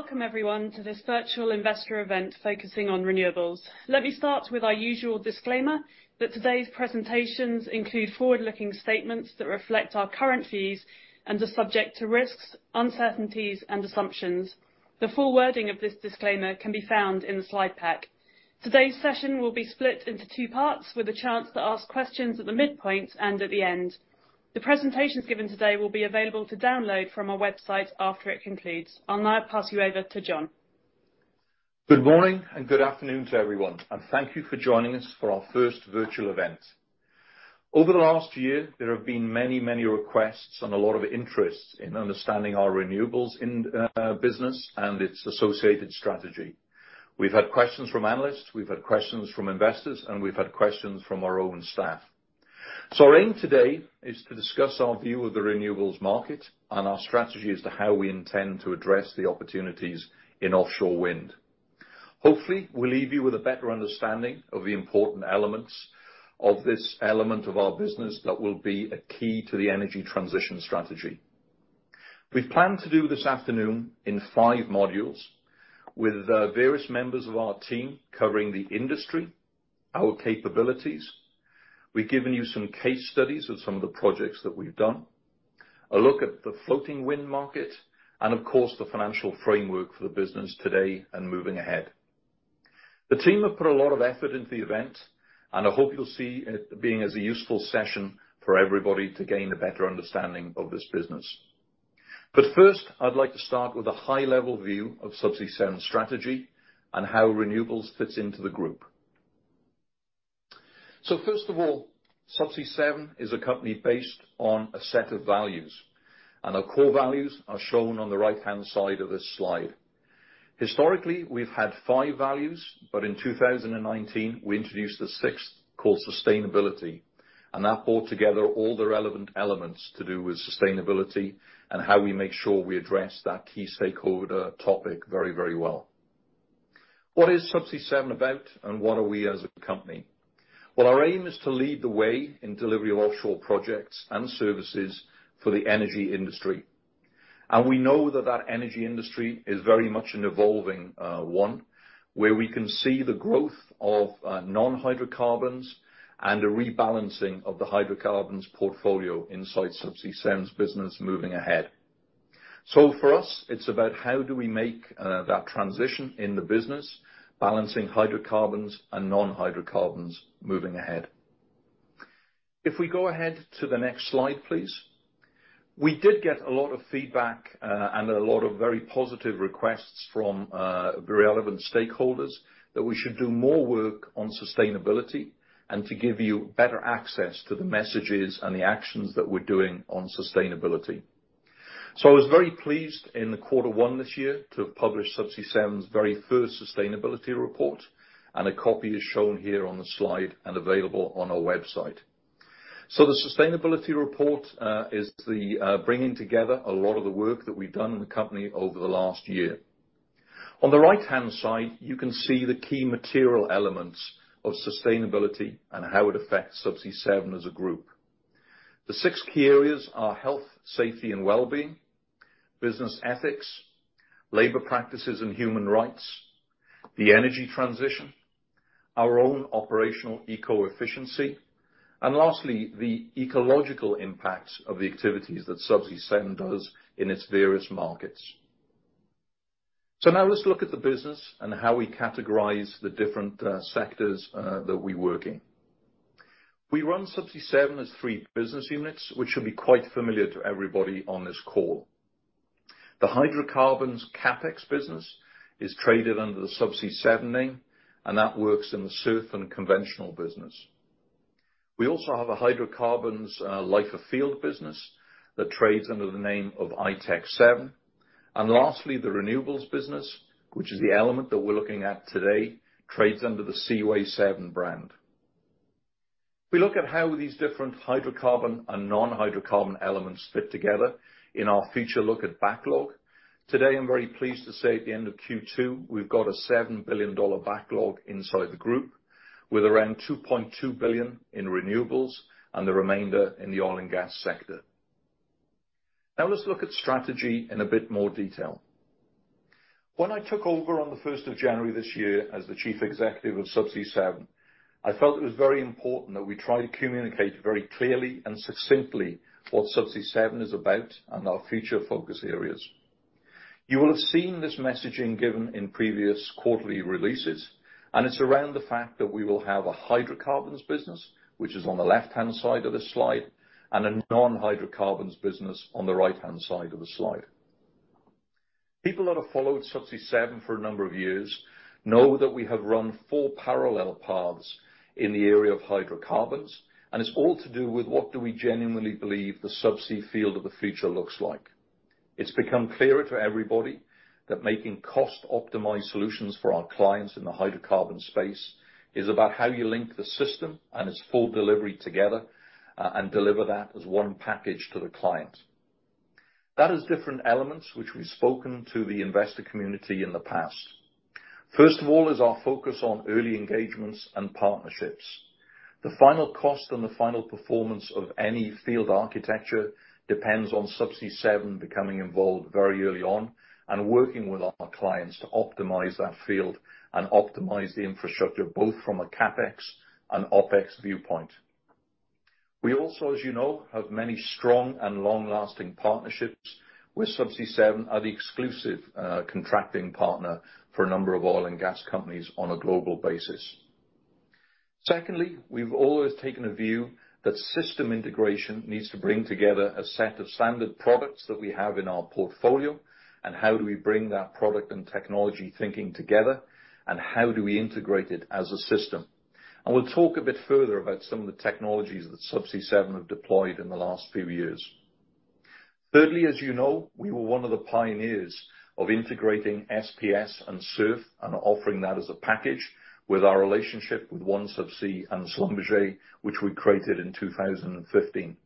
Welcome everyone, to this virtual investor event focusing on renewables. Let me start with our usual disclaimer, that today's presentations include forward-looking statements that reflect our current views and are subject to risks, uncertainties and assumptions. The full wording of this disclaimer can be found in the slide pack. Today's session will be split into two parts, with a chance to ask questions at the midpoint and at the end. The presentations given today will be available to download from our website after it concludes. I'll now pass you over to John. Good morning, and good afternoon to everyone, and thank you for joining us for our first virtual event. Over the last year, there have been many, many requests and a lot of interest in understanding our renewables in business and its associated strategy. We've had questions from analysts, we've had questions from investors, and we've had questions from our own staff. So our aim today is to discuss our view of the renewables market and our strategy as to how we intend to address the opportunities in offshore wind. Hopefully, we'll leave you with a better understanding of the important elements of this element of our business that will be a key to the energy transition strategy. We've planned to do this afternoon in five modules, with various members of our team covering the industry, our capabilities. We've given you some case studies of some of the projects that we've done, a look at the floating wind market, and of course, the financial framework for the business today and moving ahead. The team have put a lot of effort into the event, and I hope you'll see it as a useful session for everybody to gain a better understanding of this business. But first, I'd like to start with a high-level view of Subsea 7's strategy and how renewables fits into the group. So first of all, Subsea 7 is a company based on a set of values, and our core values are shown on the right-hand side of this slide. Historically, we've had five values, but in 2019, we introduced a sixth called sustainability, and that brought together all the relevant elements to do with sustainability and how we make sure we address that key stakeholder topic very, very well. What is Subsea 7 about, and what are we as a company? Well, our aim is to lead the way in delivery of offshore projects and services for the energy industry. And we know that that energy industry is very much an evolving one, where we can see the growth of non-hydrocarbons and a rebalancing of the hydrocarbons portfolio inside Subsea 7's business moving ahead. So for us, it's about how do we make that transition in the business, balancing hydrocarbons and non-hydrocarbons moving ahead. If we go ahead to the next slide, please. We did get a lot of feedback, and a lot of very positive requests from, very relevant stakeholders, that we should do more work on sustainability and to give you better access to the messages and the actions that we're doing on sustainability. I was very pleased in the Quarter One this year to have published Subsea 7's very first sustainability report, and a copy is shown here on the slide and available on our website. The sustainability report is the bringing together a lot of the work that we've done in the company over the last year. On the right-hand side, you can see the key material elements of sustainability and how it affects Subsea 7 as a group. The six key areas are health, safety, and wellbeing, business ethics, labor practices and human rights, the energy transition, our own operational eco-efficiency, and lastly, the ecological impact of the activities that Subsea 7 does in its various markets. So now let's look at the business and how we categorize the different sectors that we work in. We run Subsea 7 as three business units, which should be quite familiar to everybody on this call. The hydrocarbons CapEx business is traded under the Subsea 7 name, and that works in the SURF and conventional business. We also have a hydrocarbons life of field business that trades under the name of i-Tech 7. And lastly, the renewables business, which is the element that we're looking at today, trades under the Seaway 7 brand. We look at how these different hydrocarbon and non-hydrocarbon elements fit together in our feature look at backlog. Today, I'm very pleased to say, at the end of Q2, we've got a $7 billion backlog inside the group, with around $2.2 billion in renewables and the remainder in the oil and gas sector. Now, let's look at strategy in a bit more detail. When I took over on the first of January this year as the Chief Executive of Subsea 7, I felt it was very important that we try to communicate very clearly and succinctly what Subsea 7 is about and our future focus areas. You will have seen this messaging given in previous quarterly releases, and it's around the fact that we will have a hydrocarbons business, which is on the left-hand side of this slide, and a non-hydrocarbons business on the right-hand side of the slide. People that have followed Subsea 7 for a number of years know that we have run four parallel paths in the area of hydrocarbons, and it's all to do with what do we genuinely believe the subsea field of the future looks like. It's become clearer to everybody that making cost-optimized solutions for our clients in the hydrocarbon space is about how you link the system and its full delivery together, and deliver that as one package to the client. That is different elements which we've spoken to the investor community in the past. First of all, is our focus on early engagements and partnerships. The final cost and the final performance of any field architecture depends on Subsea 7 becoming involved very early on, and working with our clients to optimize that field and optimize the infrastructure, both from a CapEx and OpEx viewpoint. We also, as you know, have many strong and long-lasting partnerships. Subsea 7 is the exclusive contracting partner for a number of oil and gas companies on a global basis. Secondly, we've always taken a view that system integration needs to bring together a set of standard products that we have in our portfolio, and how do we bring that product and technology thinking together, and how do we integrate it as a system? And we'll talk a bit further about some of the technologies that Subsea 7 have deployed in the last few years. Thirdly, as you know, we were one of the pioneers of integrating SPS and SURF, and offering that as a package with our relationship with OneSubsea and Schlumberger, which we created in 2015.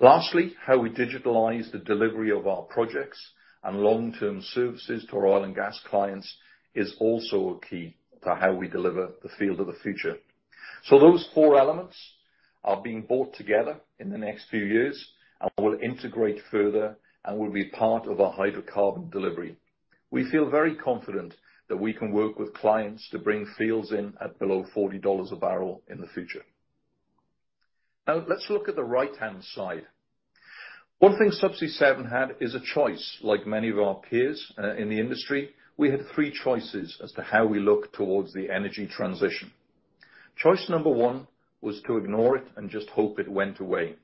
Lastly, how we digitalize the delivery of our projects and long-term services to our oil and gas clients is also a key to how we deliver the field of the future. So those four elements are being brought together in the next few years, and will integrate further, and will be part of our hydrocarbon delivery. We feel very confident that we can work with clients to bring fields in at below $40 a barrel in the future. Now, let's look at the right-hand side. One thing Subsea 7 had is a choice, like many of our peers, in the industry, we had three choices as to how we look towards the energy transition. Choice number one was to ignore it and just hope it went away.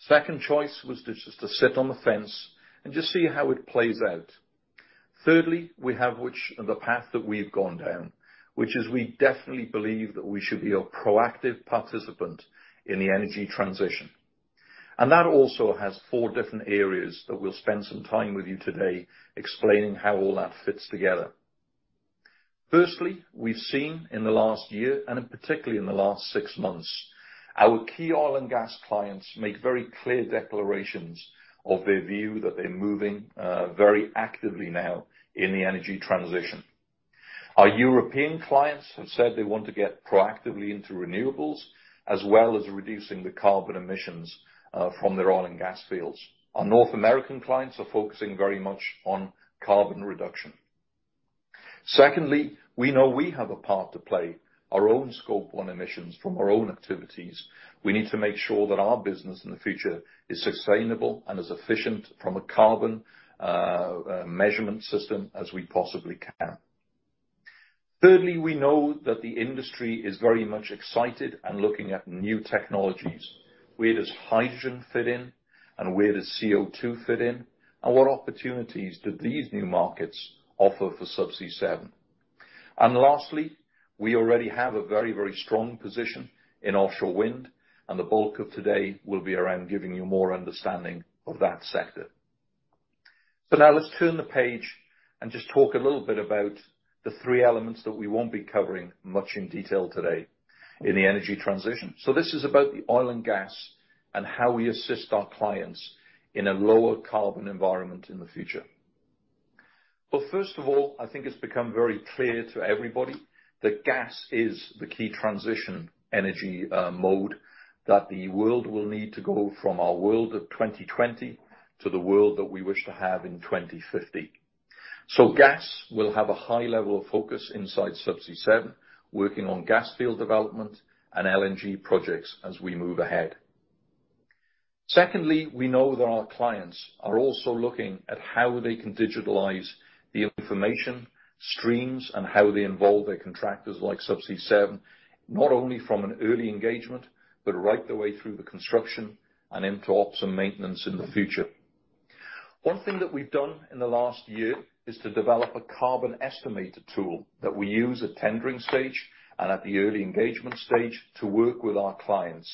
Second choice was just to sit on the fence and just see how it plays out. Thirdly, we have the path that we've gone down, which is we definitely believe that we should be a proactive participant in the energy transition. And that also has four different areas that we'll spend some time with you today explaining how all that fits together. Firstly, we've seen in the last year, and particularly in the last six months, our key oil and gas clients make very clear declarations of their view that they're moving very actively now in the energy transition. Our European clients have said they want to get proactively into renewables, as well as reducing the carbon emissions from their oil and gas fields. Our North American clients are focusing very much on carbon reduction. Secondly, we know we have a part to play, our own Scope 1 emissions from our own activities. We need to make sure that our business in the future is sustainable and as efficient from a carbon, measurement system as we possibly can. Thirdly, we know that the industry is very much excited and looking at new technologies. Where does hydrogen fit in? And where does CO₂ fit in? And what opportunities do these new markets offer for Subsea 7? And lastly, we already have a very, very strong position in offshore wind, and the bulk of today will be around giving you more understanding of that sector. So now let's turn the page and just talk a little bit about the three elements that we won't be covering much in detail today in the energy transition. So this is about the oil and gas, and how we assist our clients in a lower carbon environment in the future. Well, first of all, I think it's become very clear to everybody that gas is the key transition energy, mode, that the world will need to go from our world of 2020 to the world that we wish to have in 2050. So gas will have a high level of focus inside Subsea 7, working on gas field development and LNG projects as we move ahead. Secondly, we know that our clients are also looking at how they can digitalize the information streams and how they involve their contractors like Subsea 7, not only from an early engagement, but right the way through the construction and into ops and maintenance in the future. One thing that we've done in the last year is to develop a Carbon Estimator tool that we use at tendering stage and at the early engagement stage to work with our clients,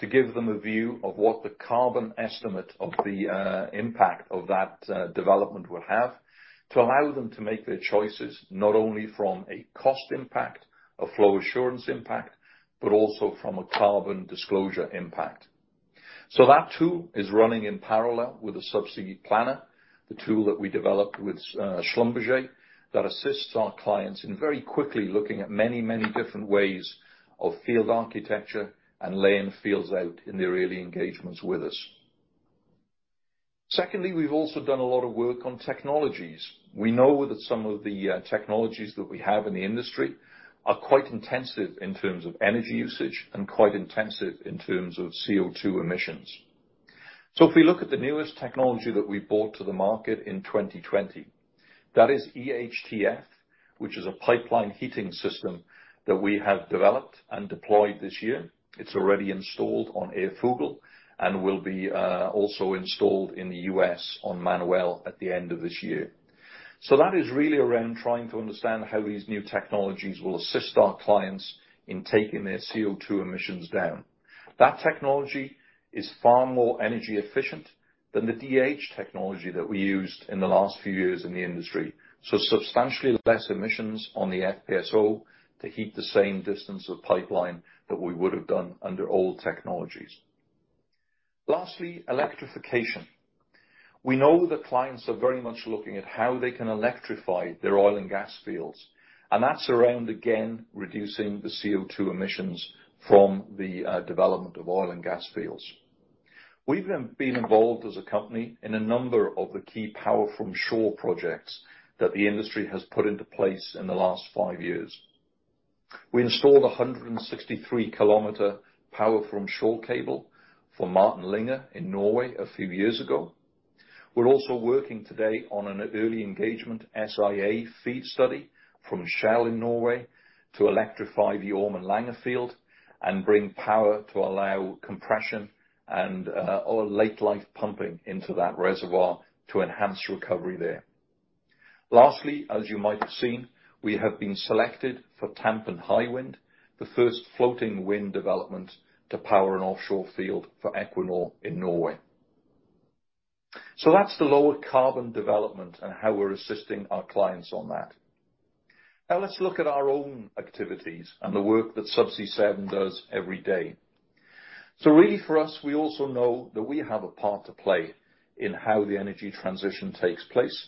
to give them a view of what the carbon estimate of the impact of that development will have, to allow them to make their choices, not only from a cost impact, a flow assurance impact, but also from a carbon disclosure impact. So that tool is running in parallel with the Subsea Planner, the tool that we developed with Schlumberger, that assists our clients in very quickly looking at many, many different ways of field architecture and laying fields out in their early engagements with us. Secondly, we've also done a lot of work on technologies. We know that some of the technologies that we have in the industry are quite intensive in terms of energy usage and quite intensive in terms of CO₂ emissions. So if we look at the newest technology that we brought to the market in 2020, that is EHTF, which is a pipeline heating system that we have developed and deployed this year. It's already installed on Ærfugl and will be also installed in the US on Manuel at the end of this year. So that is really around trying to understand how these new technologies will assist our clients in taking their CO₂ emissions down. That technology is far more energy efficient than the DH technology that we used in the last few years in the industry. So substantially less emissions on the FPSO to heat the same distance of pipeline than we would have done under old technologies. Lastly, electrification. We know that clients are very much looking at how they can electrify their oil and gas fields, and that's around, again, reducing the CO2 emissions from the development of oil and gas fields. We've been involved as a company in a number of the key power from shore projects that the industry has put into place in the last five years. We installed a 163-kilometer power from shore cable for Martin Linge in Norway a few years ago. We're also working today on an early engagement SIA feed study from Shell in Norway to electrify the Ormen Lange field and bring power to allow compression and oil late life pumping into that reservoir to enhance recovery there. Lastly, as you might have seen, we have been selected for Hywind Tampen, the first floating wind development to power an offshore field for Equinor in Norway. So that's the lower carbon development and how we're assisting our clients on that. Now let's look at our own activities and the work that Subsea 7 does every day. So really, for us, we also know that we have a part to play in how the energy transition takes place,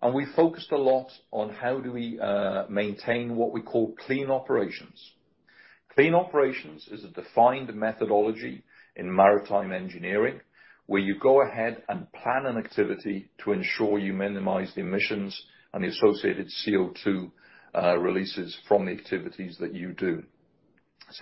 and we focused a lot on how do we maintain what we call Clean Operations. Clean Operations is a defined methodology in maritime engineering, where you go ahead and plan an activity to ensure you minimize the emissions and the associated CO2 releases from the activities that you do.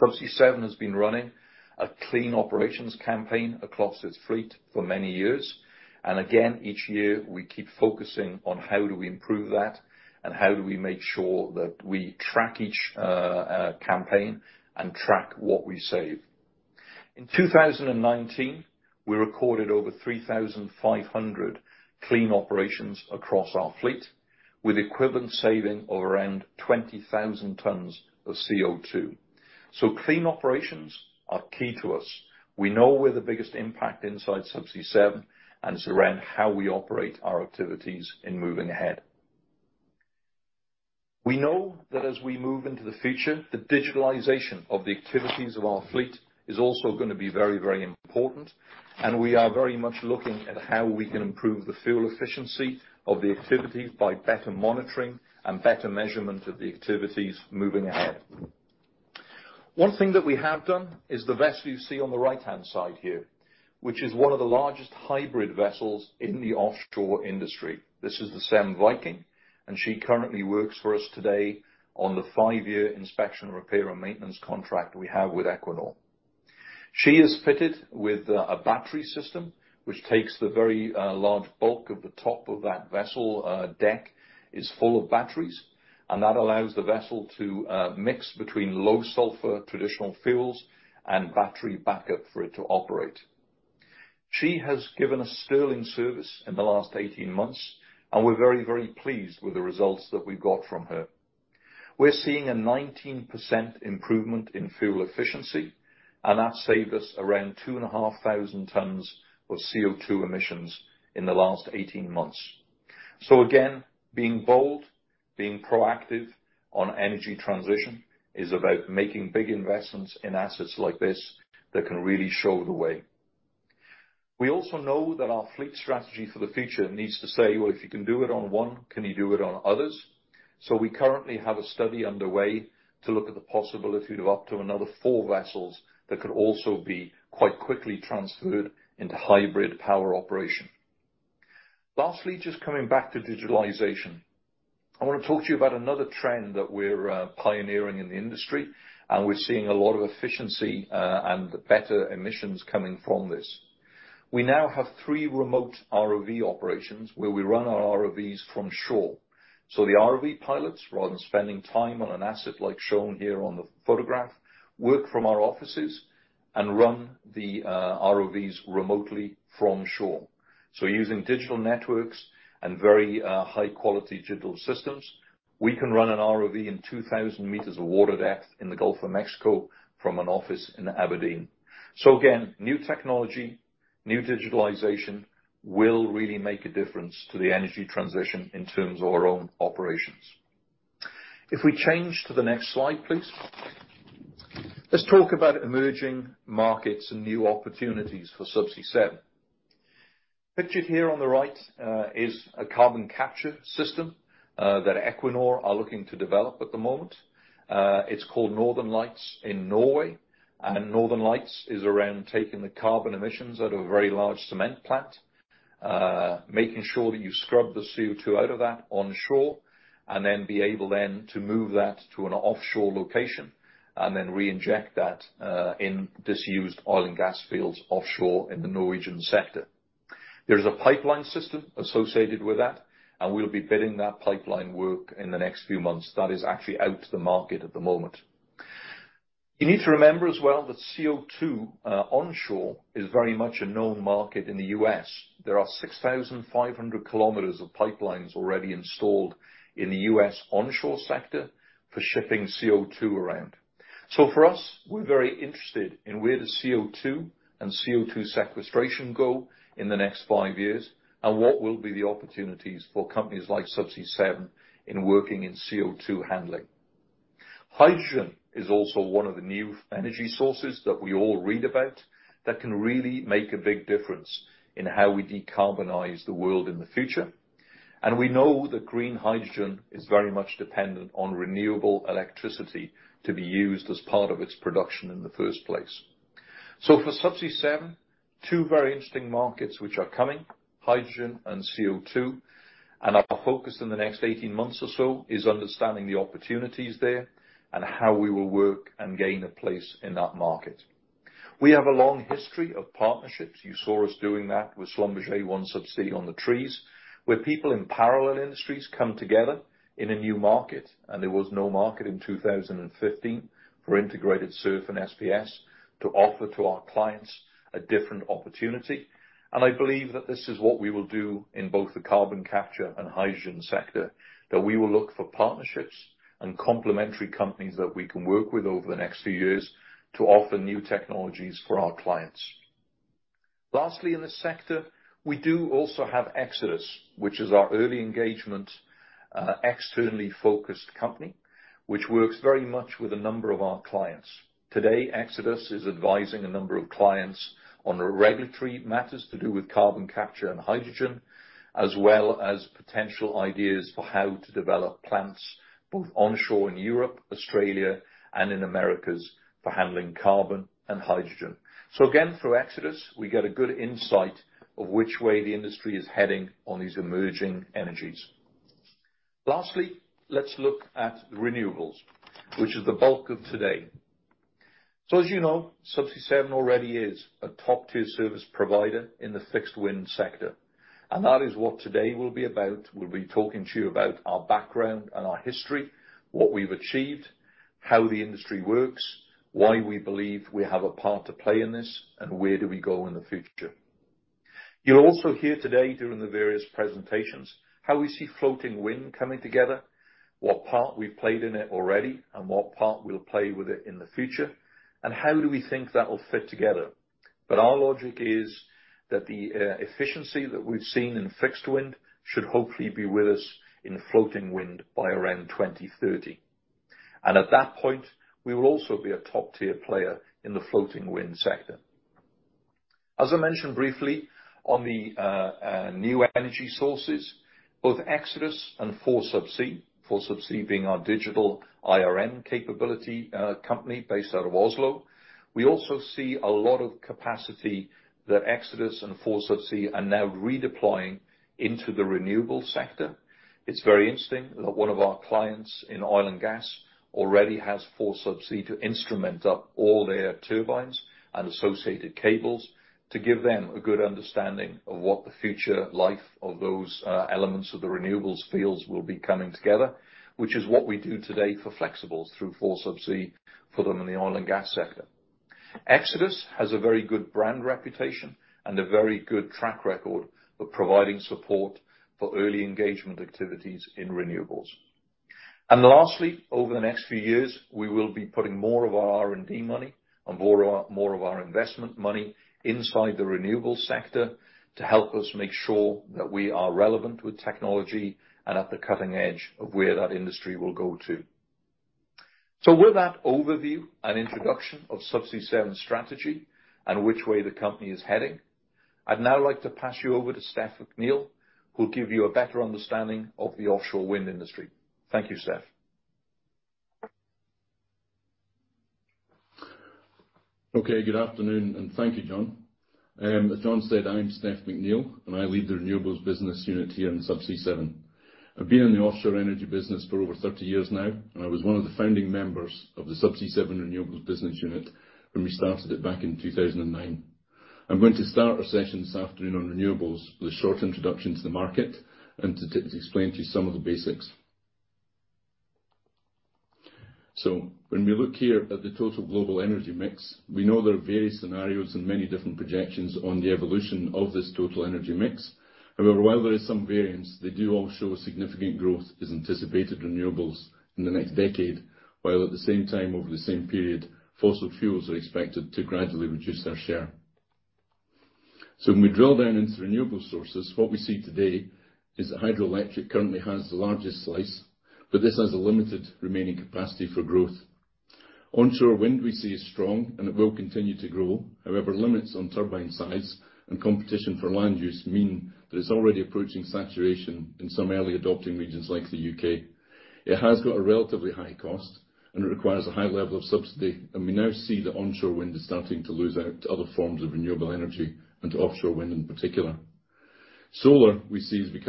Subsea 7 has been running a clean operations campaign across its fleet for many years, and again, each year, we keep focusing on how do we improve that and how do we make sure that we track each campaign and track what we save. In 2019, we recorded over 3,500 clean operations across our fleet, with equivalent saving of around 20,000 tons of CO2. So clean operations are key to us. We know we're the biggest impact inside Subsea 7, and it's around how we operate our activities in moving ahead. We know that as we move into the future, the digitalization of the activities of our fleet is also gonna be very, very important, and we are very much looking at how we can improve the fuel efficiency of the activities by better monitoring and better measurement of the activities moving ahead. One thing that we have done is the vessel you see on the right-hand side here, which is one of the largest hybrid vessels in the offshore industry. This is the Seven Viking, and she currently works for us today on the five-year inspection, repair, and maintenance contract we have with Equinor. She is fitted with a battery system, which takes the very large bulk of the top of that vessel. Deck is full of batteries, and that allows the vessel to mix between low sulfur traditional fuels and battery backup for it to operate. She has given a sterling service in the last 18 months, and we're very, very pleased with the results that we got from her. We're seeing a 19% improvement in fuel efficiency, and that saved us around 2,500 tons of CO2 emissions in the last 18 months. Again, being bold, being proactive on energy transition is about making big investments in assets like this that can really show the way. We also know that our fleet strategy for the future needs to say, "Well, if you can do it on one, can you do it on others?" So we currently have a study underway to look at the possibility of up to another four vessels that could also be quite quickly transferred into hybrid power operation. Lastly, just coming back to digitalization. I want to talk to you about another trend that we're pioneering in the industry, and we're seeing a lot of efficiency and better emissions coming from this. We now have three remote ROV operations where we run our ROVs from shore. So the ROV pilots, rather than spending time on an asset like shown here on the photograph, work from our offices and run the ROVs remotely from shore. So using digital networks and very high-quality digital systems, we can run an ROV in 2,000 meters of water depth in the Gulf of Mexico from an office in Aberdeen. So again, new technology, new digitalization will really make a difference to the energy transition in terms of our own operations. If we change to the next slide, please. Let's talk about emerging markets and new opportunities for Subsea 7. Pictured here on the right is a carbon capture system that Equinor are looking to develop at the moment. It's called Northern Lights in Norway, and Northern Lights is around taking the carbon emissions out of a very large cement plant, making sure that you scrub the CO2 out of that onshore, and then be able then to move that to an offshore location and then reinject that, in disused oil and gas fields offshore in the Norwegian sector. There is a pipeline system associated with that, and we'll be bidding that pipeline work in the next few months. That is actually out to the market at the moment. You need to remember as well, that CO2, onshore is very much a known market in the U.S. There are 6,500 km of pipelines already installed in the U.S. onshore sector for shipping CO2 around. So for us, we're very interested in where the CO2 and CO2 sequestration go in the next five years, and what will be the opportunities for companies like Subsea 7 in working in CO2 handling? Hydrogen is also one of the new energy sources that we all read about that can really make a big difference in how we decarbonize the world in the future. We know that green hydrogen is very much dependent on renewable electricity to be used as part of its production in the first place. For Subsea 7, two very interesting markets which are coming, hydrogen and CO2, and our focus in the next 18 months or so is understanding the opportunities there, and how we will work and gain a place in that market. We have a long history of partnerships. You saw us doing that with Schlumberger, One Subsea on the trees, where people in parallel industries come together in a new market, and there was no market in 2015 for integrated SURF and SPS to offer to our clients a different opportunity, and I believe that this is what we will do in both the carbon capture and hydrogen sector, that we will look for partnerships and complementary companies that we can work with over the next few years to offer new technologies for our clients. Lastly, in this sector, we do also have Xodus, which is our early engagement, externally focused company, which works very much with a number of our clients. Today, Xodus is advising a number of clients on regulatory matters to do with carbon capture and hydrogen, as well as potential ideas for how to develop plants, both onshore in Europe, Australia, and in Americas, for handling carbon and hydrogen. So again, through Xodus, we get a good insight of which way the industry is heading on these emerging energies. Lastly, let's look at renewables, which is the bulk of today. So as you know, Subsea 7 already is a top-tier service provider in the fixed wind sector, and that is what today will be about. We'll be talking to you about our background and our history, what we've achieved, how the industry works, why we believe we have a part to play in this, and where do we go in the future. You'll also hear today, during the various presentations, how we see floating wind coming together, what part we've played in it already, and what part we'll play with it in the future, and how we think that will fit together, but our logic is that the efficiency that we've seen in fixed wind should hopefully be with us in floating wind by around 2030, and at that point, we will also be a top-tier player in the floating wind sector. As I mentioned briefly, on the new energy sources, both Xodus and 4Subsea, 4Subsea being our digital IRM capability, company based out of Oslo. We also see a lot of capacity that Xodus and 4Subsea are now redeploying into the renewable sector. It's very interesting that one of our clients in oil and gas already has 4Subsea to instrument up all their turbines and associated cables to give them a good understanding of what the future life of those, elements of the renewables fields will be coming together, which is what we do today for flexibles through 4Subsea for them in the oil and gas sector. Xodus has a very good brand reputation and a very good track record of providing support for early engagement activities in renewables. And lastly, over the next few years, we will be putting more of our R&D money and more of, more of our investment money inside the renewable sector to help us make sure that we are relevant with technology and at the cutting edge of where that industry will go to. With that overview and introduction of Subsea 7's strategy and which way the company is heading, I'd now like to pass you over to Steph McNeill, who'll give you a better understanding of the offshore wind industry. Thank you, Steph. Okay, good afternoon, and thank you, John. As John said, I'm Steph McNeill, and I lead the renewables business unit here in Subsea 7. I've been in the offshore energy business for over thirty years now, and I was one of the founding members of the Subsea 7 renewables business unit when we started it back in 2009. I'm going to start our session this afternoon on renewables with a short introduction to the market and to explain to you some of the basics. When we look here at the total global energy mix, we know there are various scenarios and many different projections on the evolution of this total energy mix. However, while there is some variance, they do all show that a significant growth is anticipated in renewables in the next decade, while at the same time, over the same period, fossil fuels are expected to gradually reduce their share. So when we drill down into renewable sources, what we see today is that hydroelectric currently has the largest slice, but this has a limited remaining capacity for growth. Onshore wind, we see, is strong, and it will continue to grow. However, limits on turbine size and competition for land use mean that it's already approaching saturation in some early adopting regions like the UK. It has got a relatively high cost, and it requires a high level of subsidy, and we now see that onshore wind is starting to lose out to other forms of renewable energy and offshore wind in particular. Solar, we see, is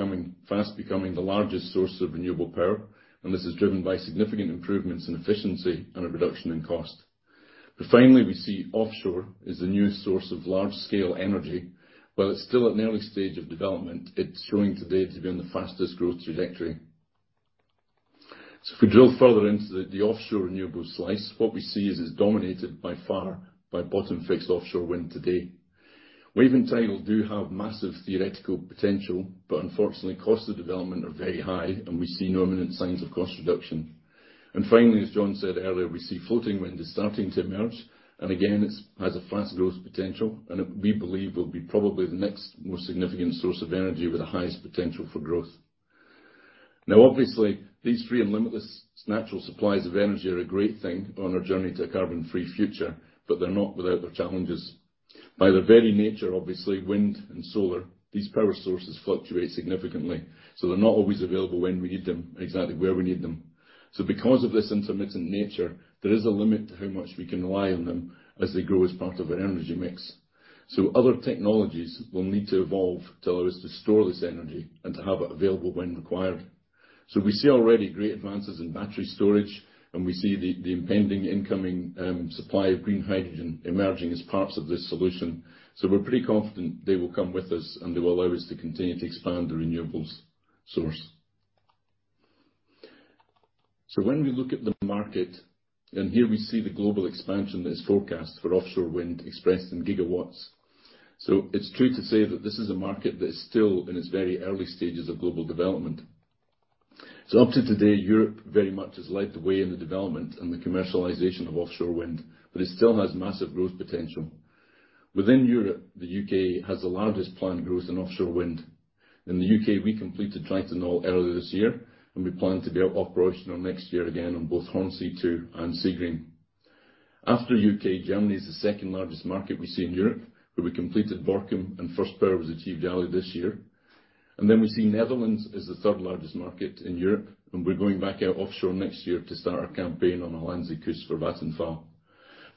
fast becoming the largest source of renewable power, and this is driven by significant improvements in efficiency and a reduction in cost. But finally, we see offshore as the new source of large-scale energy. While it's still at an early stage of development, it's showing today to be on the fastest growth trajectory. So if we drill further into the offshore renewables slice, what we see is it's dominated by far by bottom-fixed offshore wind today. Wave and tidal do have massive theoretical potential, but unfortunately, costs of development are very high, and we see no imminent signs of cost reduction. And finally, as John said earlier, we see floating wind is starting to emerge, and again, it has a fast growth potential, and it, we believe, will be probably the next most significant source of energy with the highest potential for growth. Now, obviously, these free and limitless natural supplies of energy are a great thing on our journey to a carbon-free future, but they're not without their challenges. By their very nature, obviously, wind and solar, these power sources fluctuate significantly, so they're not always available when we need them, exactly where we need them. So because of this intermittent nature, there is a limit to how much we can rely on them as they grow as part of our energy mix. So other technologies will need to evolve to allow us to store this energy and to have it available when required. So we see already great advances in battery storage, and we see the impending incoming supply of green hydrogen emerging as parts of this solution. So we're pretty confident they will come with us, and they will allow us to continue to expand the renewables source. So when we look at the market, and here we see the global expansion that is forecast for offshore wind expressed in gigawatts. So it's true to say that this is a market that is still in its very early stages of global development. So up to today, Europe very much has led the way in the development and the commercialization of offshore wind, but it still has massive growth potential. Within Europe, the U.K. has the largest planned growth in offshore wind. In the U.K., we completed Triton Knoll earlier this year, and we plan to be operational next year again on both Hornsea 2 and Seagreen. After U.K., Germany is the second-largest market we see in Europe, where we completed Borkum, and first power was achieved early this year. And then we see the Netherlands as the third largest market in Europe, and we're going back out offshore next year to start our campaign on the Hollandse Kust for Vattenfall.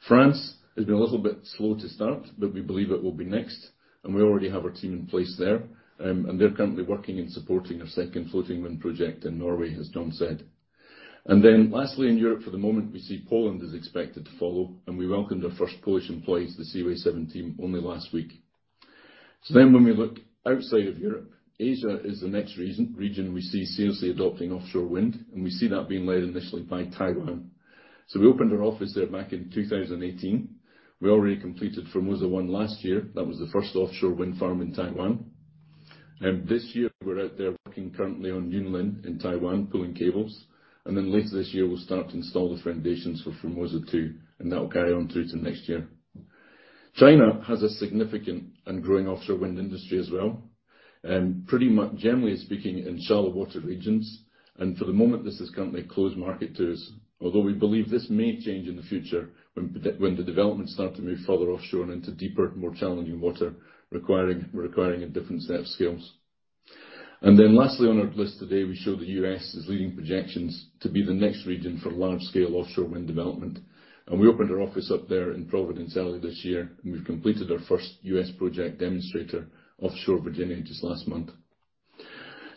France has been a little bit slow to start, but we believe it will be next, and we already have our team in place there, and they're currently working in supporting our second floating wind project in Norway, as John said. And then lastly, in Europe, for the moment, we see Poland is expected to follow, and we welcomed our first Polish employees, the Seaway 7 team, only last week. So then when we look outside of Europe, Asia is the next region we see seriously adopting offshore wind, and we see that being led initially by Taiwan. So we opened our office there back in 2018. We already completed Formosa 1 last year. That was the first offshore wind farm in Taiwan. This year, we're out there working currently on Yunlin in Taiwan, pulling cables, and then later this year, we'll start to install the foundations for Formosa 2, and that will carry on through to next year. China has a significant and growing offshore wind industry as well, pretty much generally speaking, in shallow water regions, and for the moment, this is currently a closed market to us, although we believe this may change in the future when the developments start to move further offshore and into deeper, more challenging water, requiring a different set of skills. And then lastly, on our list today, we show the U.S. is leading projections to be the next region for large-scale offshore wind development. We opened our office up there in Providence early this year, and we've completed our first U.S. project demonstrator, offshore Virginia, just last month.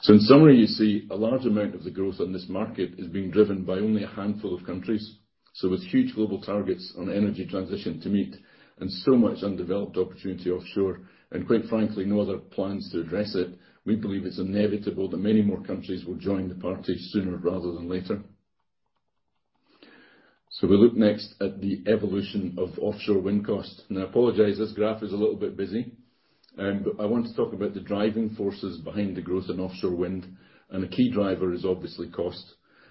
In summary, you see a large amount of the growth on this market is being driven by only a handful of countries. With huge global targets on energy transition to meet and so much undeveloped opportunity offshore, and quite frankly, no other plans to address it, we believe it's inevitable that many more countries will join the party sooner rather than later. We look next at the evolution of offshore wind costs. I apologize, this graph is a little bit busy, but I want to talk about the driving forces behind the growth in offshore wind, and a key driver is obviously cost.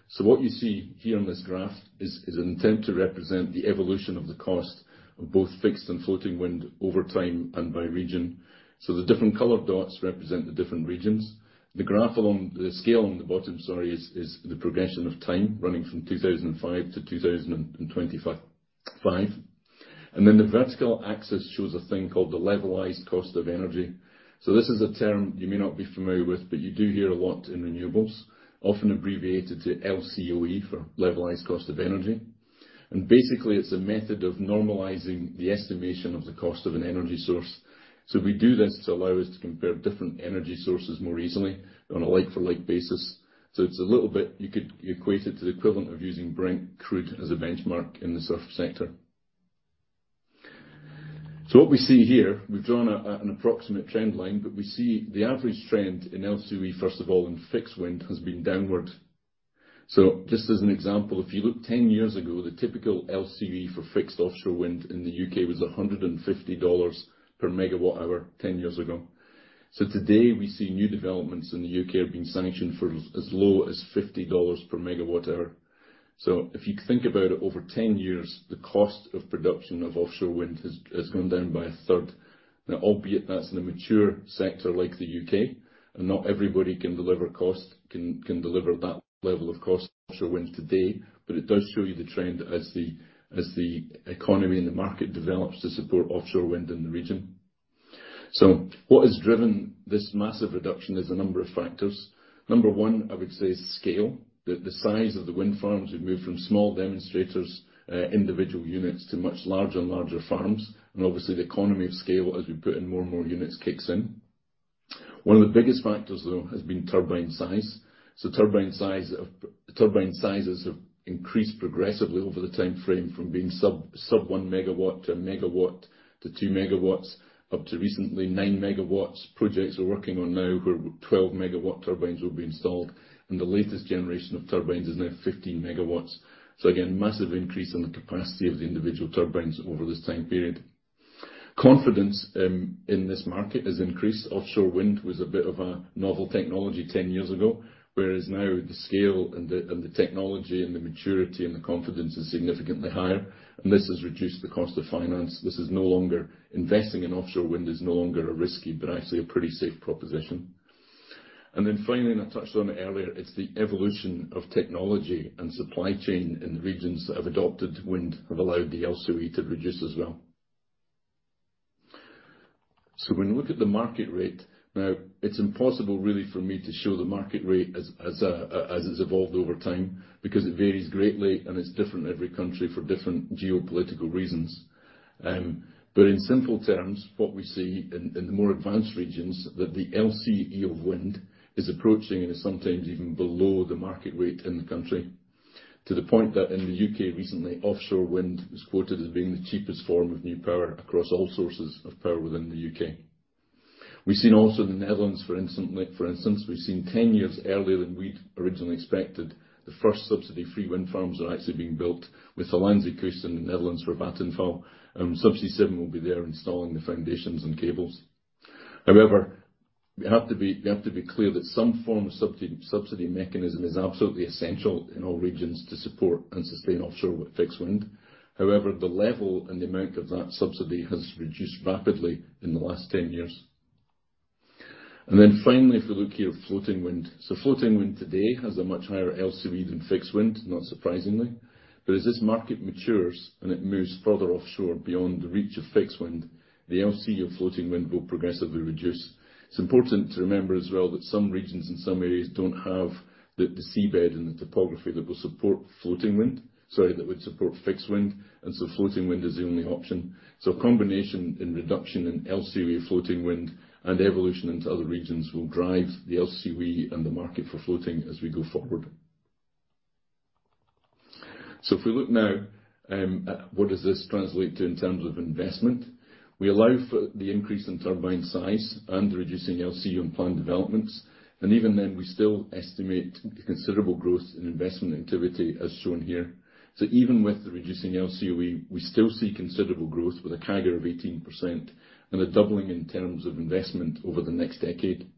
So what you see here on this graph is an attempt to represent the evolution of the cost of both fixed and floating wind over time and by region. The different color dots represent the different regions. The graph along, the scale on the bottom, sorry, is the progression of time, running from two thousand and five to two thousand and twenty-five. And then the vertical axis shows a thing called the levelized cost of energy. So this is a term you may not be familiar with, but you do hear a lot in renewables, often abbreviated to LCOE for levelized cost of energy. And basically, it is a method of normalizing the estimation of the cost of an energy source. So we do this to allow us to compare different energy sources more easily on a like-for-like basis. It's a little bit. You could equate it to the equivalent of using Brent Crude as a benchmark in the surf sector. What we see here, we've drawn an approximate trend line, but we see the average trend in LCOE, first of all, in fixed wind, has been downward. Just as an example, if you look 10 years ago, the typical LCOE for fixed offshore wind in the UK was $150 per megawatt hour, 10 years ago. Today, we see new developments in the UK have been sanctioned for as low as $50 per megawatt hour. If you think about it, over 10 years, the cost of production of offshore wind has gone down by a third. Now, albeit that's in a mature sector like the UK, and not everybody can deliver costs, can deliver that level of cost of offshore wind today, but it does show you the trend as the economy and the market develops to support offshore wind in the region. So what has driven this massive reduction is a number of factors. Number one, I would say, is scale. The size of the wind farms, we've moved from small demonstrators, individual units, to much larger and larger farms, and obviously the economy of scale, as we put in more and more units, kicks in. One of the biggest factors, though, has been turbine size. So turbine sizes have increased progressively over the timeframe from being sub one megawatt to a megawatt, to two megawatts, up to recently nine megawatts. Projects we're working on now where 12-megawatt turbines will be installed, and the latest generation of turbines is now 15 megawatts. So again, massive increase in the capacity of the individual turbines over this time period. Confidence in this market has increased. Offshore wind was a bit of a novel technology 10 years ago, whereas now the scale and the technology and the maturity and the confidence is significantly higher, and this has reduced the cost of finance. This is no longer... Investing in offshore wind is no longer a risky, but actually a pretty safe proposition.... And then finally, and I touched on it earlier, it's the evolution of technology and supply chain in the regions that have adopted wind, have allowed the LCOE to reduce as well. So when you look at the market rate, now, it's impossible really for me to show the market rate as it's evolved over time, because it varies greatly, and it's different in every country for different geopolitical reasons. But in simple terms, what we see in the more advanced regions, that the LCOE of wind is approaching and is sometimes even below the market rate in the country, to the point that in the U.K. recently, offshore wind was quoted as being the cheapest form of new power across all sources of power within the U.K. We've seen also in the Netherlands, for instance, we've seen 10 years earlier than we'd originally expected, the first subsidy-free wind farms are actually being built with the Hollandse Kust in the Netherlands for Vattenfall, and Subsea 7 will be there installing the foundations and cables. However, we have to be clear that some form of subsidy mechanism is absolutely essential in all regions to support and sustain offshore wind, fixed wind. However, the level and the amount of that subsidy has reduced rapidly in the last 10 years. Then finally, if we look here at floating wind. So floating wind today has a much higher LCOE than fixed wind, not surprisingly. But as this market matures and it moves further offshore beyond the reach of fixed wind, the LCOE of floating wind will progressively reduce. It's important to remember as well, that some regions and some areas don't have the seabed and the topography that will support floating wind, sorry, that would support fixed wind, and so floating wind is the only option. A combination in reduction in LCOE floating wind and evolution into other regions will drive the LCOE and the market for floating as we go forward. So if we look now at what does this translate to in terms of investment, we allow for the increase in turbine size and reducing LCOE on planned developments, and even then, we still estimate a considerable growth in investment activity, as shown here. So even with the reducing LCOE, we still see considerable growth with a CAGR of 18% and a doubling in terms of investment over the next decade.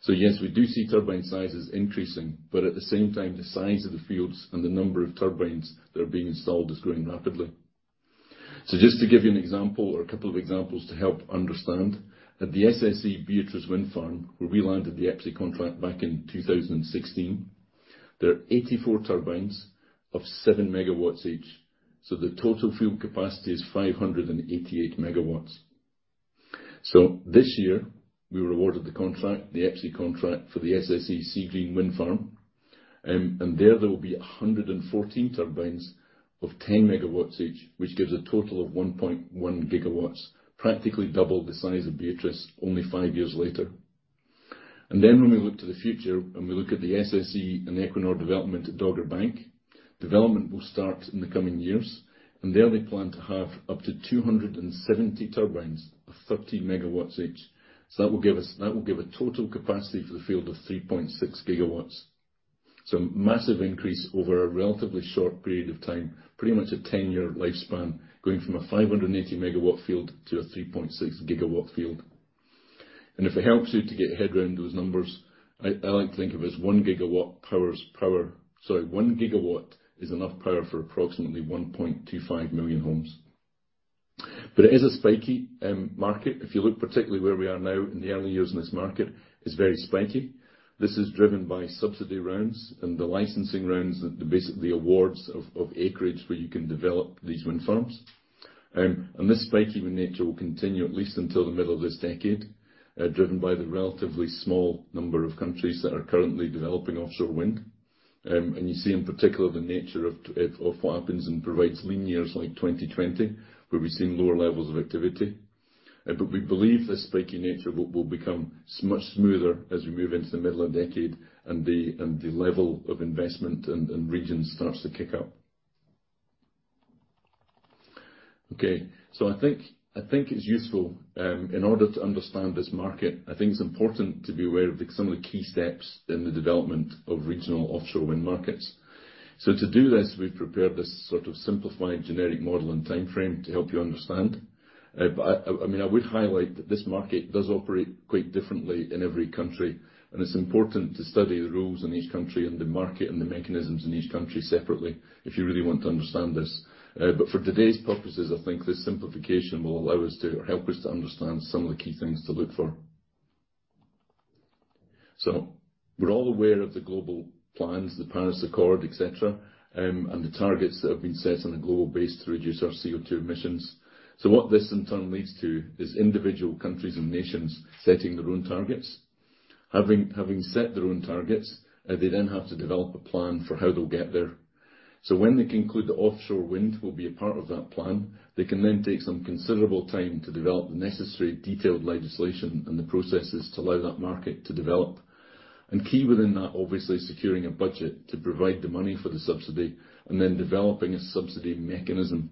So yes, we do see turbine sizes increasing, but at the same time, the size of the fields and the number of turbines that are being installed is growing rapidly. So just to give you an example or a couple of examples to help understand, at the SSE Beatrice Wind Farm, where we landed the EPC contract back in 2016, there are 84 turbines of 7 megawatts each, so the total field capacity is 588 megawatts. So this year, we were awarded the contract, the EPC contract, for the SSE Seagreen Wind Farm, and there, there will be 114 turbines of 10 megawatts each, which gives a total of 1.1 gigawatts, practically double the size of Beatrice only five years later. And then when we look to the future, and we look at the SSE and Equinor development at Dogger Bank, development will start in the coming years, and there, they plan to have up to 270 turbines of 30 megawatts each. So that will give us a total capacity for the field of 3.6 gigawatts. So a massive increase over a relatively short period of time, pretty much a 10-year lifespan, going from a 580 megawatt field to a 3.6 gigawatt field. And if it helps you to get your head around those numbers, I like to think of it as one gigawatt powers power. Sorry, one gigawatt is enough power for approximately 1.25 million homes. But it is a spiky market. If you look particularly where we are now in the early years in this market, it's very spiky. This is driven by subsidy rounds and the licensing rounds, basically, awards of acreage, where you can develop these wind farms. And this spiky wind nature will continue at least until the middle of this decade, driven by the relatively small number of countries that are currently developing offshore wind. You see, in particular, the nature of what happens and provides lean years like 2020, where we've seen lower levels of activity. But we believe this spiky nature will become much smoother as we move into the middle of this decade and the level of investment and regions starts to kick up. Okay, so I think it's useful in order to understand this market. I think it's important to be aware of some of the key steps in the development of regional offshore wind markets. So to do this, we've prepared this sort of simplified generic model and timeframe to help you understand. But I mean, I would highlight that this market does operate quite differently in every country, and it's important to study the rules in each country and the market and the mechanisms in each country separately, if you really want to understand this. But for today's purposes, I think this simplification will allow us to or help us to understand some of the key things to look for. So we're all aware of the global plans, the Paris Accord, et cetera, and the targets that have been set on a global basis to reduce our CO2 emissions. So what this in turn leads to is individual countries and nations setting their own targets. Having set their own targets, they then have to develop a plan for how they'll get there. So when they conclude the offshore wind will be a part of that plan, they can then take some considerable time to develop the necessary detailed legislation and the processes to allow that market to develop. And key within that, obviously, securing a budget to provide the money for the subsidy, and then developing a subsidy mechanism.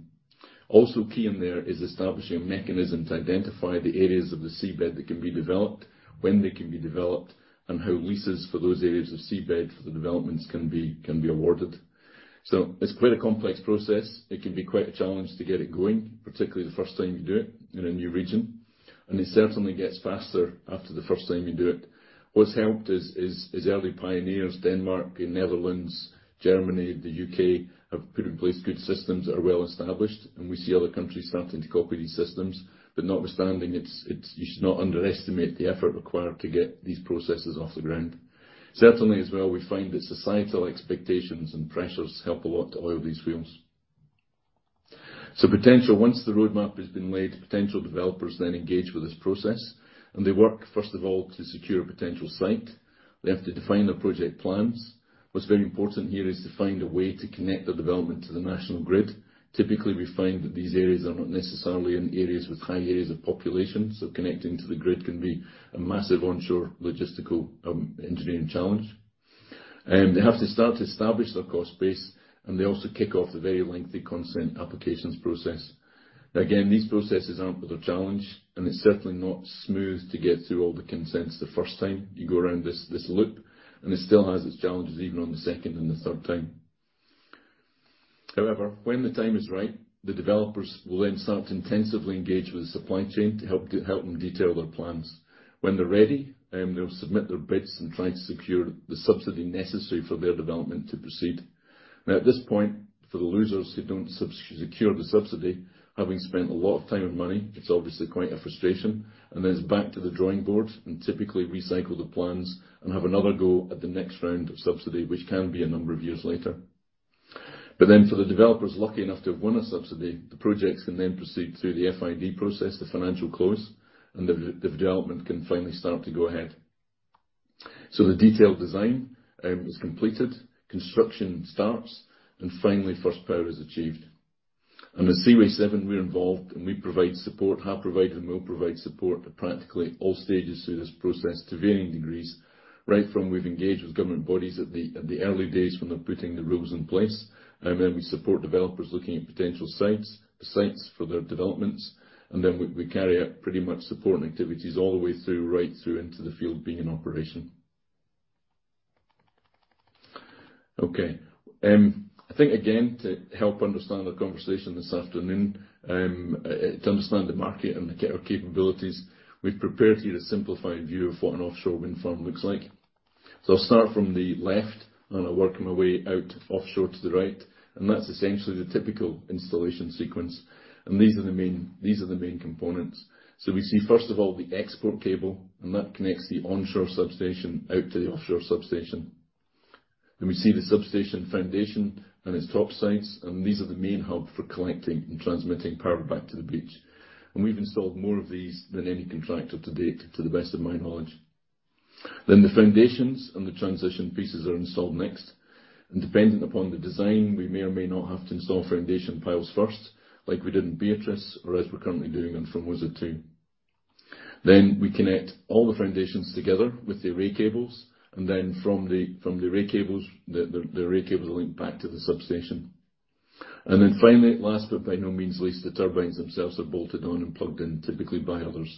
Also key in there is establishing a mechanism to identify the areas of the seabed that can be developed, when they can be developed, and how leases for those areas of seabed for the developments can be, can be awarded. So it's quite a complex process. It can be quite a challenge to get it going, particularly the first time you do it in a new region, and it certainly gets faster after the first time you do it. What's helped is early pioneers, Denmark, the Netherlands, Germany, the UK, have put in place good systems that are well established, and we see other countries starting to copy these systems. But notwithstanding, it's you should not underestimate the effort required to get these processes off the ground. Certainly, as well, we find that societal expectations and pressures help a lot to oil these wheels. So potential, once the roadmap has been laid, potential developers then engage with this process, and they work, first of all, to secure a potential site. They have to define their project plans. What's very important here is to find a way to connect the development to the national grid. Typically, we find that these areas are not necessarily in areas with high areas of population, so connecting to the grid can be a massive onshore logistical, engineering challenge. They have to start to establish their cost base, and they also kick off a very lengthy consent applications process. Again, these processes aren't without challenge, and it's certainly not smooth to get through all the consents the first time you go around this loop, and it still has its challenges even on the second and the third time. However, when the time is right, the developers will then start to intensively engage with the supply chain to help them detail their plans. When they're ready, they'll submit their bids and try to secure the subsidy necessary for their development to proceed. Now, at this point, for the losers who don't secure the subsidy, having spent a lot of time and money, it's obviously quite a frustration, and then it's back to the drawing board, and typically recycle the plans and have another go at the next round of subsidy, which can be a number of years later. But then, for the developers lucky enough to have won a subsidy, the projects can then proceed through the FID process, the financial close, and the development can finally start to go ahead. So the detailed design is completed, construction starts, and finally, first power is achieved. And at Seaway 7, we're involved, and we provide support, have provided, and will provide support at practically all stages through this process to varying degrees, right from we've engaged with government bodies at the early days when they're putting the rules in place. And then we support developers looking at potential sites, the sites for their developments, and then we carry out pretty much support and activities all the way through, right through into the field, being in operation. Okay. I think, again, to help understand the conversation this afternoon, to understand the market and get our capabilities, we've prepared here a simplified view of what an offshore wind farm looks like. I'll start from the left, and I'll work my way out offshore to the right, and that's essentially the typical installation sequence, and these are the main, these are the main components. We see, first of all, the export cable, and that connects the onshore substation out to the offshore substation. We see the substation foundation and its topsides, and these are the main hub for collecting and transmitting power back to the beach. We've installed more of these than any contractor to date, to the best of my knowledge. Then the foundations and the transition pieces are installed next, and depending upon the design, we may or may not have to install foundation piles first, like we did in Beatrice, or as we're currently doing on Hornsea Two. Then we connect all the foundations together with the array cables, and then from the array cables, the array cables link back to the substation. And then finally, last but by no means least, the turbines themselves are bolted on and plugged in, typically by others.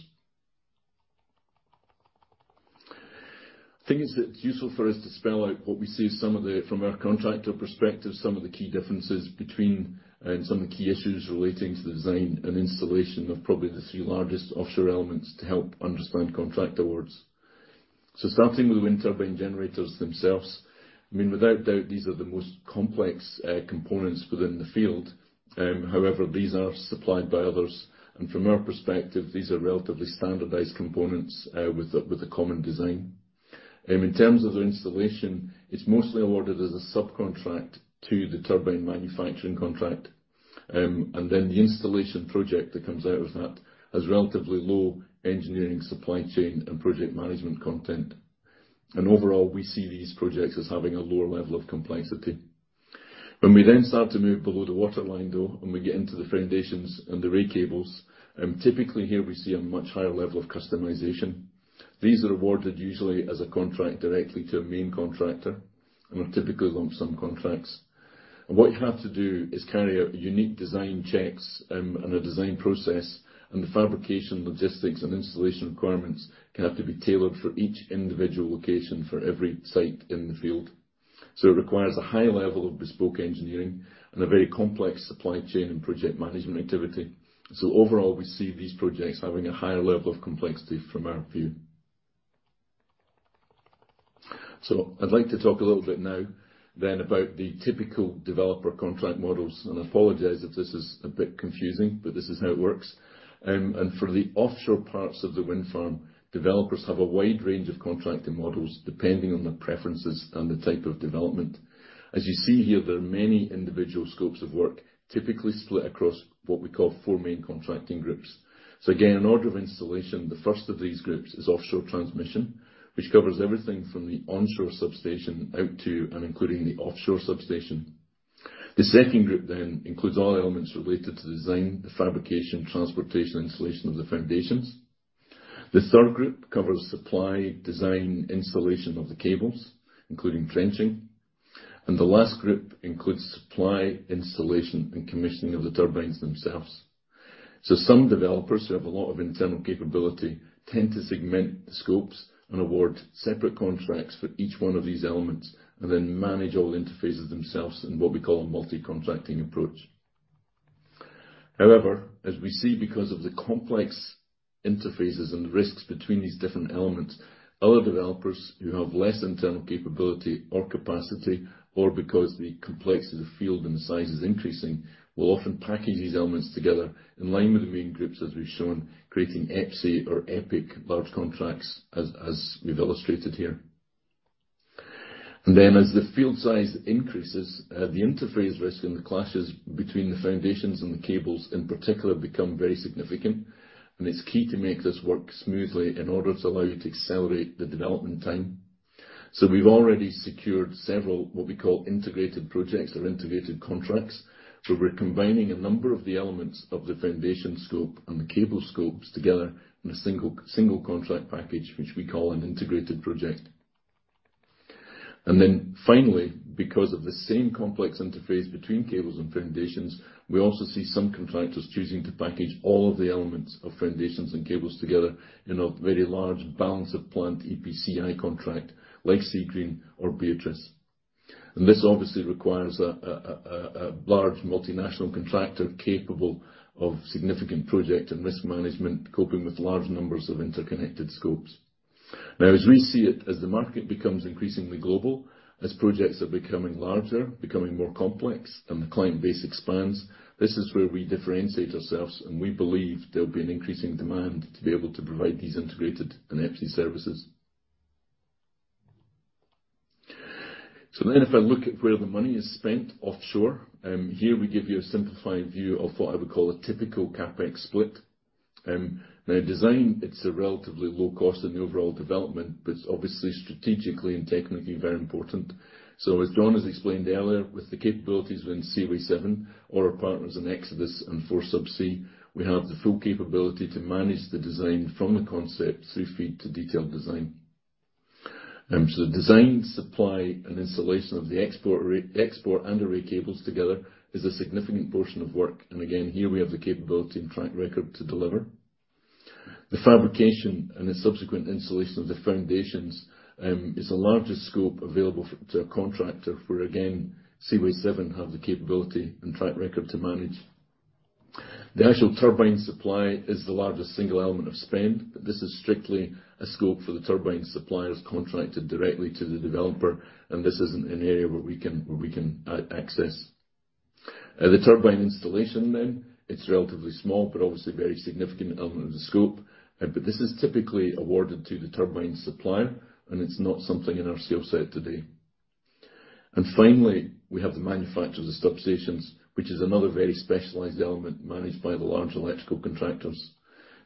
I think it's useful for us to spell out what we see as some of the... From our contractor perspective, some of the key differences between, and some of the key issues relating to the design and installation of probably the three largest offshore elements to help understand contract awards. So starting with wind turbine generators themselves, I mean, without doubt, these are the most complex components within the field. However, these are supplied by others, and from our perspective, these are relatively standardized components with a common design. In terms of the installation, it's mostly awarded as a subcontract to the turbine manufacturing contract. And then the installation project that comes out of that has relatively low engineering, supply chain, and project management content. And overall, we see these projects as having a lower level of complexity. When we then start to move below the waterline, though, and we get into the foundations and the array cables, typically here we see a much higher level of customization. These are awarded usually as a contract directly to a main contractor and are typically lump sum contracts. And what you have to do is carry out unique design checks, and a design process, and the fabrication, logistics, and installation requirements have to be tailored for each individual location for every site in the field. It requires a high level of bespoke engineering and a very complex supply chain and project management activity. So overall, we see these projects having a higher level of complexity from our view. So I'd like to talk a little bit now then about the typical developer contract models, and I apologize if this is a bit confusing, but this is how it works. And for the offshore parts of the wind farm, developers have a wide range of contracting models depending on their preferences and the type of development. As you see here, there are many individual scopes of work, typically split across what we call four main contracting groups. So again, in order of installation, the first of these groups is offshore transmission, which covers everything from the onshore substation out to and including the offshore substation. The second group then includes all elements related to the design, the fabrication, transportation, installation of the foundations. The third group covers supply, design, installation of the cables, including trenching, and the last group includes supply, installation, and commissioning of the turbines themselves. So some developers who have a lot of internal capability tend to segment the scopes and award separate contracts for each one of these elements, and then manage all the interfaces themselves in what we call a multi-contracting approach. However, as we see, because of the complex interfaces and the risks between these different elements, other developers who have less internal capability or capacity, or because the complexity of the field and the size is increasing, will often package these elements together in line with the main groups, as we've shown, creating EPIC or EPIC large contracts, as we've illustrated here. And then as the field size increases, the interface risk and the clashes between the foundations and the cables, in particular, become very significant, and it's key to make this work smoothly in order to allow you to accelerate the development time. So we've already secured several, what we call integrated projects or integrated contracts, where we're combining a number of the elements of the foundation scope and the cable scopes together in a single contract package, which we call an integrated project. And then finally, because of the same complex interface between cables and foundations, we also see some contractors choosing to package all of the elements of foundations and cables together in a very large Balance of Plant EPCI contract, like Seagreen or Beatrice. This obviously requires a large multinational contractor capable of significant project and risk management, coping with large numbers of interconnected scopes. Now, as we see it, as the market becomes increasingly global, as projects are becoming larger, becoming more complex, and the client base expands, this is where we differentiate ourselves, and we believe there'll be an increasing demand to be able to provide these integrated and EPC services. Then, if I look at where the money is spent offshore, here we give you a simplified view of what I would call a typical CapEx split. Now design, it's a relatively low cost in the overall development, but it's obviously strategically and technically very important. So as John has explained earlier, with the capabilities in Seaway 7 or our partners in Xodus and 4Subsea, we have the full capability to manage the design from the concept through feed to detailed design. So the design, supply, and installation of the export export and array cables together is a significant portion of work. And again, here we have the capability and track record to deliver. The fabrication and the subsequent installation of the foundations is the largest scope available to a contractor, where, again, Seaway 7 have the capability and track record to manage. The actual turbine supply is the largest single element of spend, but this is strictly a scope for the turbine suppliers contracted directly to the developer, and this isn't an area where we can access. The turbine installation, then, it's relatively small, but obviously a very significant element of the scope, but this is typically awarded to the turbine supplier, and it's not something in our sales set today. And finally, we have the manufacturers of substations, which is another very specialized element managed by the large electrical contractors.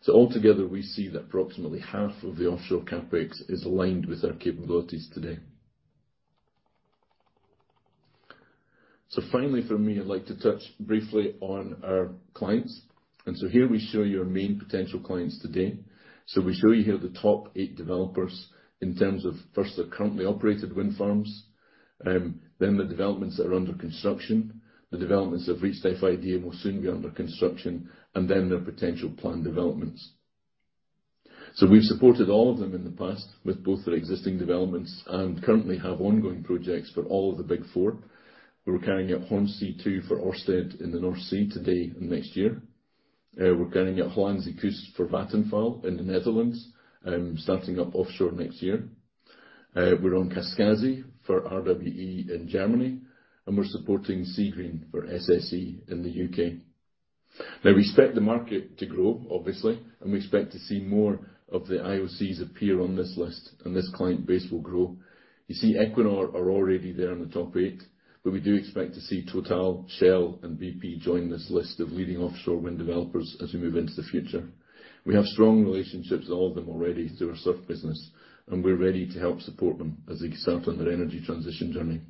So altogether, we see that approximately half of the offshore CapEx is aligned with our capabilities today. So finally, for me, I'd like to touch briefly on our clients. And so here we show you our main potential clients today. So we show you here the top eight developers in terms of, first, their currently operated wind farms, then the developments that are under construction, the developments that have reached FID and will soon be under construction, and then their potential planned developments. So we've supported all of them in the past with both their existing developments and currently have ongoing projects for all of the Big Four. We're carrying out Hornsea Two for Ørsted in the North Sea today and next year. We're carrying out Hollandse Kust for Vattenfall in the Netherlands, starting up offshore next year. We're on Kaskasi for RWE in Germany, and we're supporting Seagreen for SSE in the UK. Now, we expect the market to grow, obviously, and we expect to see more of the IOCs appear on this list, and this client base will grow. You see, Equinor are already there in the top eight, but we do expect to see Total, Shell, and BP join this list of leading offshore wind developers as we move into the future. We have strong relationships with all of them already through our SURF business, and we're ready to help support them as they start on their energy transition journey.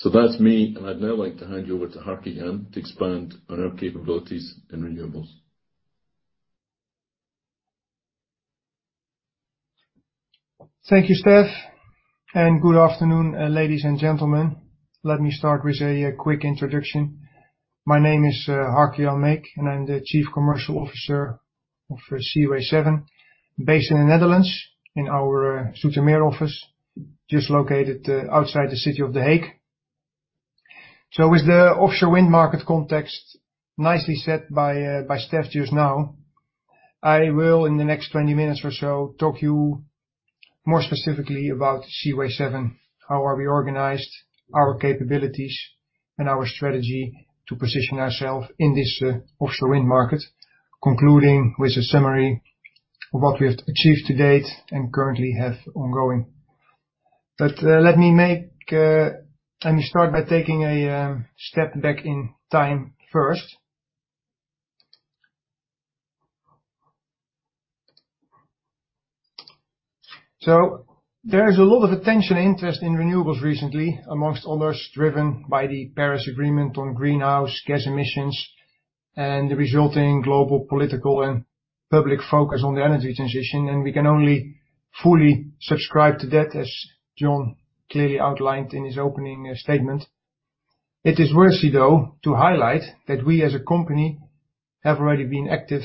So that's me, and I'd now like to hand you over to Harke Jan to expand on our capabilities in renewables. Thank you, Steph, and good afternoon, ladies and gentlemen. Let me start with a quick introduction. My name is Harke Jan Meek, and I'm the Chief Commercial Officer for Seaway S, based in the Netherlands, in our Zoetermeer office, just located outside the city of The Hague. So with the offshore wind market context nicely set by Steph just now, I will, in the next twenty minutes or so, talk to you more specifically about Seaway 7, how are we organized, our capabilities, and our strategy to position ourselves in this offshore wind market, concluding with a summary of what we have achieved to date and currently have ongoing. But let me start by taking a step back in time first. There is a lot of attention and interest in renewables recently, among others, driven by the Paris Agreement on greenhouse gas emissions and the resulting global political and public focus on the energy transition, and we can only fully subscribe to that, as John clearly outlined in his opening statement. It is worthy, though, to highlight that we, as a company, have already been active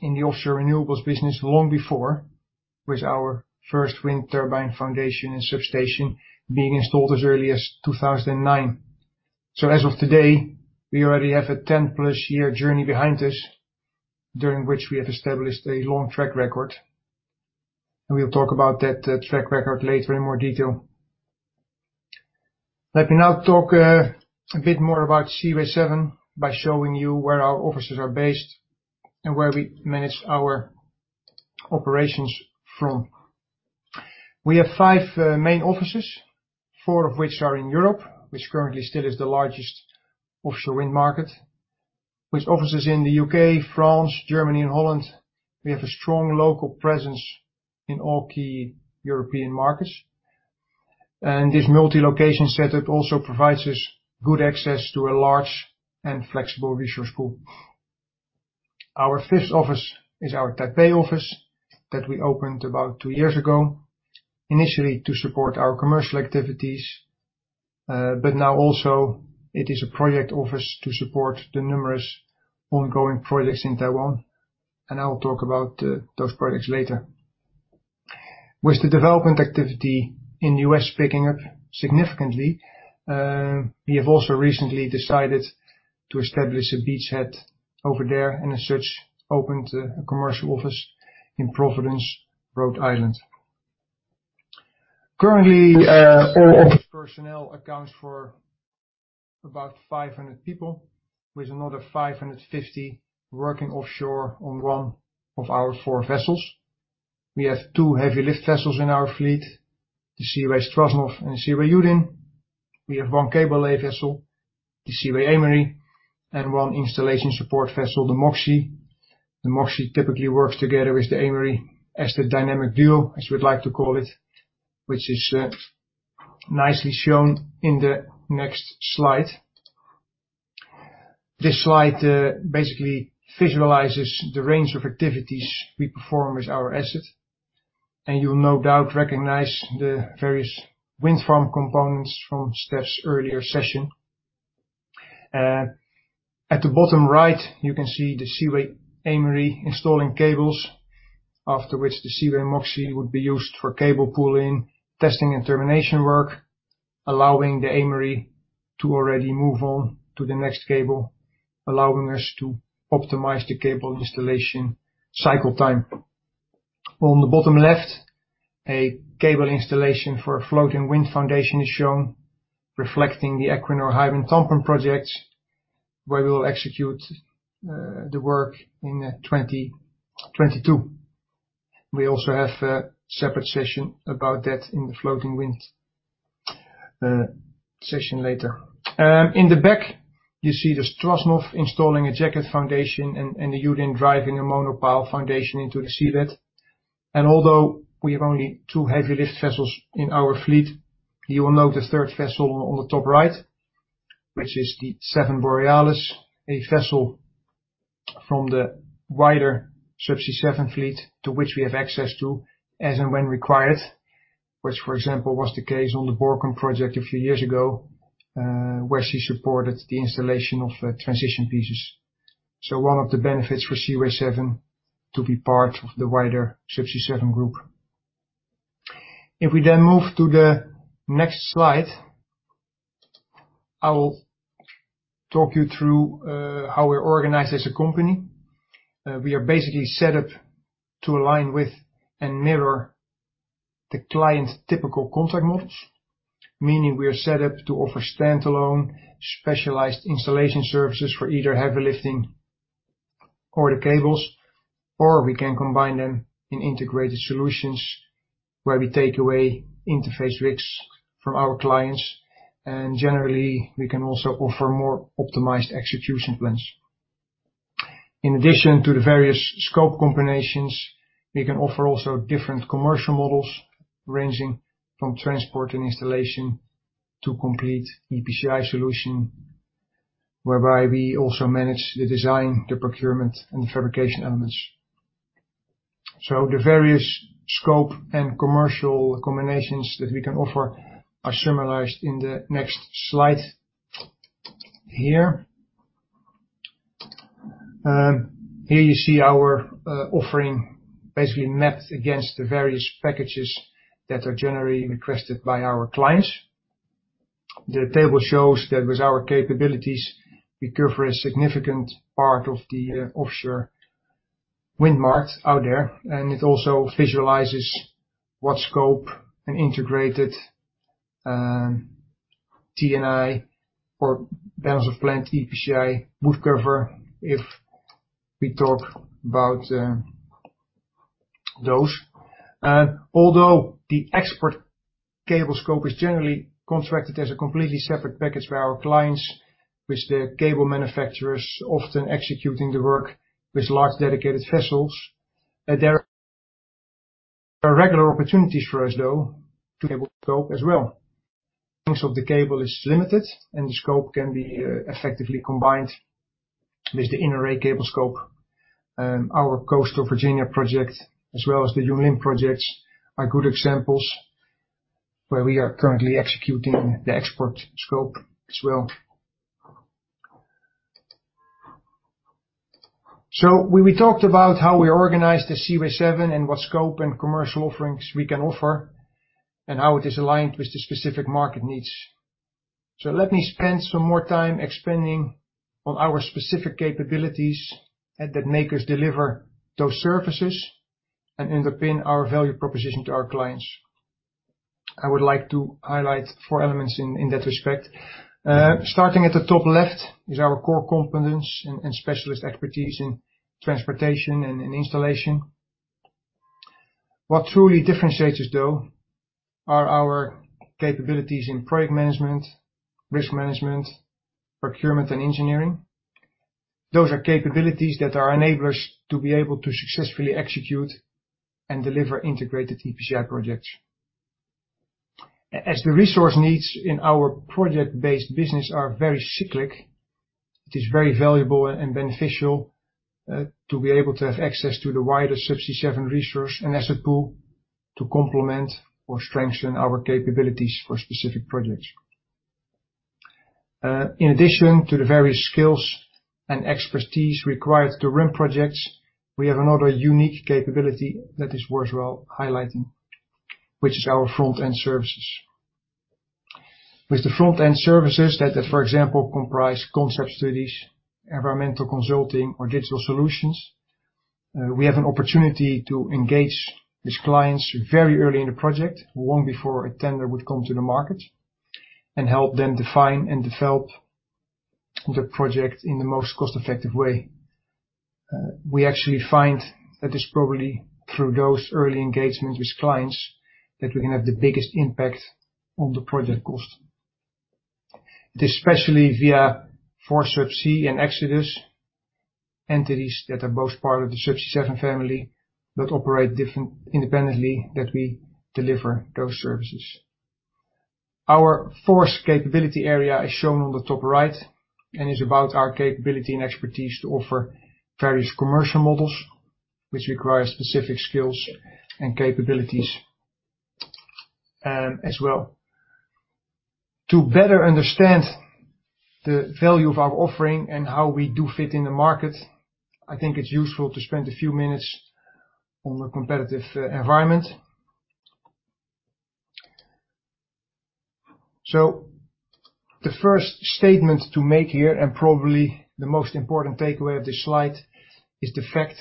in the offshore renewables business long before, with our first wind turbine foundation and substation being installed as early as two thousand and nine. As of today, we already have a ten-plus year journey behind us, during which we have established a long track record, and we'll talk about that track record later in more detail. Let me now talk a bit more about Seaway 7, by showing you where our offices are based and where we manage our operations from. We have five main offices, four of which are in Europe, which currently still is the largest offshore wind market. With offices in the UK, France, Germany, and Holland, we have a strong local presence in all key European markets. This multi-location setup also provides us good access to a large and flexible resource pool. Our fifth office is our Taipei office that we opened about two years ago, initially to support our commercial activities, but now also it is a project office to support the numerous ongoing projects in Taiwan, and I will talk about those projects later. With the development activity in the U.S. picking up significantly, we have also recently decided to establish a beachhead over there, and as such, opened a commercial office in Providence, Rhode Island. Currently, all office personnel accounts for about 500 people, with another 550 working offshore on one of our four vessels. We have two heavy lift vessels in our fleet, the Seaway Strashnov and Seaway Yudin. We have one cable lay vessel, the Seaway Aimery, and one installation support vessel, the Moxie. The Moxie typically works together with the Aimery as the dynamic duo, as we'd like to call it, which is nicely shown in the next slide. This slide basically visualizes the range of activities we perform with our asset, and you'll no doubt recognize the various wind farm components from Steph's earlier session. At the bottom right, you can see the Seaway Aimery installing cables, after which the Seaway Moxie would be used for cable pulling, testing, and termination work, allowing the Aimery to already move on to the next cable, allowing us to optimize the cable installation cycle time. On the bottom left, a cable installation for a floating wind foundation is shown, reflecting the Equinor Hywind Tampen project, where we will execute the work in twenty twenty-two. We also have a separate session about that in the floating wind session later. In the back, you see the Seaway Strashnov installing a jacket foundation and the Seaway Yudin driving a monopile foundation into the seabed. Although we have only two heavy lift vessels in our fleet, you will note the third vessel on the top right, which is the Seven Borealis, a vessel from the wider Subsea 7 fleet, to which we have access to as and when required, which, for example, was the case on the Borkum project a few years ago, where she supported the installation of transition pieces. One of the benefits for Seaway 7, to be part of the wider Subsea 7 group. If we then move to the next slide, I will talk you through how we're organized as a company. We are basically set up to align with and mirror the client's typical contract models, meaning we are set up to offer standalone, specialized installation services for either heavy lifting or the cables, or we can combine them in integrated solutions, where we take away interface risks from our clients, and generally, we can also offer more optimized execution plans. In addition to the various scope combinations, we can offer also different commercial models ranging from transport and installation, to complete EPCI solution, whereby we also manage the design, the procurement, and fabrication elements. So the various scope and commercial combinations that we can offer are summarized in the next slide, here. Here you see our offering basically mapped against the various packages that are generally requested by our clients. The table shows that with our capabilities, we cover a significant part of the offshore wind market out there, and it also visualizes what scope an integrated T&I or balance of plant EPCI would cover if we talk about those. Although the export cable scope is generally contracted as a completely separate package by our clients, with the cable manufacturers often executing the work with large, dedicated vessels, there are regular opportunities for us, though, to cable scope as well. Length of the cable is limited, and the scope can be effectively combined with the inner array cable scope. Our Coastal Virginia project, as well as the Yunlin projects, are good examples where we are currently executing the export scope as well. So we talked about how we organized the Seaway 7 and what scope and commercial offerings we can offer, and how it is aligned with the specific market needs. So let me spend some more time expanding on our specific capabilities, and that make us deliver those services and underpin our value proposition to our clients. I would like to highlight four elements in that respect. Starting at the top left is our core competence and specialist expertise in transportation and in installation. What truly differentiates us, though, are our capabilities in project management, risk management, procurement, and engineering. Those are capabilities that are enablers to be able to successfully execute and deliver integrated EPCI projects. As the resource needs in our project-based business are very cyclic, it is very valuable and beneficial to be able to have access to the wider Subsea 7 resource and asset pool, to complement or strengthen our capabilities for specific projects. In addition to the various skills and expertise required to run projects, we have another unique capability that is worthwhile highlighting, which is our front-end services. With the front-end services that, for example, comprise concept studies, environmental consulting, or digital solutions, we have an opportunity to engage with clients very early in the project, long before a tender would come to the market, and help them define and develop the project in the most cost-effective way. We actually find that it's probably through those early engagements with clients, that we can have the biggest impact on the project cost. It is especially via 4Subsea and Xodus entities that are both part of the Subsea 7 family, but operate independently, that we deliver those services. Our fourth capability area is shown on the top right, and is about our capability and expertise to offer various commercial models, which require specific skills and capabilities, as well. To better understand the value of our offering and how we do fit in the market, I think it's useful to spend a few minutes on the competitive environment. So the first statement to make here, and probably the most important takeaway of this slide, is the fact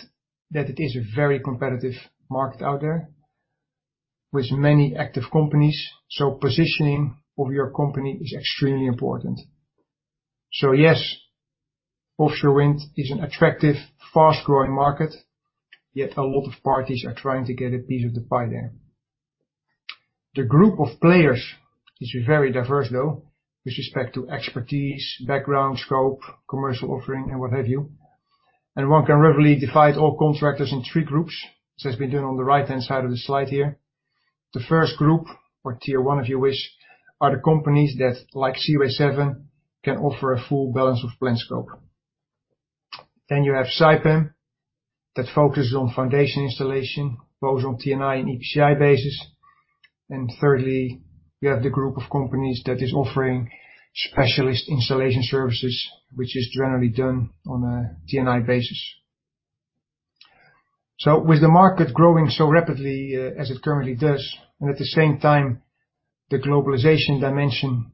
that it is a very competitive market out there, with many active companies, so positioning of your company is extremely important. So yes, offshore wind is an attractive, fast-growing market, yet a lot of parties are trying to get a piece of the pie there. The group of players is very diverse, though, with respect to expertise, background, scope, commercial offering, and what have you, and one can roughly divide all contractors in three groups, as has been done on the right-hand side of the slide here. The first group, or tier one, if you wish, are the companies that, like Seaway 7, can offer a full balance of plant scope, then you have Saipem, that focuses on foundation installation, both on T&I and EPCI basis, and thirdly, we have the group of companies that is offering specialist installation services, which is generally done on a T&I basis. With the market growing so rapidly, as it currently does, and at the same time, the globalization dimension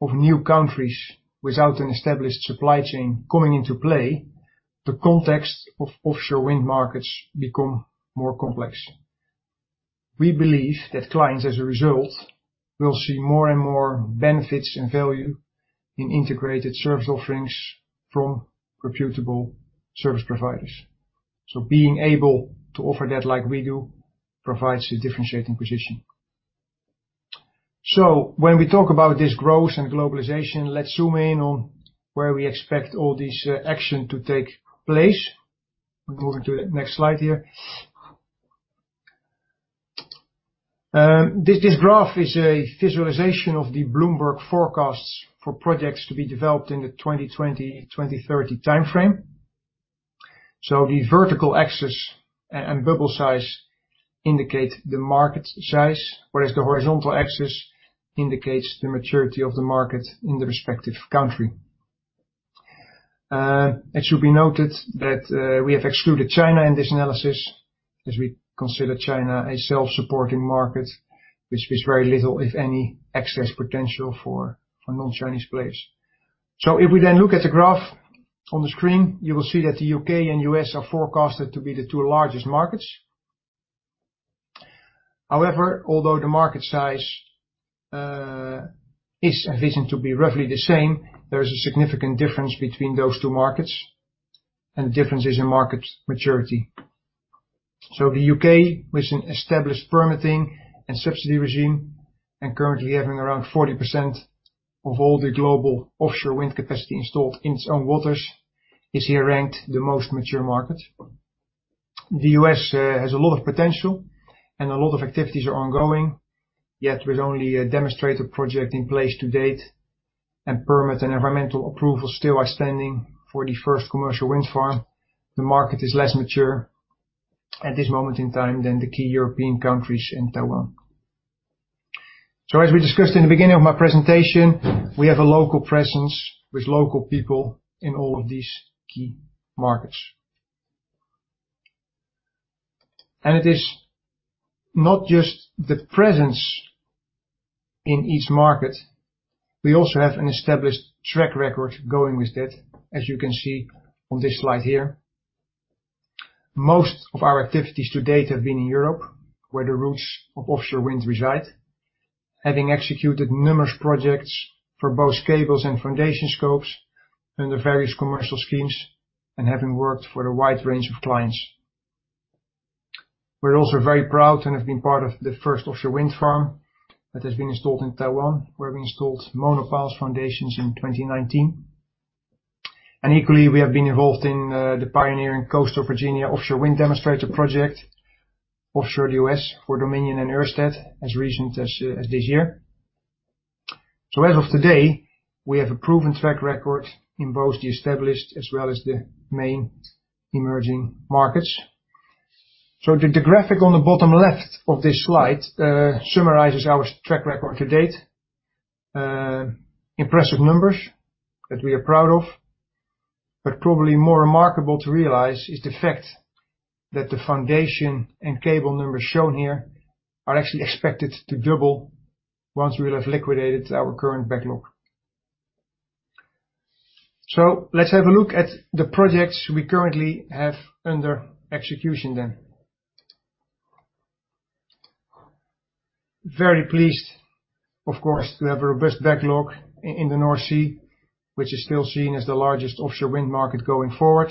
of new countries without an established supply chain coming into play, the context of offshore wind markets become more complex. We believe that clients, as a result, will see more and more benefits and value in integrated service offerings from reputable service providers. Being able to offer that like we do, provides a differentiating position. When we talk about this growth and globalization, let's zoom in on where we expect all this action to take place. We're moving to the next slide here. This graph is a visualization of the Bloomberg forecasts for projects to be developed in the 2020, 2030 timeframe. So the vertical axis and bubble size indicate the market size, whereas the horizontal axis indicates the maturity of the market in the respective country. It should be noted that we have excluded China in this analysis, as we consider China a self-supporting market, which leaves very little, if any, excess potential for non-Chinese players. So if we then look at the graph on the screen, you will see that the UK and US are forecasted to be the two largest markets. However, although the market size is envisioned to be roughly the same, there is a significant difference between those two markets, and the difference is in market maturity. So the UK, with an established permitting and subsidy regime, and currently having around 40% of all the global offshore wind capacity installed in its own waters, is here ranked the most mature market. The U.S. has a lot of potential, and a lot of activities are ongoing. Yet, with only a demonstrator project in place to date, and permit and environmental approval still outstanding for the first commercial wind farm, the market is less mature at this moment in time than the key European countries and Taiwan. So as we discussed in the beginning of my presentation, we have a local presence with local people in all of these key markets. And it is not just the presence in each market, we also have an established track record going with that, as you can see on this slide here. Most of our activities to date have been in Europe, where the roots of offshore wind reside, having executed numerous projects for both cables and foundation scopes under various commercial schemes and having worked for a wide range of clients. We're also very proud to have been part of the first offshore wind farm that has been installed in Taiwan, where we installed monopiles foundations in 2019, and equally, we have been involved in the pioneering Coastal Virginia Offshore Wind Demonstrator project, offshore the US for Dominion and Ørsted, as recent as, as this year, so as of today, we have a proven track record in both the established as well as the main emerging markets. The graphic on the bottom left of this slide summarizes our track record to date. Impressive numbers that we are proud of, but probably more remarkable to realize is the fact that the foundation and cable numbers shown here are actually expected to double once we will have liquidated our current backlog, so let's have a look at the projects we currently have under execution then. Very pleased, of course, to have a robust backlog in the North Sea, which is still seen as the largest offshore wind market going forward.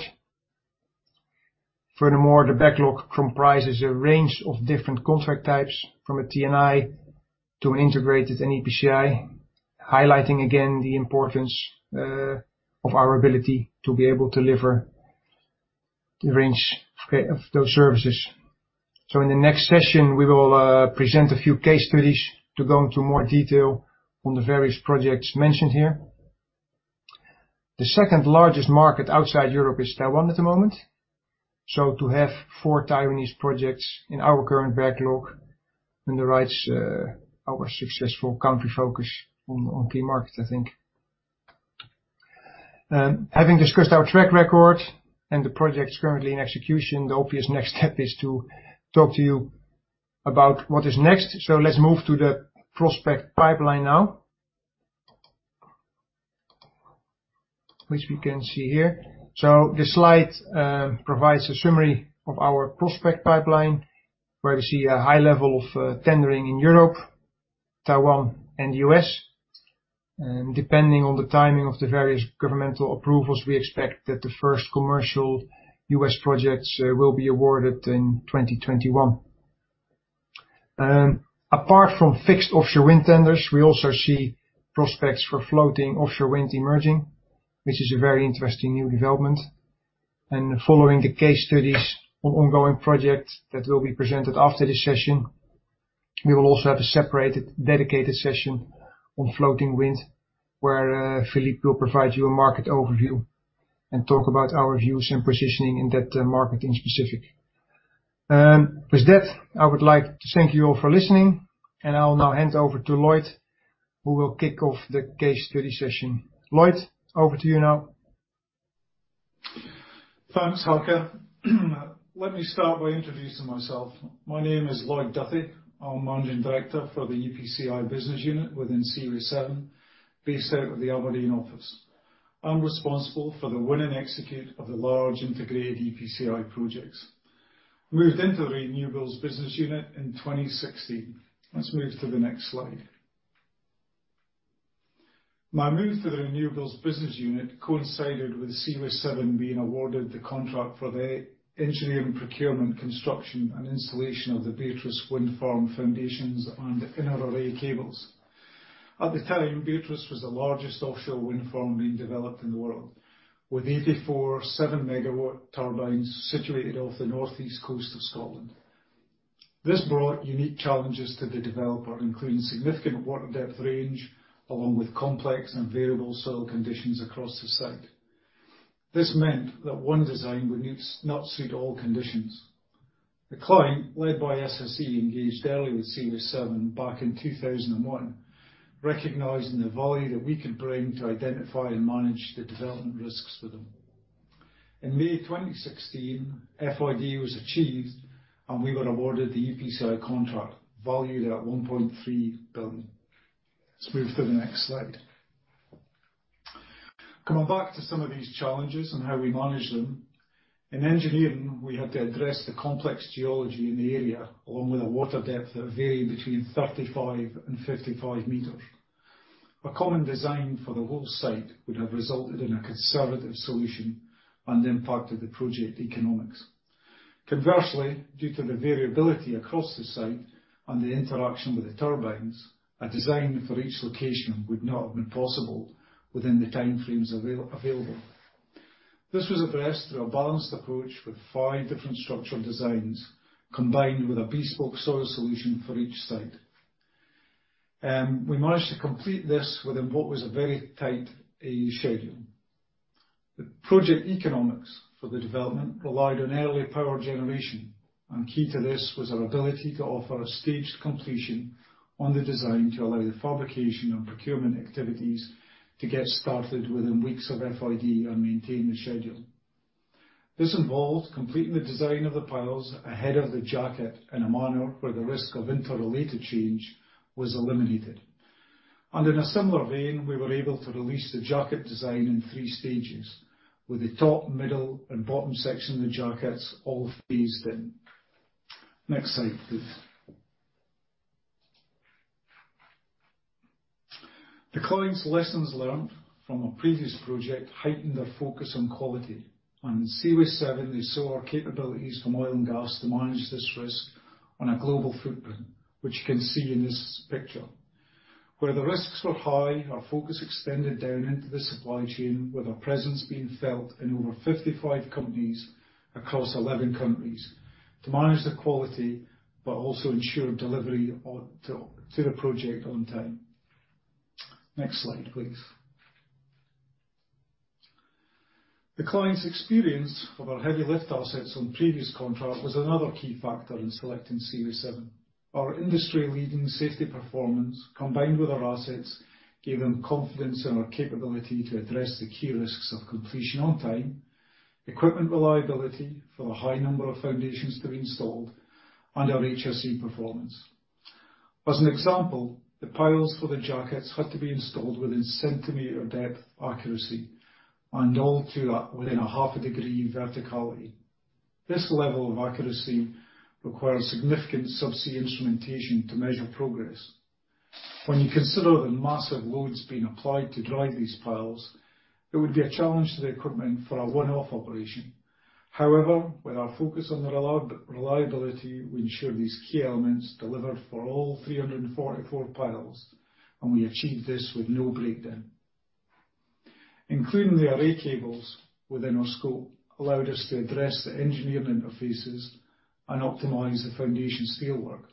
Furthermore, the backlog comprises a range of different contract types, from a T&I to integrated and EPCI, highlighting again the importance of our ability to be able to deliver the range of of those services. So in the next session, we will present a few case studies to go into more detail on the various projects mentioned here. The second largest market outside Europe is Taiwan at the moment, so to have four Taiwanese projects in our current backlog underwrites our successful country focus on key markets, I think. Having discussed our track record and the projects currently in execution, the obvious next step is to talk to you about what is next. So let's move to the prospect pipeline now. Which we can see here. So this slide provides a summary of our prospect pipeline, where we see a high level of tendering in Europe, Taiwan, and the U.S. Depending on the timing of the various governmental approvals, we expect that the first commercial U.S. projects will be awarded in 2021. Apart from fixed offshore wind tenders, we also see prospects for floating offshore wind emerging, which is a very interesting new development. And following the case studies on ongoing projects that will be presented after this session, we will also have a separated, dedicated session on floating wind, where Philippe will provide you a market overview and talk about our views and positioning in that market in specific. With that, I would like to thank you all for listening, and I'll now hand over to Lloyd, who will kick off the case study session. Lloyd, over to you now. Thanks, Harke. Let me start by introducing myself. My name is Lloyd Duthie. I'm Managing Director for the EPCI Business Unit within Seaway 7, based out of the Aberdeen office. I'm responsible for the win and execute of the large integrated EPCI projects. Moved into the renewables business unit in 2016. Let's move to the next slide. My move to the renewables business unit coincided with Seaway 7 being awarded the contract for the engineering, procurement, construction, and installation of the Beatrice Wind Farm foundations and inner array cables. At the time, Beatrice was the largest offshore wind farm being developed in the world, with 84 7-megawatt turbines situated off the northeast coast of Scotland. This brought unique challenges to the developer, including significant water depth range, along with complex and variable soil conditions across the site. This meant that one design would not suit all conditions. The client, led by SSE, engaged early with Seaway 7 back in 2001, recognizing the value that we could bring to identify and manage the development risks for them. In May 2016, FID was achieved, and we were awarded the EPCI contract, valued at $1.3 billion. Let's move to the next slide. Coming back to some of these challenges and how we managed them, in engineering, we had to address the complex geology in the area, along with a water depth that varied between 35 and 55 meters. A common design for the whole site would have resulted in a conservative solution and impacted the project economics. Conversely, due to the variability across the site and the interaction with the turbines, a design for each location would not have been possible within the time frames available. This was addressed through a balanced approach with five different structural designs, combined with a bespoke soil solution for each site. We managed to complete this within what was a very tight schedule. The project economics for the development relied on early power generation, and key to this was our ability to offer a staged completion on the design to allow the fabrication and procurement activities to get started within weeks of FID and maintain the schedule. This involved completing the design of the piles ahead of the jacket in a manner where the risk of interrelated change was eliminated. And in a similar vein, we were able to release the jacket design in three stages, with the top, middle, and bottom section of the jackets all phased in. Next slide, please. The client's lessons learned from a previous project heightened their focus on quality, and Seaway 7, they saw our capabilities from oil and gas to manage this risk on a global footprint, which you can see in this picture. Where the risks were high, our focus extended down into the supply chain, with our presence being felt in over 55 companies across 11 countries to manage the quality but also ensure delivery onto the project on time. Next slide, please. The client's experience of our heavy lift assets on previous contracts was another key factor in selecting Seaway 7. Our industry-leading safety performance, combined with our assets, gave them confidence in our capability to address the key risks of completion on time, equipment reliability for the high number of foundations to be installed, and our HSE performance. As an example, the piles for the jackets had to be installed within centimeter depth accuracy, and all to within a half a degree verticality. This level of accuracy requires significant subsea instrumentation to measure progress. When you consider the massive loads being applied to drive these piles, it would be a challenge to the equipment for a one-off operation. However, with our focus on the reliability, we ensure these key elements delivered for all three hundred and forty-four piles, and we achieved this with no breakdown. Including the array cables within our scope allowed us to address the engineering interfaces and optimize the foundation's steelwork,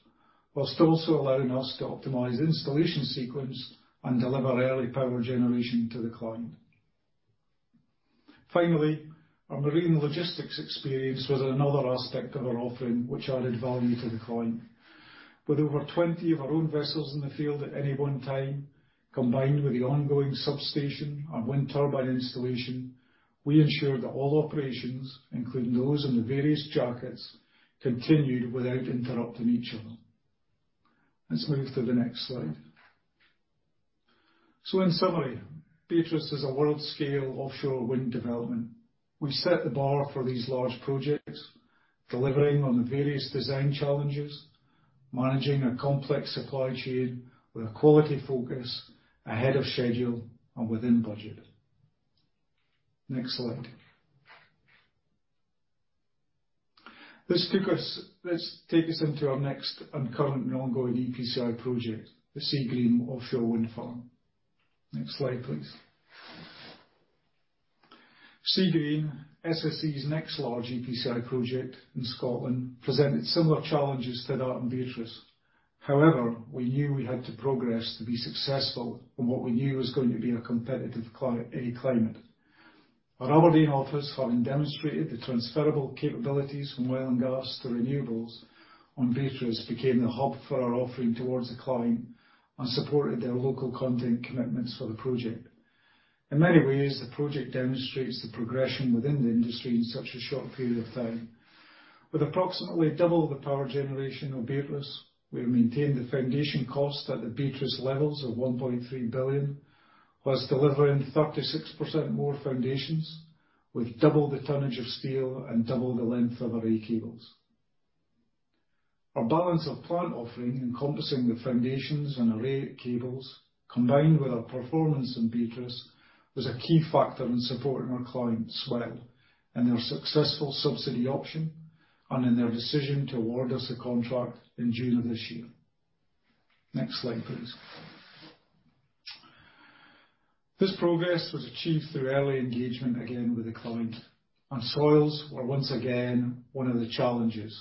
whilst also allowing us to optimize installation sequence and deliver early power generation to the client. Finally, our marine logistics experience was another aspect of our offering, which added value to the client. With over twenty of our own vessels in the field at any one time, combined with the ongoing substation and wind turbine installation, we ensured that all operations, including those in the various jackets, continued without interrupting each other. Let's move to the next slide. So in summary, Beatrice is a world-scale offshore wind development. We've set the bar for these large projects, delivering on the various design challenges, managing a complex supply chain with a quality focus ahead of schedule and within budget. Next slide. Let's take us into our next and current ongoing EPCI project, the Seagreen Offshore Wind Farm. Next slide, please. Seagreen, SSE's next large EPCI project in Scotland, presented similar challenges to that in Beatrice. However, we knew we had to progress to be successful in what we knew was going to be a competitive climate. Our Aberdeen office, having demonstrated the transferable capabilities from oil and gas to renewables on Beatrice, became the hub for our offering towards the client and supported their local content commitments for the project. In many ways, the project demonstrates the progression within the industry in such a short period of time. With approximately double the power generation of Beatrice, we have maintained the foundation cost at the Beatrice levels of $1.3 billion, while delivering 36% more foundations, with double the tonnage of steel and double the length of array cables. Our balance of plant offering, encompassing the foundations and array cables, combined with our performance in Beatrice, was a key factor in supporting our client, SWEL, in their successful subsidy auction and in their decision to award us a contract in June of this year. Next slide, please. This progress was achieved through early engagement, again, with the client, and soils were once again one of the challenges.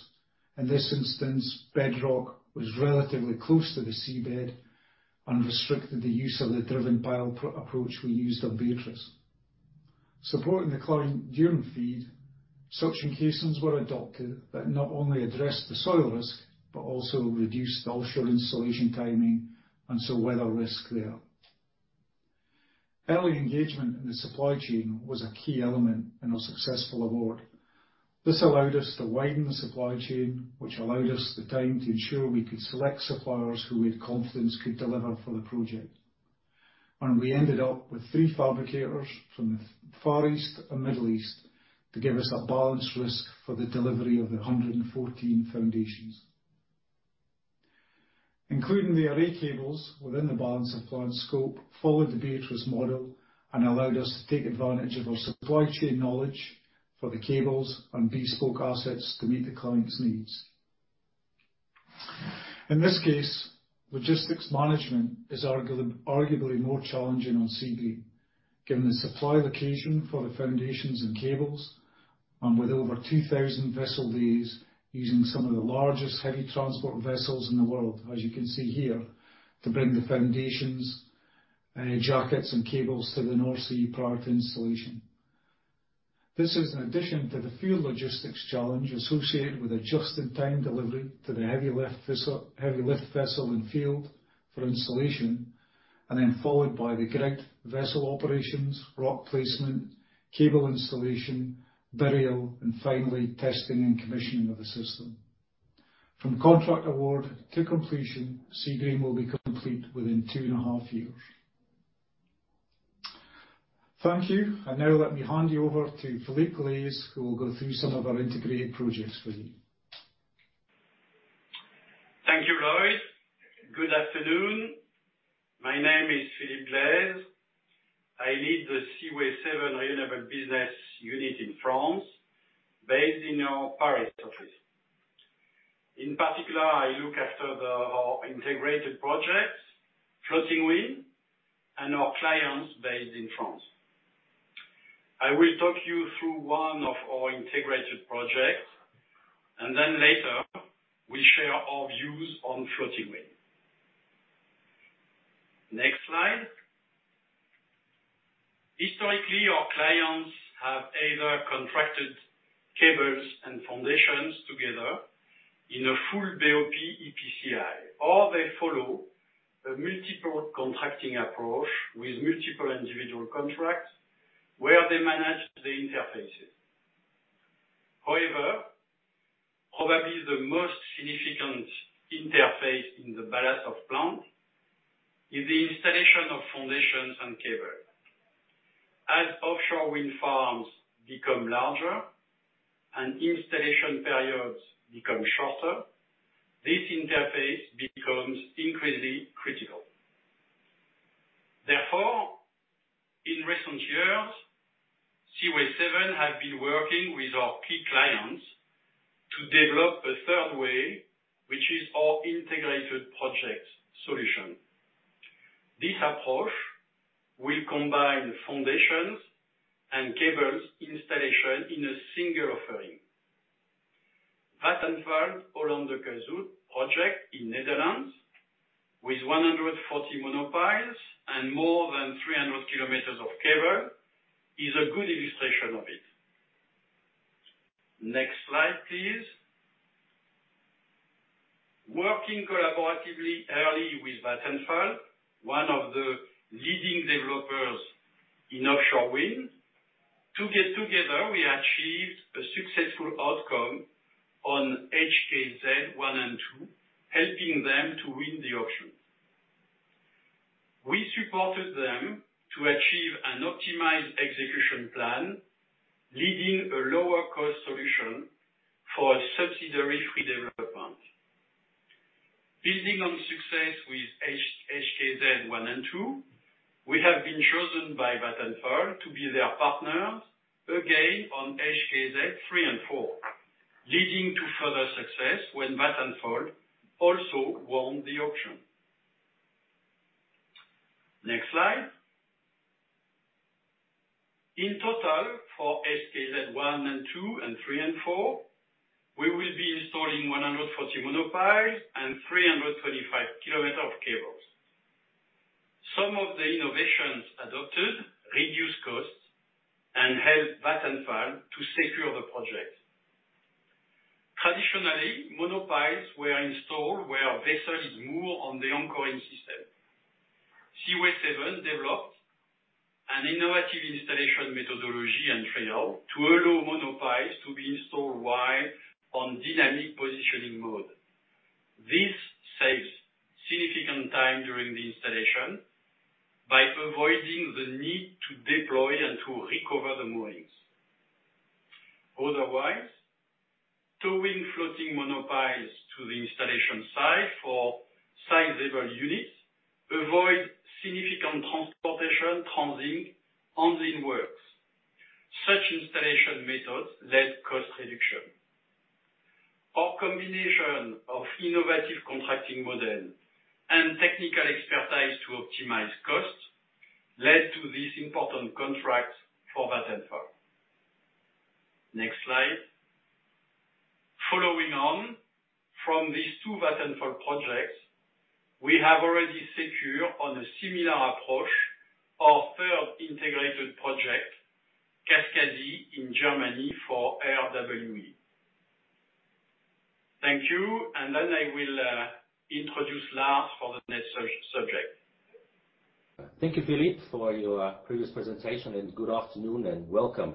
In this instance, bedrock was relatively close to the seabed and restricted the use of the driven pile approach we used on Beatrice. Supporting the client during FEED Suction casawere adopted that not only addressed the soil risk but also reduced the offshore installation timing and so weather risk there. Early engagement in the supply chain was a key element in our successful award. This allowed us to widen the supply chain, which allowed us the time to ensure we could select suppliers who we had confidence could deliver for the project, and we ended up with three fabricators from the Far East and Middle East to give us a balanced risk for the delivery of the 114 foundations. Including the array cables within the Balance of Plant scope, followed the Beatrice model and allowed us to take advantage of our supply chain knowledge for the cables and bespoke assets to meet the client's needs. In this case, logistics management is arguably more challenging on Seagreen, given the supply location for the foundations and cables, and with over 2,000 vessel days, using some of the largest heavy transport vessels in the world, as you can see here, to bring the foundations, jackets, and cables to the North Sea prior to installation. This is in addition to the field logistics challenge associated with a just-in-time delivery to the heavy lift vessel and field for installation, and then followed by the grid vessel operations, rock placement, cable installation, burial, and finally, testing and commissioning of the system. From contract award to completion, Seagreen will be complete within two and a half years. Thank you. And now let me hand you over to Philippe Glaser, who will go through some of our integrated projects with you. Thank you, Lloyd. Good afternoon. My name is Philippe Glaser. I lead the Seaway 7 Renewables Business Unit in France, based in our Paris office. In particular, I look after the, our integrated projects, floating wind, and our clients based in France. I will talk you through one of our integrated projects, and then later, we share our views on floating wind. Next slide. Historically, our clients have either contracted cables and foundations together in a full BOP EPCI, or they follow a multiple contracting approach with multiple individual contracts, where they manage the interfaces. However, probably the most significant interface in the balance of plant is the installation of foundations and cable. As offshore wind farms become larger and installation periods become shorter, this interface becomes increasingly critical. Therefore, in recent years, Seaway 7 have been working with our key clients to develop a third way, which is our integrated project solution. This approach will combine foundations and cables installation in a single offering. Vattenfall Hollandse Kust project in the Netherlands with 140 monopiles and more than 300 km of cable is a good illustration of it. Next slide, please. Working collaboratively early with Vattenfall, one of the leading developers in offshore wind. Together, we achieved a successful outcome on HKZ 1 and 2, helping them to win the auction. We supported them to achieve an optimized execution plan, leading to a lower cost solution for a subsidy-free development. Building on success with HKZ 1 and 2, we have been chosen by Vattenfall to be their partners again on HKZ 3 and 4, leading to further success when Vattenfall also won the auction. Next slide. In total, for HKZ one and two, and three and four, we will be installing 140 monopiles and 325 kilometers of cables. Some of the innovations adopted reduced costs and helped Vattenfall to secure the project. Traditionally, monopiles were installed where a vessel is moored on the anchoring system. Seaway 7 developed an innovative installation methodology and trailer to allow monopiles to be installed while on dynamic positioning mode. This saves significant time during the installation by avoiding the need to deploy and to recover the moorings. Otherwise, towing floating monopiles to the installation site for sizable units, avoid significant transportation, transiting, on the works. Such installation methods led cost reduction. Our combination of innovative contracting model and technical expertise to optimize costs, led to this important contract for Vattenfall. Next slide. Following on from these two Vattenfall projects, we have already secured on a similar approach, our third integrated project, Kaskasi, in Germany for RWE. Thank you, and then I will introduce Lars for the next subject. Thank you, Philippe, for your previous presentation, and good afternoon, and welcome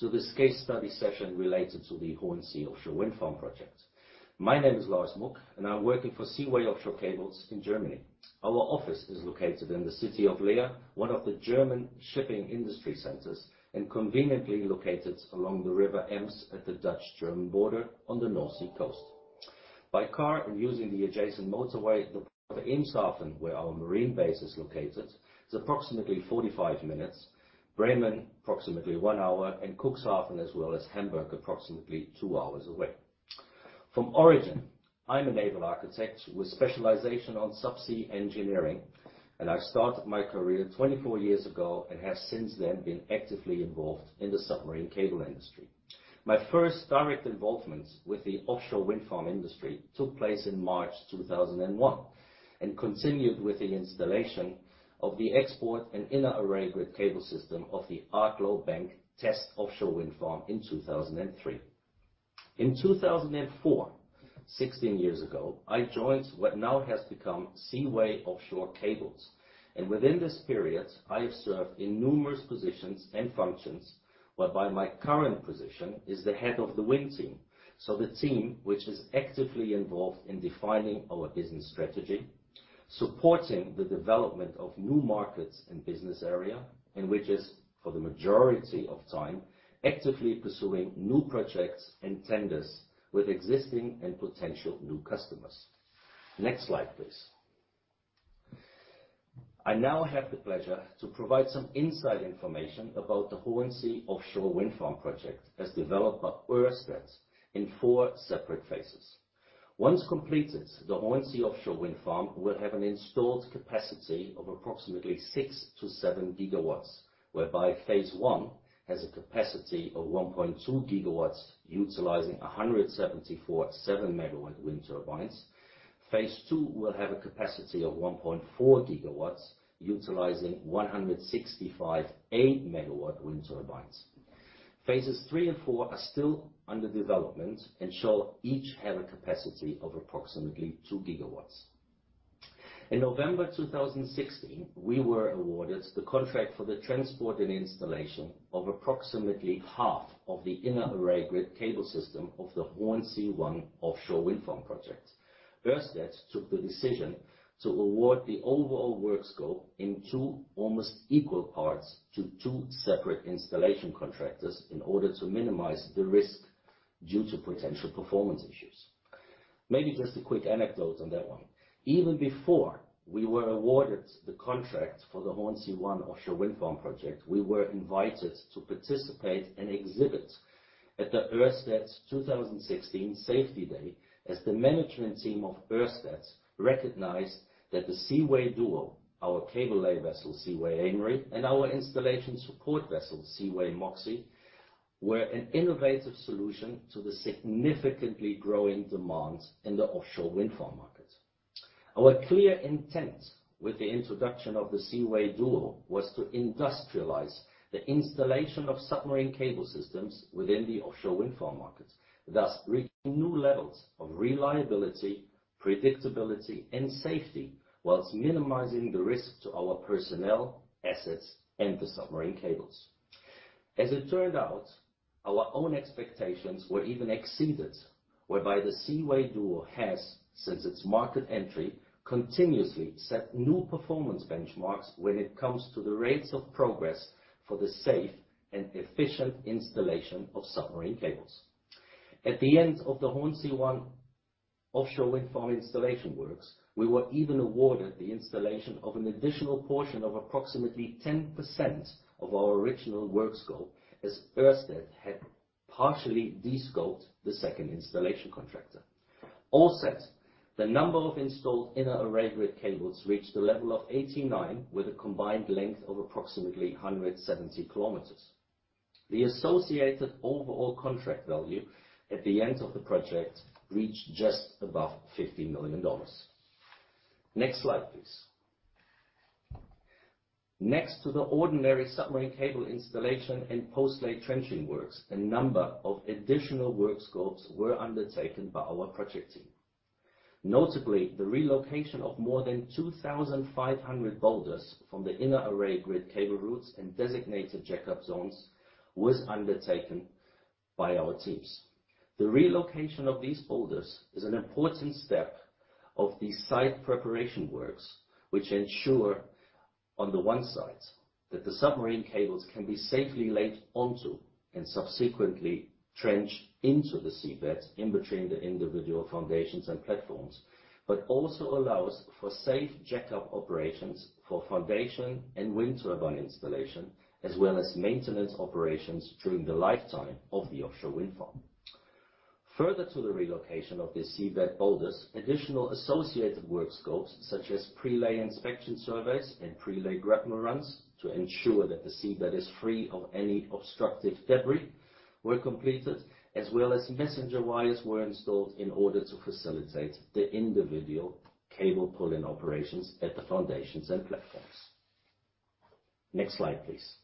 to this case study session related to the Hornsea offshore wind farm project. My name is Lars Mück, and I'm working for Seaway Offshore Cables in Germany. Our office is located in the city of Leer, one of the German shipping industry centers, and conveniently located along the river Ems, at the Dutch-German border on the North Sea coast. By car and using the adjacent motorway, the Eemshaven, where our marine base is located, is approximately 45 minutes. Bremen, approximately one hour, and Cuxhaven, as well as Hamburg, approximately 2 hours away. From origin, I'm a naval architect with specialization on subsea engineering, and I started my career 24 years ago and have since then been actively involved in the submarine cable industry. My first direct involvement with the offshore wind farm industry took place in March 2001, and continued with the installation of the export and inner array grid cable system of the Arklow Bank offshore wind farm in 2003. In two thousand and four, sixteen years ago, I joined what now has become Seaway Offshore Cables. And within this period, I have served in numerous positions and functions, whereby my current position is the head of the wind team. So the team, which is actively involved in defining our business strategy, supporting the development of new markets and business area, and which is, for the majority of time, actively pursuing new projects and tenders with existing and potential new customers. Next slide, please. I now have the pleasure to provide some inside information about the Hornsea Offshore Wind Farm project as developed by Ørsted in four separate phases. Once completed, the Hornsea Offshore Wind Farm will have an installed capacity of approximately 6-7 gigawatts, where Phase 1 has a capacity of 1.2 gigawatts, utilizing 174 7-megawatt wind turbines. Phase 2 will have a capacity of 1.4 gigawatts, utilizing 165 8-megawatt wind turbines. Phases 3 and 4 are still under development and shall each have a capacity of approximately 2 gigawatts. In November 2016, we were awarded the contract for the transport and installation of approximately half of the inner array grid cable system of the Hornsea One offshore wind farm project. Ørsted took the decision to award the overall work scope in two almost equal parts to two separate installation contractors in order to minimize the risk due to potential performance issues. Maybe just a quick anecdote on that one. Even before we were awarded the contract for the Hornsea One offshore wind farm project, we were invited to participate and exhibit at the Ørsted's two thousand and sixteen Safety Day, as the management team of Ørsted recognized that the Seaway duo, our cable lay vessel, Seaway Aimery, and our installation support vessel, Seaway Moxie, were an innovative solution to the significantly growing demand in the offshore wind farm market. Our clear intent with the introduction of the Seaway duo was to industrialize the installation of submarine cable systems within the offshore wind farm markets, thus reaching new levels of reliability, predictability, and safety, whilst minimizing the risk to our personnel, assets, and the submarine cables. As it turned out, our own expectations were even exceeded, whereby the Seaway duo has, since its market entry, continuously set new performance benchmarks when it comes to the rates of progress for the safe and efficient installation of submarine cables. At the end of the Hornsea One offshore wind farm installation works, we were even awarded the installation of an additional portion of approximately 10% of our original work scope, as Ørsted had partially de-scoped the second installation contractor. All set, the number of installed inner array grid cables reached a level of 89, with a combined length of approximately 170 kilometers. The associated overall contract value at the end of the project reached just above $50 million. Next slide, please. Next to the ordinary submarine cable installation and post-lay trenching works, a number of additional work scopes were undertaken by our project team. Notably, the relocation of more than 2,500 boulders from the inner array grid cable routes and designated jack-up zones was undertaken by our teams. The relocation of these boulders is an important step of the site preparation works, which ensure, on the one side, that the submarine cables can be safely laid onto and subsequently trench into the seabed in between the individual foundations and platforms, but also allows for safe jack-up operations for foundation and wind turbine installation, as well as maintenance operations during the lifetime of the offshore wind farm. Further to the relocation of the seabed boulders, additional associated work scopes, such as pre-lay inspection surveys and pre-lay grapnel runs, to ensure that the seabed is free of any obstructive debris, were completed, as well as messenger wires were installed in order to facilitate the individual cable pulling operations at the foundations and platforms. Next slide, please.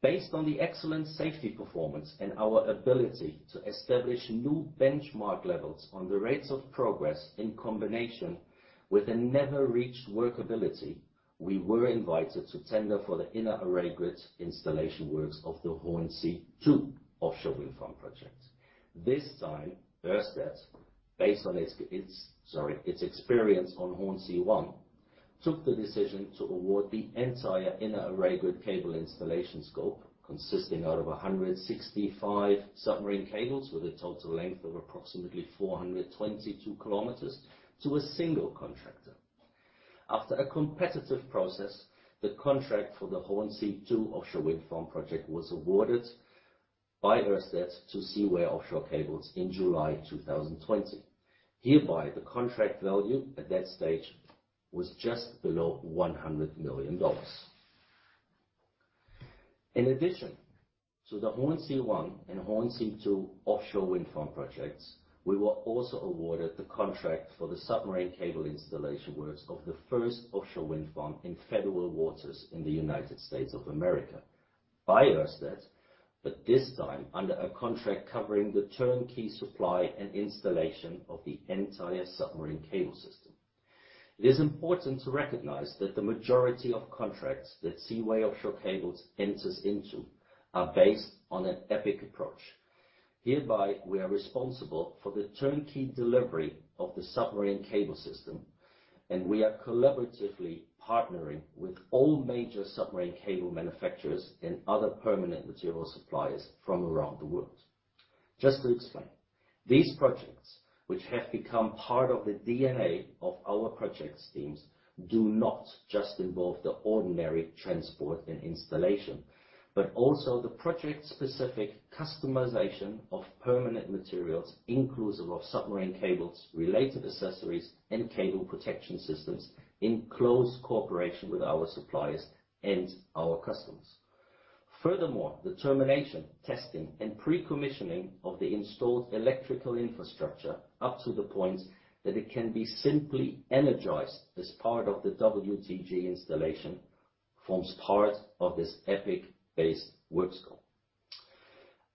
Based on the excellent safety performance and our ability to establish new benchmark levels on the rates of progress, in combination with a never reached workability, we were invited to tender for the inner array grid installation works of the Hornsea Two offshore wind farm project. This time, Ørsted, based on its experience on Hornsea One, took the decision to award the entire inner array grid cable installation scope, consisting out of 165 submarine cables with a total length of approximately 422 kilometers to a single contractor. After a competitive process, the contract for the Hornsea Two offshore wind farm project was awarded by Ørsted to Seaway Offshore Cables in July 2020. Hereby, the contract value at that stage was just below $100 million. In addition to the Hornsea One and Hornsea Two offshore wind farm projects, we were also awarded the contract for the submarine cable installation works of the first offshore wind farm in federal waters in the United States of America. by Ørsted, but this time under a contract covering the turnkey supply and installation of the entire submarine cable system. It is important to recognize that the majority of contracts that Seaway Offshore Cables enters into are based on an EPIC approach. Hereby, we are responsible for the turnkey delivery of the submarine cable system, and we are collaboratively partnering with all major submarine cable manufacturers and other permanent material suppliers from around the world. Just to explain, these projects, which have become part of the DNA of our projects teams, do not just involve the ordinary transport and installation, but also the project-specific customization of permanent materials, inclusive of submarine cables, related accessories, and cable protection systems in close cooperation with our suppliers and our customers. Furthermore, the termination, testing, and pre-commissioning of the installed electrical infrastructure up to the point that it can be simply energized as part of the WTG installation forms part of this EPIC-based work scope.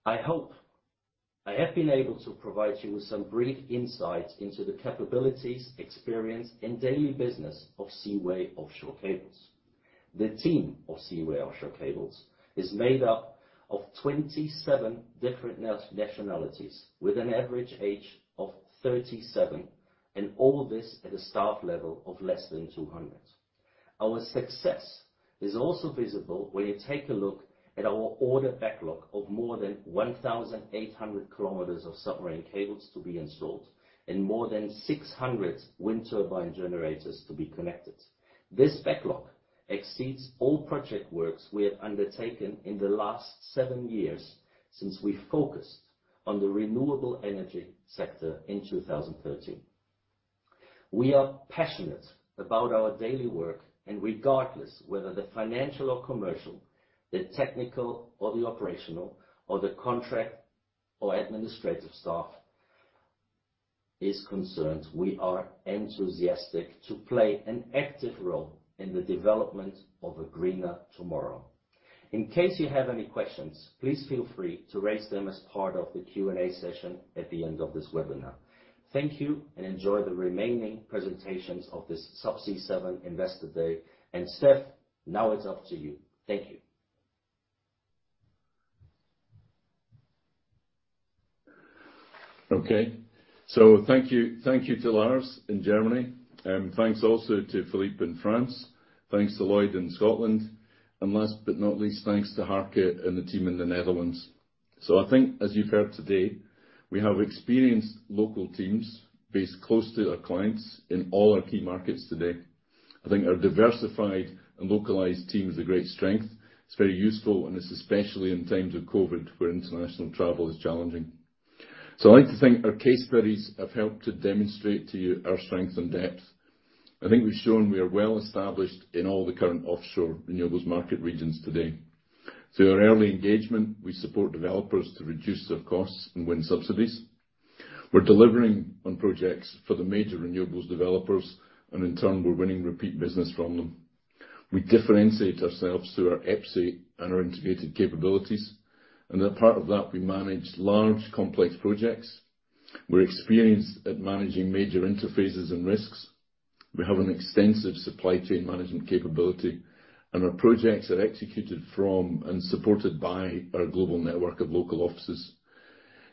I hope I have been able to provide you with some brief insights into the capabilities, experience, and daily business of Seaway Offshore Cables. The team of Seaway Offshore Cables is made up of 27 different nationalities, with an average age of 37, and all this at a staff level of less than 200. Our success is also visible when you take a look at our order backlog of more than 1,800 km of submarine cables to be installed and more than 600 wind turbine generators to be connected. This backlog exceeds all project works we have undertaken in the last seven years since we focused on the renewable energy sector in 2013. We are passionate about our daily work, and regardless whether the financial or commercial, the technical or the operational, or the contract or administrative staff is concerned, we are enthusiastic to play an active role in the development of a greener tomorrow. In case you have any questions, please feel free to raise them as part of the Q&A session at the end of this webinar. Thank you, and enjoy the remaining presentations of this Subsea 7 Investor Day, and Steph, now it's up to you. Thank you. Okay. So thank you. Thank you to Lars in Germany, and thanks also to Philippe in France. Thanks to Lloyd in Scotland, and last but not least, thanks to Harke and the team in the Netherlands. So I think, as you've heard today, we have experienced local teams based close to our clients in all our key markets today. I think our diversified and localized team is a great strength. It's very useful, and it's especially in times of COVID, where international travel is challenging. So I'd like to thank our case studies have helped to demonstrate to you our strength and depth. I think we've shown we are well established in all the current offshore renewables market regions today. Through our early engagement, we support developers to reduce their costs and win subsidies. We're delivering on projects for the major renewables developers, and in turn, we're winning repeat business from them. We differentiate ourselves through our EPCI and our integrated capabilities, and a part of that, we manage large, complex projects. We're experienced at managing major interfaces and risks. We have an extensive supply chain management capability, and our projects are executed from and supported by our global network of local offices.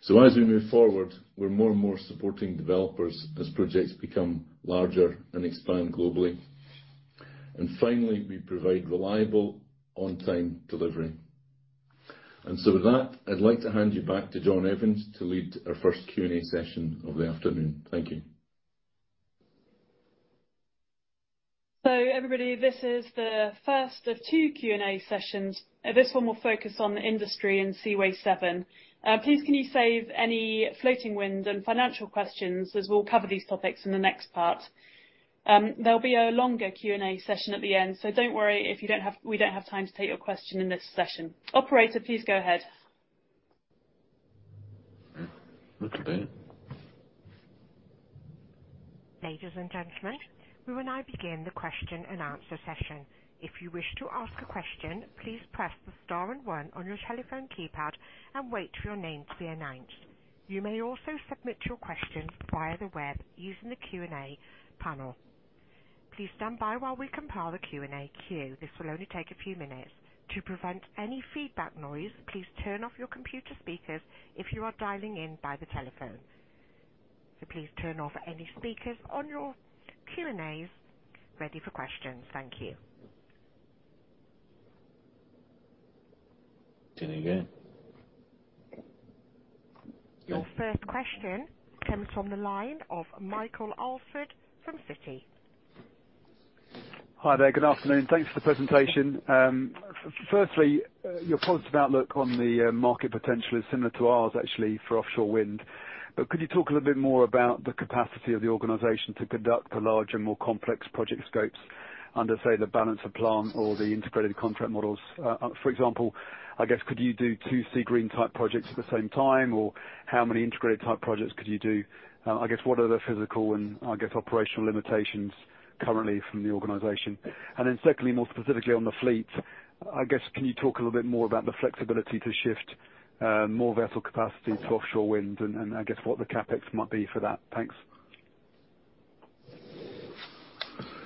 So as we move forward, we're more and more supporting developers as projects become larger and expand globally. And finally, we provide reliable, on-time delivery. And so with that, I'd like to hand you back to John Evans to lead our first Q&A session of the afternoon. Thank you. So everybody, this is the first of two Q&A sessions. This one will focus on the industry and Seaway 7. Please, can you save any floating wind and financial questions, as we'll cover these topics in the next part? There'll be a longer Q&A session at the end, so don't worry if we don't have time to take your question in this session. Operator, please go ahead. Okay. Ladies and gentlemen, we will now begin the question-and-answer session. If you wish to ask a question, please press the star and one on your telephone keypad and wait for your name to be announced. You may also submit your questions via the web using the Q&A panel. Please stand by while we compile the Q&A queue. This will only take a few minutes. To prevent any feedback noise, please turn off your computer speakers if you are dialing in by the telephone. Q&A is ready for questions. Thank you. Doing again. Your first question comes from the line of Michael Alsford from Citi. Hi there. Good afternoon. Thanks for the presentation. Firstly, your positive outlook on the market potential is similar to ours, actually, for offshore wind. But could you talk a little bit more about the capacity of the organization to conduct the larger, more complex project scopes under, say, the Balance of Plant or the integrated contract models? For example, I guess, could you do two Seagreen type projects at the same time, or how many integrated type projects could you do? I guess, what are the physical and operational limitations currently from the organization? And then secondly, more specifically on the fleet, I guess, can you talk a little bit more about the flexibility to shift more vessel capacity to offshore wind, and what the CapEx might be for that? Thanks.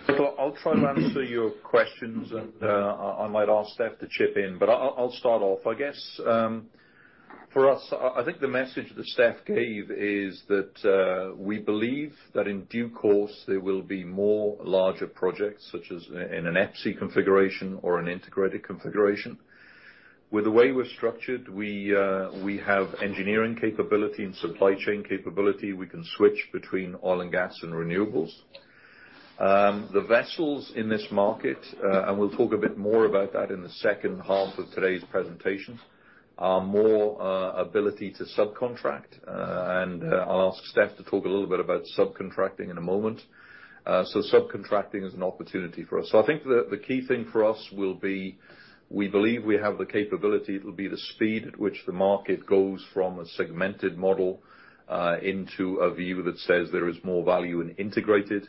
So I'll try to answer your questions, and I might ask Steph to chip in, but I'll start off. I guess, for us, I think the message that Steph gave is that we believe that in due course, there will be more larger projects, such as in an EPC configuration or an integrated configuration. With the way we're structured, we have engineering capability and supply chain capability. We can switch between oil and gas and renewables. The vessels in this market, and we'll talk a bit more about that in the second half of today's presentation, are more ability to subcontract, and I'll ask Steph to talk a little bit about subcontracting in a moment, so subcontracting is an opportunity for us. I think the key thing for us will be, we believe we have the capability. It'll be the speed at which the market goes from a segmented model into a view that says there is more value in integrated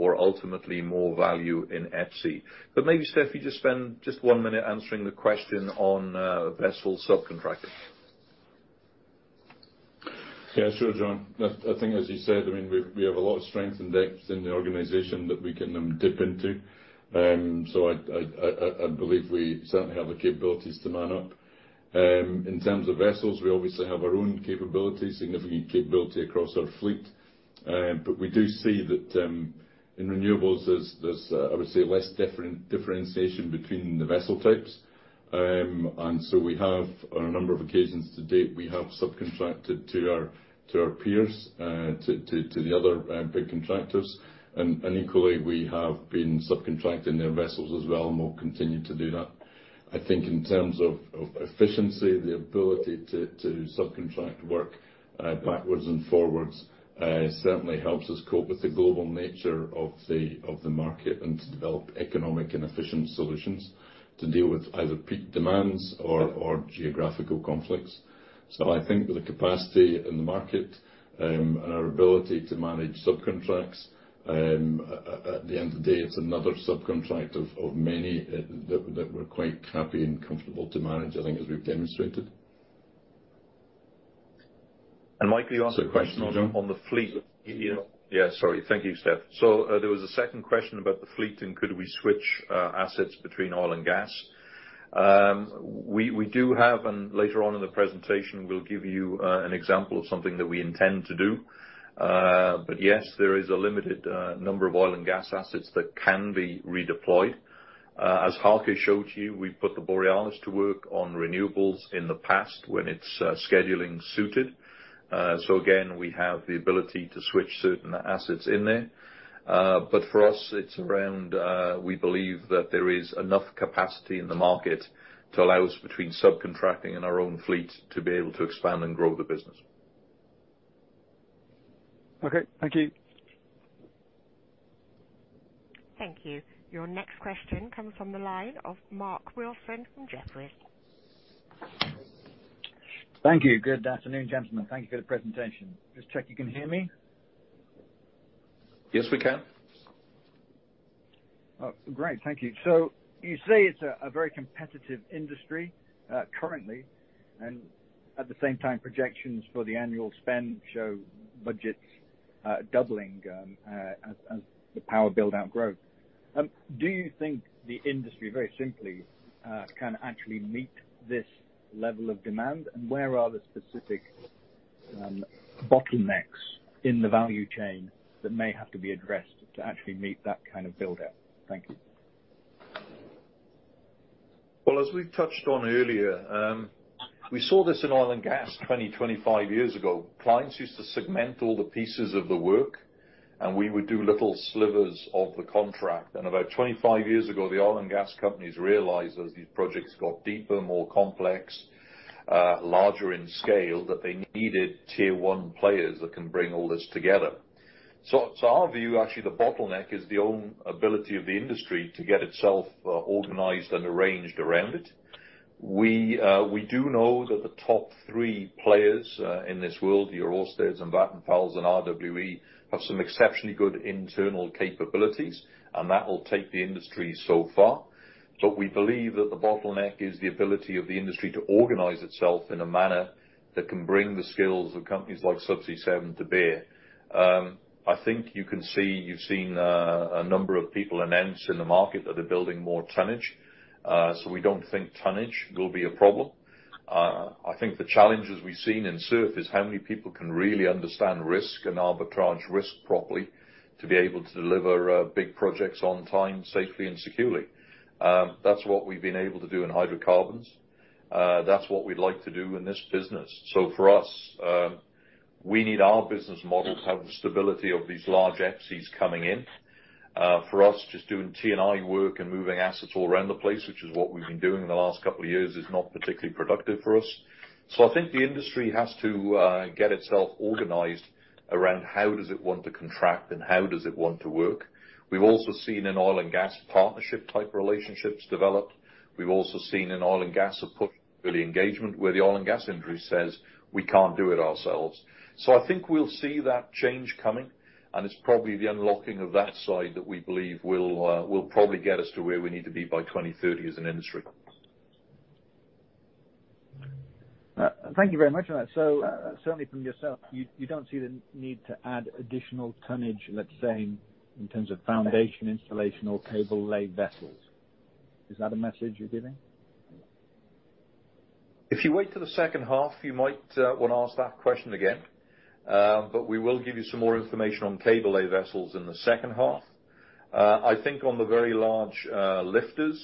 or ultimately more value in EPC. Maybe Steph, you just spend one minute answering the question on vessel subcontracting. Yeah, sure, John. I think as you said, I mean, we have a lot of strength and depth in the organization that we can dip into. So I believe we certainly have the capabilities to man up. In terms of vessels, we obviously have our own capabilities, significant capability across our fleet, but we do see that in renewables, there's less differentiation between the vessel types. And so we have, on a number of occasions to date, subcontracted to our peers, to the other big contractors. And equally, we have been subcontracting their vessels as well, and we'll continue to do that. I think in terms of efficiency, the ability to subcontract work backwards and forwards certainly helps us cope with the global nature of the market and to develop economic and efficient solutions to deal with either peak demands or geographical conflicts. So I think with the capacity in the market and our ability to manage subcontracts at the end of the day, it's another subcontract of many that we're quite happy and comfortable to manage, I think, as we've demonstrated. Mike, you asked a question on the fleet. Yeah. Yeah, sorry. Thank you, Stef. So, there was a second question about the fleet, and could we switch assets between oil and gas? We do have, and later on in the presentation, we'll give you an example of something that we intend to do. But yes, there is a limited number of oil and gas assets that can be redeployed. As Hake showed you, we put the Borealis to work on renewables in the past when its scheduling suited. So again, we have the ability to switch certain assets in there. But for us, it's around we believe that there is enough capacity in the market to allow us between subcontracting and our own fleet to be able to expand and grow the business. Okay, thank you. Thank you. Your next question comes from the line of Mark Wilson from Jefferies. Thank you. Good afternoon, gentlemen. Thank you for the presentation. Just check you can hear me? Yes, we can. Oh, great. Thank you. So you say it's a very competitive industry currently, and at the same time, projections for the annual spend show budgets doubling as the power build-out grows. Do you think the industry, very simply, can actually meet this level of demand, and where are the specific bottlenecks in the value chain that may have to be addressed to actually meet that kind of build-out? Thank you. As we've touched on earlier, we saw this in oil and gas twenty-five years ago. Clients used to segment all the pieces of the work, and we would do little slivers of the contract. And about twenty-five years ago, the oil and gas companies realized as these projects got deeper, more complex, larger in scale, that they needed tier one players that can bring all this together. So, so our view, actually, the bottleneck is the own ability of the industry to get itself organized and arranged around it. We, we do know that the top three players, in this world, your Ørsted and Vattenfall and RWE, have some exceptionally good internal capabilities, and that will take the industry so far. But we believe that the bottleneck is the ability of the industry to organize itself in a manner that can bring the skills of companies like Subsea 7 to bear. I think you can see... You've seen a number of people announce in the market that they're building more tonnage, so we don't think tonnage will be a problem. I think the challenges we've seen in SURF is how many people can really understand risk and allocate risk properly to be able to deliver big projects on time, safely and securely. That's what we've been able to do in hydrocarbons. That's what we'd like to do in this business. So for us, we need our business model to have the stability of these large EPCs coming in. For us, just doing T&I work and moving assets all around the place, which is what we've been doing in the last couple of years, is not particularly productive for us. So I think the industry has to get itself organized around how does it want to contract and how does it want to work. We've also seen in oil and gas, partnership-type relationships developed. We've also seen in oil and gas, a push for the engagement, where the oil and gas industry says, "We can't do it ourselves." So I think we'll see that change coming, and it's probably the unlocking of that side that we believe will probably get us to where we need to be by 2030 as an industry.... Thank you very much for that. So, certainly from yourself, you don't see the need to add additional tonnage, let's say, in terms of foundation installation or cable lay vessels. Is that the message you're giving? If you wait till the second half, you might want to ask that question again. But we will give you some more information on cable lay vessels in the second half. I think on the very large lifters,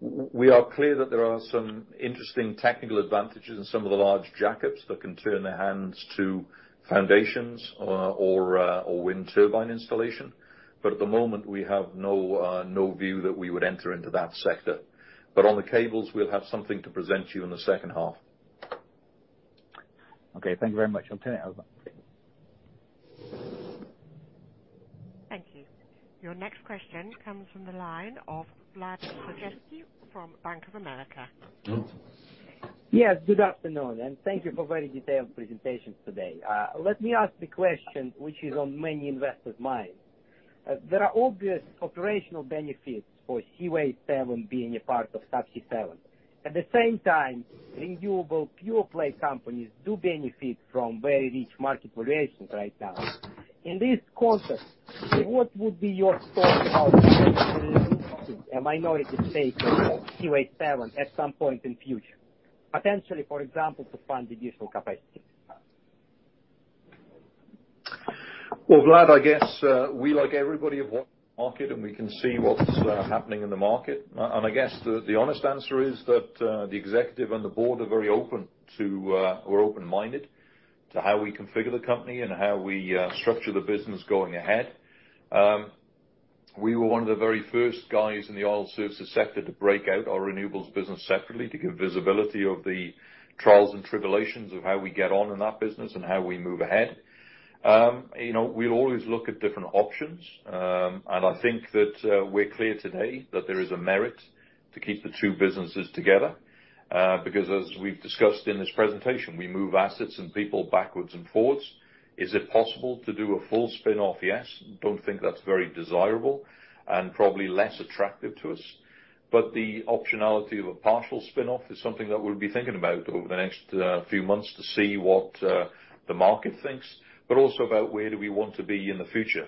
we are clear that there are some interesting technical advantages in some of the large jackups that can turn their hands to foundations or wind turbine installation. But at the moment, we have no view that we would enter into that sector. But on the cables, we'll have something to present to you in the second half. Okay. Thank you very much. I'll turn it over. Thank you. Your next question comes from the line of Vlad Sergievsi from Bank of America. Yes, good afternoon, and thank you for a very detailed presentation today. Let me ask the question, which is on many investors' minds. There are obvious operational benefits for Seaway 7 being a part of Subsea 7. At the same time, renewable pure play companies do benefit from very rich market valuations right now. In this context, what would be your thoughts about a minority stake in Seaway 7 at some point in future? Potentially, for example, to fund additional capacity. Vlad, I guess we, like everybody, have watched the market, and we can see what's happening in the market. I guess the honest answer is that the executive and the board are very open to. We're open-minded to how we configure the company and how we structure the business going ahead. We were one of the very first guys in the oil services sector to break out our renewables business separately to give visibility of the trials and tribulations of how we get on in that business and how we move ahead. You know, we always look at different options, and I think that we're clear today that there is a merit to keep the two businesses together, because as we've discussed in this presentation, we move assets and people backwards and forwards. Is it possible to do a full spin-off? Yes. Don't think that's very desirable and probably less attractive to us, but the optionality of a partial spin-off is something that we'll be thinking about over the next few months to see what the market thinks, but also about where do we want to be in the future.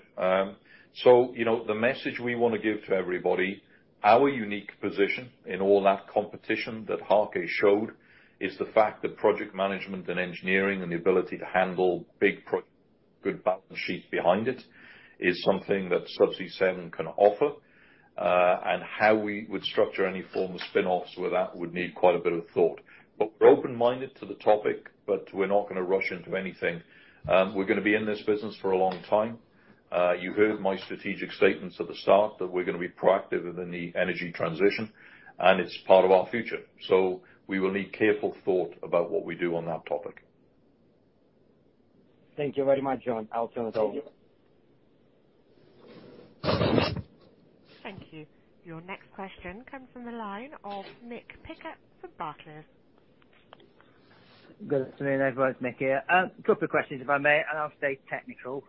So, you know, the message we want to give to everybody, our unique position in all that competition that Harke showed is the fact that project management and engineering and the ability to handle big projects, good balance sheets behind it is something that Subsea 7 can offer, and how we would structure any form of spin-offs would need quite a bit of thought. But we're open-minded to the topic, but we're not gonna rush into anything. We're gonna be in this business for a long time. You heard my strategic statements at the start, that we're gonna be proactive within the energy transition, and it's part of our future. So we will need careful thought about what we do on that topic. Thank you very much, John. I'll turn it over. Thank you. Your next question comes from the line of Mick Pickett from Barclays. Good afternoon, everyone. It's Mick here. A couple of questions, if I may, and I'll stay technical.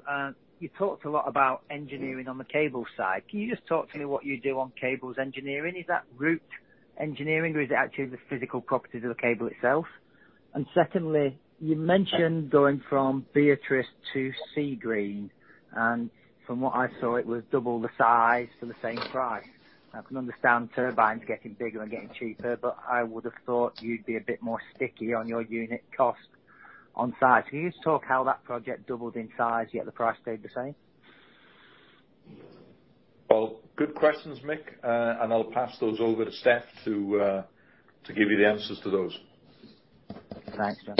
You talked a lot about engineering on the cable side. Can you just talk to me what you do on cables engineering? Is that route engineering, or is it actually the physical properties of the cable itself? And secondly, you mentioned going from Beatrice to Seagreen, and from what I saw, it was double the size for the same price. I can understand turbines getting bigger and getting cheaper, but I would have thought you'd be a bit more sticky on your unit cost on size. Can you just talk how that project doubled in size, yet the price stayed the same? Good questions, Mick, and I'll pass those over to Steph to give you the answers to those. Thanks, John.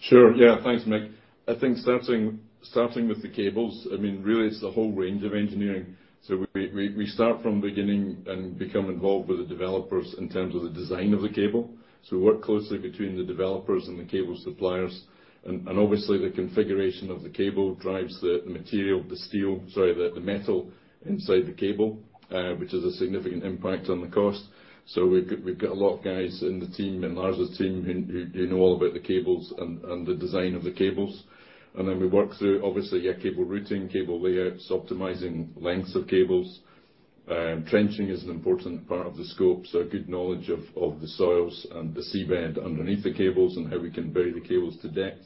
Sure. Yeah, thanks, Mick. I think starting with the cables, I mean, really, it's the whole range of engineering. So we start from the beginning and become involved with the developers in terms of the design of the cable. So we work closely between the developers and the cable suppliers, and obviously, the configuration of the cable drives the material, the steel, sorry, the metal inside the cable, which is a significant impact on the cost. So we've got a lot of guys in the team, in Lars' team, who you know all about the cables and the design of the cables. And then we work through, obviously, yeah, cable routing, cable layouts, optimizing lengths of cables. Trenching is an important part of the scope, so a good knowledge of the soils and the seabed underneath the cables and how we can bury the cables to depth.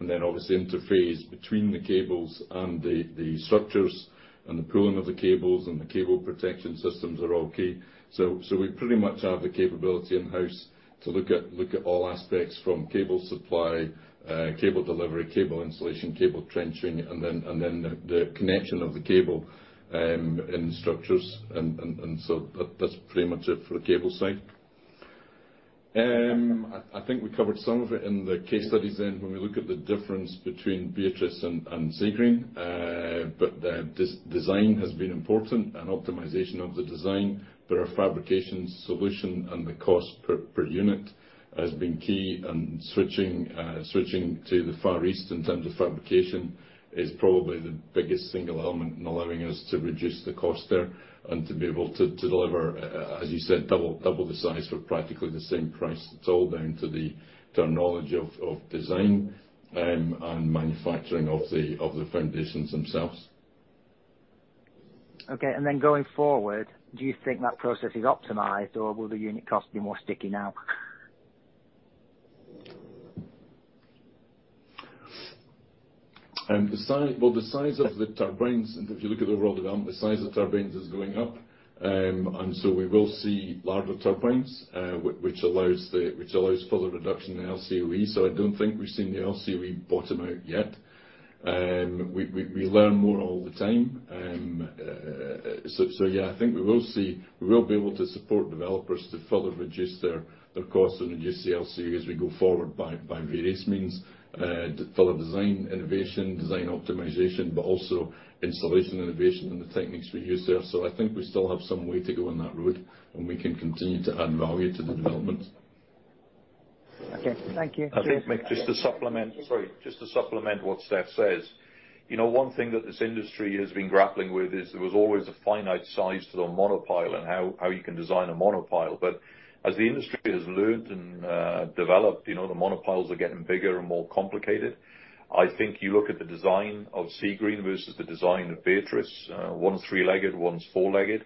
Then, obviously, interface between the cables and the structures and the pulling of the cables and the cable protection systems are all key. We pretty much have the capability in-house to look at all aspects from cable supply, cable delivery, cable installation, cable trenching, and then the connection of the cable in structures. That is pretty much it for the cable side. I think we covered some of it in the case studies, then when we look at the difference between Beatrice and Seagreen, but this design has been important and optimization of the design. There are fabrication solutions, and the cost per unit has been key, and switching to the Far East in terms of fabrication is probably the biggest single element in allowing us to reduce the cost there and to be able to deliver, as you said, double the size for practically the same price. It's all down to our knowledge of design and manufacturing of the foundations themselves.... Okay, and then going forward, do you think that process is optimized, or will the unit cost be more sticky now? Well, the size of the turbines, and if you look at the world development, the size of turbines is going up. And so we will see larger turbines, which allows further reduction in LCOE. So I don't think we've seen the LCOE bottom out yet. We learn more all the time. So yeah, I think we will see. We will be able to support developers to further reduce their costs and reduce LCOE as we go forward by various means, to further design innovation, design optimization, but also installation innovation and the techniques we use there. So I think we still have some way to go on that road, and we can continue to add value to the development. Okay. Thank you. I think, Mick, just to supplement- sorry, just to supplement what Stef says, you know, one thing that this industry has been grappling with is there was always a finite size to the monopile and how you can design a monopile. But as the industry has learned and developed, you know, the monopiles are getting bigger and more complicated. I think you look at the design of Seagreen versus the design of Beatrice, one's three-legged, one's four-legged.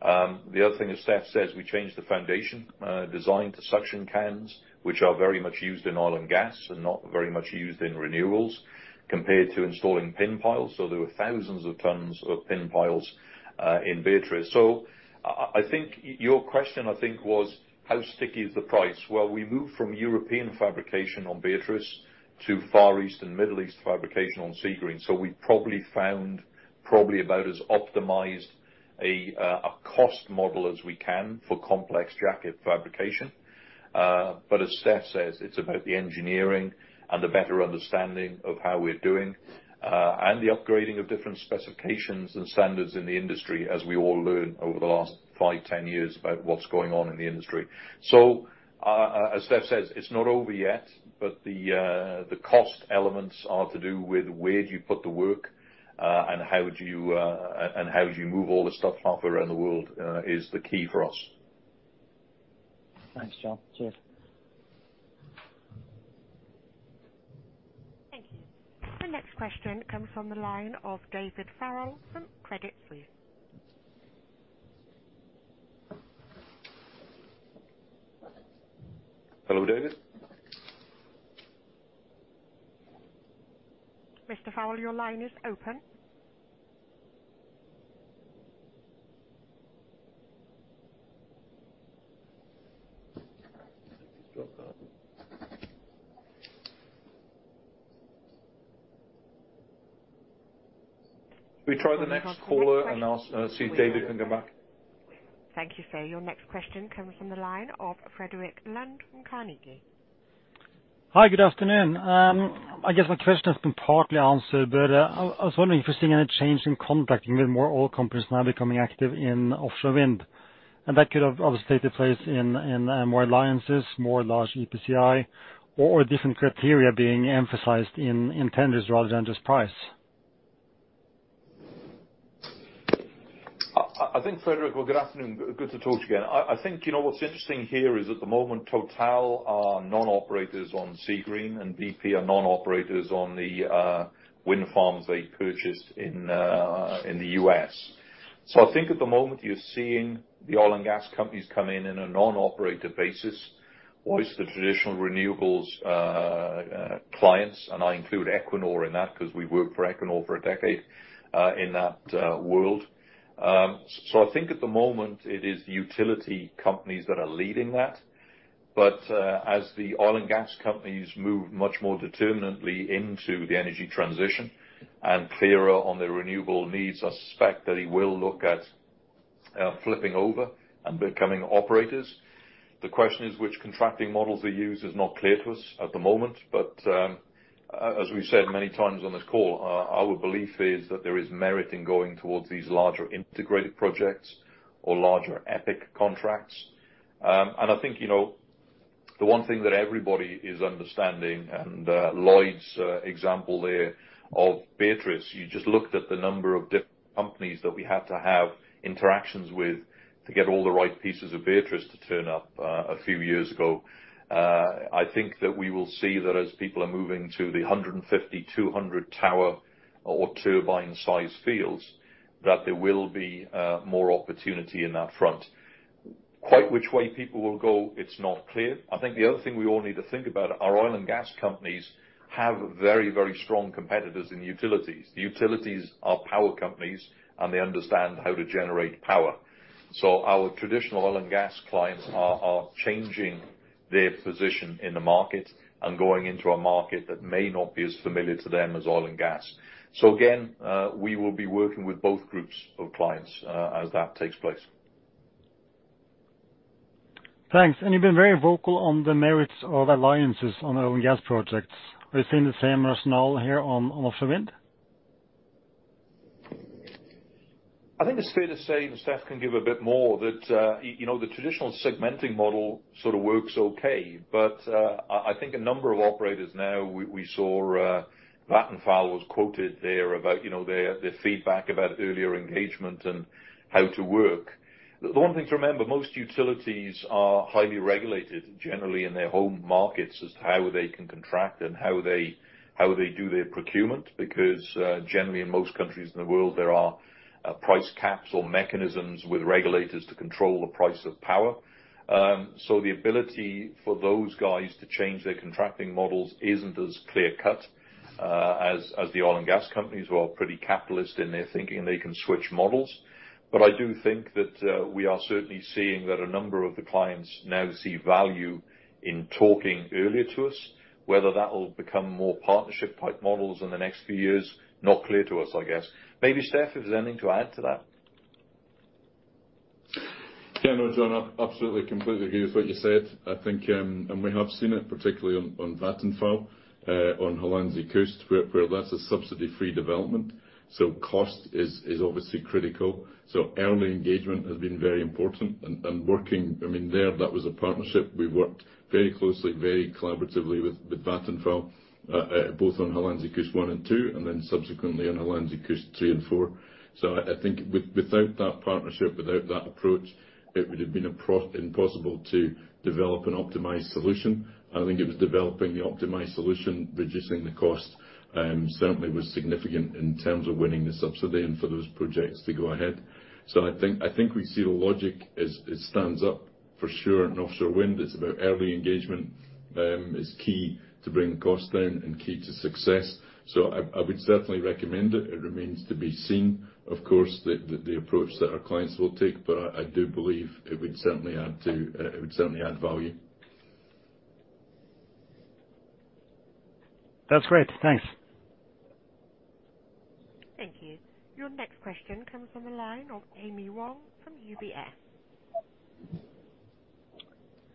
The other thing, as Stef says, we changed the foundation design to suction cans, which are very much used in oil and gas and not very much used in renewables, compared to installing pin piles. So there were thousands of tons of pin piles in Beatrice. So I think your question, I think, was: How sticky is the price? We moved from European fabrication on Beatrice to Far East and Middle East fabrication on Seagreen. So we probably found about as optimized a cost model as we can for complex jacket fabrication. But as Steph says, it's about the engineering and the better understanding of how we're doing and the upgrading of different specifications and standards in the industry, as we all learn over the last five, ten years about what's going on in the industry. So, as Steph says, it's not over yet, but the cost elements are to do with where do you put the work and how do you move all the stuff half around the world is the key for us. Thanks, John. Cheers. Thank you. The next question comes from the line of David Farrell from Credit Suisse. Hello, David. Mr. Farrell, your line is open. Can we try the next caller, and I'll see if David can come back? Thank you, sir. Your next question comes from the line of Frederik Lunde from Carnegie. Hi, good afternoon. I guess my question has been partly answered, but I was wondering if you're seeing any change in contracting with more oil companies now becoming active in offshore wind. And that could have obviously taken place in more alliances, more large EPCI or different criteria being emphasized in tenders rather than just price. I think, Frederik... Well, good afternoon. Good to talk to you again. I think, you know, what's interesting here is, at the moment, Total are non-operators on Seagreen, and BP are non-operators on the wind farms they purchased in the US. So I think at the moment you're seeing the oil and gas companies come in on a non-operator basis, or it's the traditional renewables clients, and I include Equinor in that, 'cause we worked for Equinor for a decade in that world. So I think at the moment it is utility companies that are leading that. But as the oil and gas companies move much more determinately into the energy transition and clearer on their renewable needs, I suspect that they will look at flipping over and becoming operators. The question is which contracting models they use is not clear to us at the moment, but, as we've said many times on this call, our belief is that there is merit in going towards these larger integrated projects or larger epic contracts. And I think, you know, the one thing that everybody is understanding, and, Lloyd's example there of Beatrice, you just looked at the number of different companies that we had to have interactions with to get all the right pieces of Beatrice to turn up, a few years ago. I think that we will see that as people are moving to the 150-200 tower or turbine size fields, that there will be more opportunity in that front. Quite which way people will go, it's not clear. I think the other thing we all need to think about are oil and gas companies have very, very strong competitors in utilities. The utilities are power companies, and they understand how to generate power. So our traditional oil and gas clients are changing their position in the market and going into a market that may not be as familiar to them as oil and gas. So again, we will be working with both groups of clients, as that takes place. Thanks, and you've been very vocal on the merits of alliances on oil and gas projects. Are you seeing the same rationale here on offshore wind? I think it's fair to say, and Stef can give a bit more, that, you know, the traditional segmenting model sort of works okay. But, I think a number of operators now, we saw, Vattenfall was quoted there about, you know, their feedback about earlier engagement, and how to work. The one thing to remember, most utilities are highly regulated, generally in their home markets, as to how they can contract and how they do their procurement, because, generally in most countries in the world, there are, price caps or mechanisms with regulators to control the price of power. So the ability for those guys to change their contracting models isn't as clear-cut, as the oil and gas companies, who are pretty capitalist in their thinking, and they can switch models. But I do think that we are certainly seeing that a number of the clients now see value in talking earlier to us. Whether that will become more partnership-type models in the next few years, not clear to us, I guess. Maybe, Steph, if there's anything to add to that? Yeah, no, John, I absolutely, completely agree with what you said. I think, and we have seen it particularly on Vattenfall, on Hollandse Kust, where that's a subsidy-free development, so cost is obviously critical. So early engagement has been very important and working. I mean, there, that was a partnership. We worked very closely, very collaboratively with Vattenfall, both on Hollandse Kust one and two, and then subsequently on Hollandse Kust three and four. So I think without that partnership, without that approach, it would have been impossible to develop an optimized solution. I think it was developing the optimized solution, reducing the cost, certainly was significant in terms of winning the subsidy and for those projects to go ahead. So I think we see the logic as it stands up for sure, in offshore wind. It's about early engagement is key to bringing cost down and key to success. So I would certainly recommend it. It remains to be seen, of course, the approach that our clients will take, but I do believe it would certainly add value. That's great. Thanks. Thank you. Your next question comes from the line of Amy Wong from UBS.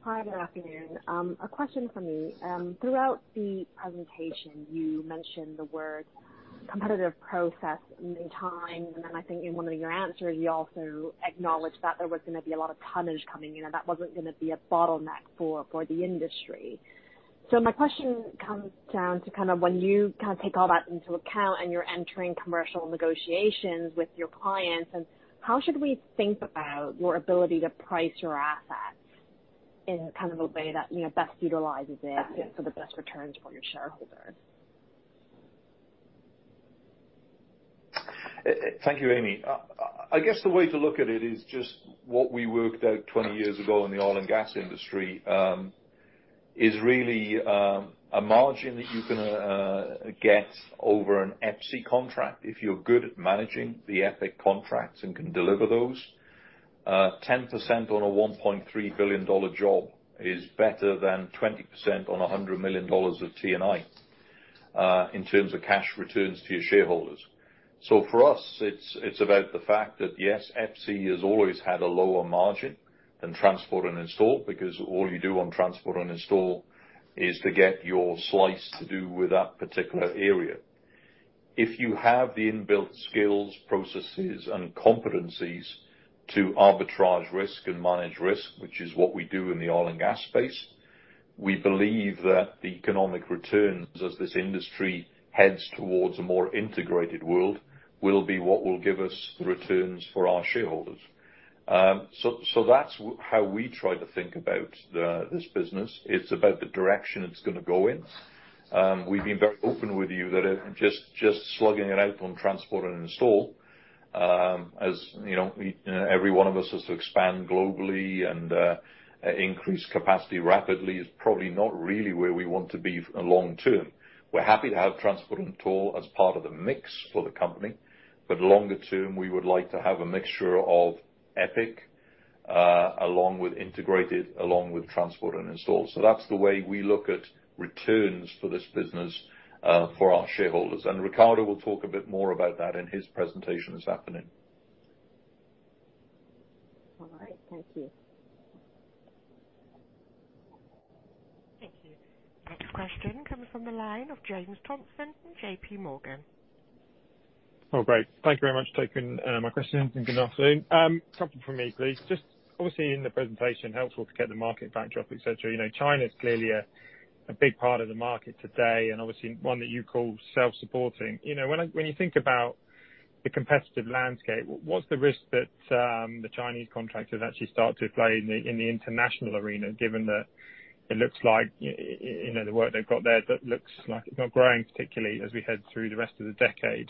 Hi, good afternoon. A question for me. Throughout the presentation, you mentioned the word competitive process many times, and then I think in one of your answers, you also acknowledged that there was gonna be a lot of tonnage coming in, and that wasn't gonna be a bottleneck for the industry. So my question comes down to kind of when you kind of take all that into account, and you're entering commercial negotiations with your clients, and how should we think about your ability to price your assets in kind of a way that, you know, best utilizes it for the best returns for your shareholders? Thank you, Amy. I guess the way to look at it is just what we worked out twenty years ago in the oil and gas industry, is really a margin that you can get over an EPIC contract, if you're good at managing the EPIC contracts and can deliver those. 10% on a $1.3 billion job is better than 20% on $100 million of T&I, in terms of cash returns to your shareholders. So for us, it's about the fact that, yes, EPIC has always had a lower margin than transport and install, because all you do on transport and install is to get your slice to do with that particular area. If you have the inbuilt skills, processes, and competencies to arbitrage risk and manage risk, which is what we do in the oil and gas space, we believe that the economic returns, as this industry heads towards a more integrated world, will be what will give us the returns for our shareholders. So that's how we try to think about this business. It's about the direction it's gonna go in. We've been very open with you that it just slugging it out on transport and install, as you know, we every one of us looks to expand globally and increase capacity rapidly, is probably not really where we want to be long term. We're happy to have transport and install as part of the mix for the company, but longer term, we would like to have a mixture of EPIC, along with integrated, along with transport and install. So that's the way we look at returns for this business, for our shareholders. And Ricardo will talk a bit more about that in his presentation this afternoon. All right. Thank you. Thank you. Next question comes from the line of James Thompson from J.P. Morgan. Oh, great. Thank you very much for taking my question, and good afternoon. Couple from me, please. Just obviously, in the presentation, helpful to get the market backdrop, et cetera. You know, China is clearly a big part of the market today, and obviously one that you call self-supporting. You know, when I-- when you think about the competitive landscape, what's the risk that the Chinese contractors actually start to play in the international arena, given that it looks like you know, the work they've got there, but looks like it's not growing, particularly as we head through the rest of the decade,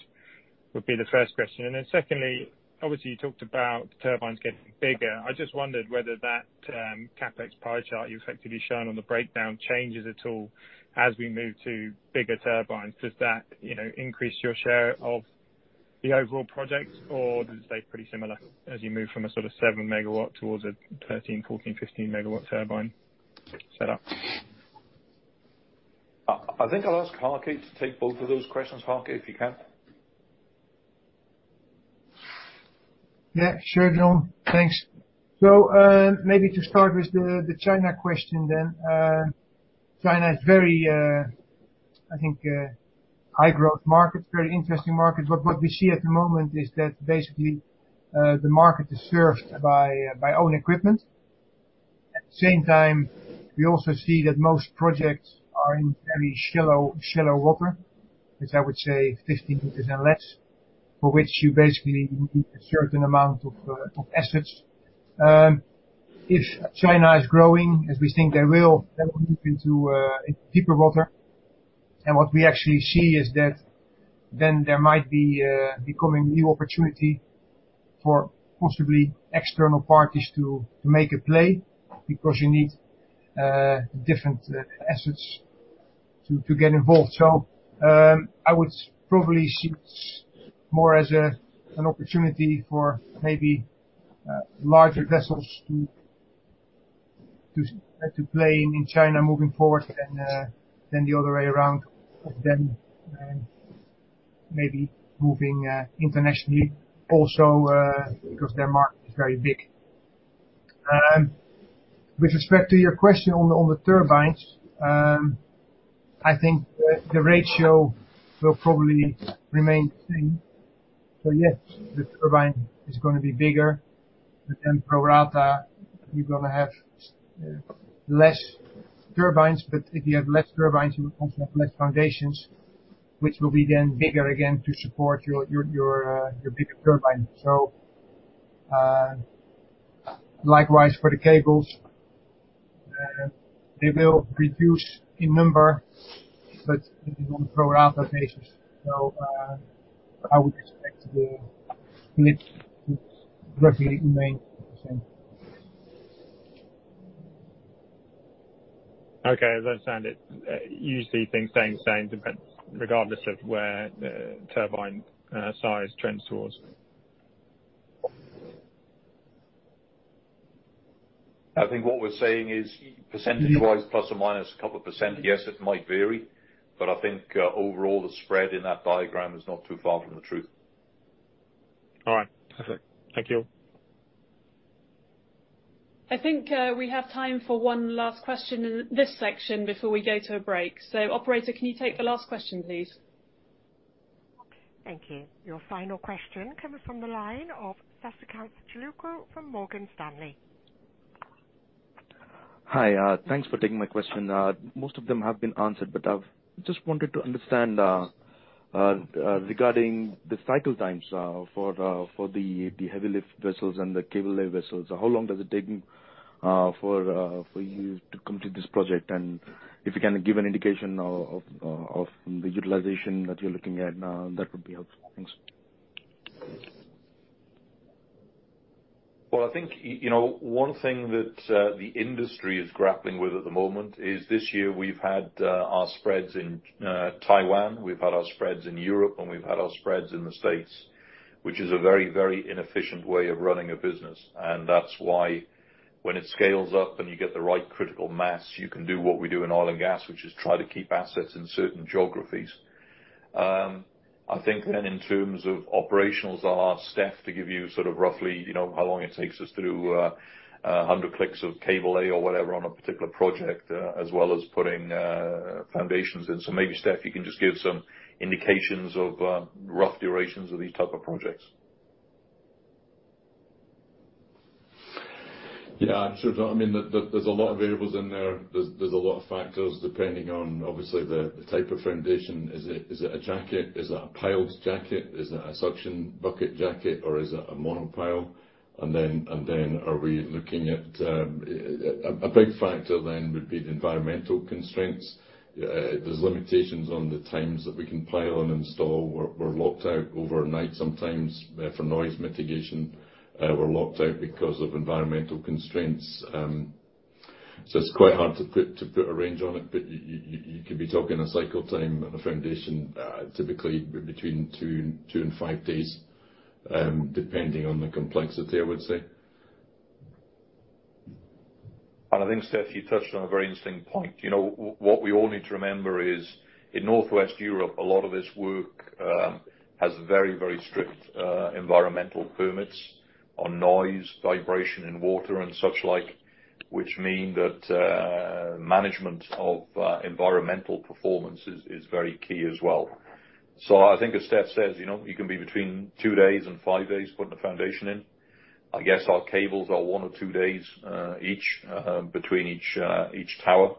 would be the first question. And then secondly, obviously, you talked about turbines getting bigger. I just wondered whether that, CapEx pie chart you've effectively shown on the breakdown changes at all as we move to bigger turbines. Does that, you know, increase your share of the overall project, or does it stay pretty similar as we move from a sort of 7-megawatt towards a 13-, 14-, 15-megawatt turbine setup? I think I'll ask Harke to take both of those questions. Harke, if you can? Yeah, sure, John. Thanks. So, maybe to start with the China question then. China is very, I think, high growth market, very interesting market, but what we see at the moment is that basically, the market is served by own equipment- At the same time, we also see that most projects are in very shallow water, which I would say 15-50% less, for which you basically need a certain amount of assets. If China is growing, as we think they will, then we move into deeper water. And what we actually see is that then there might be becoming new opportunity for possibly external parties to make a play because you need different assets to get involved. So, I would probably see it more as an opportunity for maybe larger vessels to play in China moving forward than the other way around, of them maybe moving internationally also because their market is very big. With respect to your question on the turbines, I think the ratio will probably remain the same. So yes, the turbine is gonna be bigger, but then pro rata, you're gonna have less turbines. But if you have less turbines, you will also have less foundations, which will be then bigger again to support your bigger turbine. So likewise for the cables, they will reduce in number, but on pro rata basis. So I would expect the lift to roughly remain the same. Okay. As I understand it, you see things staying the same, depends, regardless of where the turbine size trends towards. I think what we're saying is percentage-wise, plus or minus a couple %, yes, it might vary, but I think, overall, the spread in that diagram is not too far from the truth. All right. Perfect. Thank you. I think, we have time for one last question in this section before we go to a break. So operator, can you take the last question, please? Thank you. Your final question comes from the line of Sasikant Chilukuru from Morgan Stanley. Hi, thanks for taking my question. Most of them have been answered, but I've just wanted to understand, regarding the cycle times for the heavy lift vessels and the cable lay vessels. How long does it take for you to complete this project? And if you can give an indication of the utilization that you're looking at, that would be helpful. Thanks. I think, you know, one thing that, the industry is grappling with at the moment is this year we've had, our spreads in, Taiwan, we've had our spreads in Europe, and we've had our spreads in the States, which is a very, very inefficient way of running a business. And that's why when it scales up and you get the right critical mass, you can do what we do in oil and gas, which is try to keep assets in certain geographies. I think then, in terms of operationals, I'll ask Steph to give you sort of roughly, you know, how long it takes us to do, 100 clicks of cable lay or whatever on a particular project, as well as putting, foundations in. So maybe, Stef, you can just give some indications of, rough durations of these type of projects. Yeah, sure. I mean, there's a lot of variables in there. There's a lot of factors, depending on obviously the type of foundation. Is it a jacket? Is it a piled jacket? Is it a suction bucket jacket, or is it a monopile? And then are we looking at a big factor then would be the environmental constraints. There's limitations on the times that we can pile and install. We're locked out overnight, sometimes for noise mitigation. We're locked out because of environmental constraints. So it's quite hard to put a range on it, but you could be talking a cycle time on a foundation typically between two and five days, depending on the complexity, I would say. And I think, Stef, you touched on a very interesting point. You know, what we all need to remember is, in Northwest Europe, a lot of this work has very, very strict environmental permits on noise, vibration in water, and such like, which mean that management of environmental performance is very key as well. So I think as Stef says, you know, you can be between two days and five days putting a foundation in. I guess our cables are one or two days each between each tower.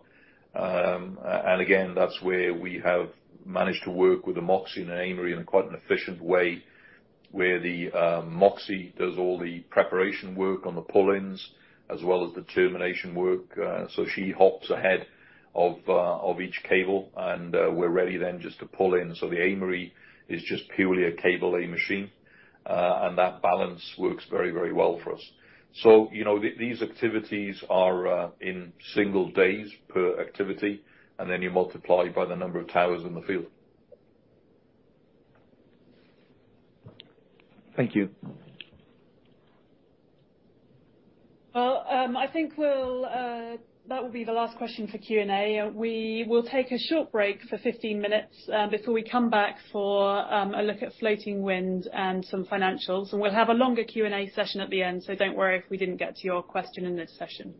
And again, that's where we have managed to work with the Moxie and the Aimery in quite an efficient way, where the Moxie does all the preparation work on the pull-ins as well as the termination work. So she hops ahead of each cable, and we're ready then just to pull in. So the Aimery is just purely a cable lay machine, and that balance works very, very well for us. So, you know, these activities are in single days per activity, and then you multiply by the number of towers in the field. Thank you. I think that will be the last question for Q&A. We will take a short break for 15 minutes before we come back for a look at floating wind and some financials. We'll have a longer Q&A session at the end, so don't worry if we didn't get to your question in this session.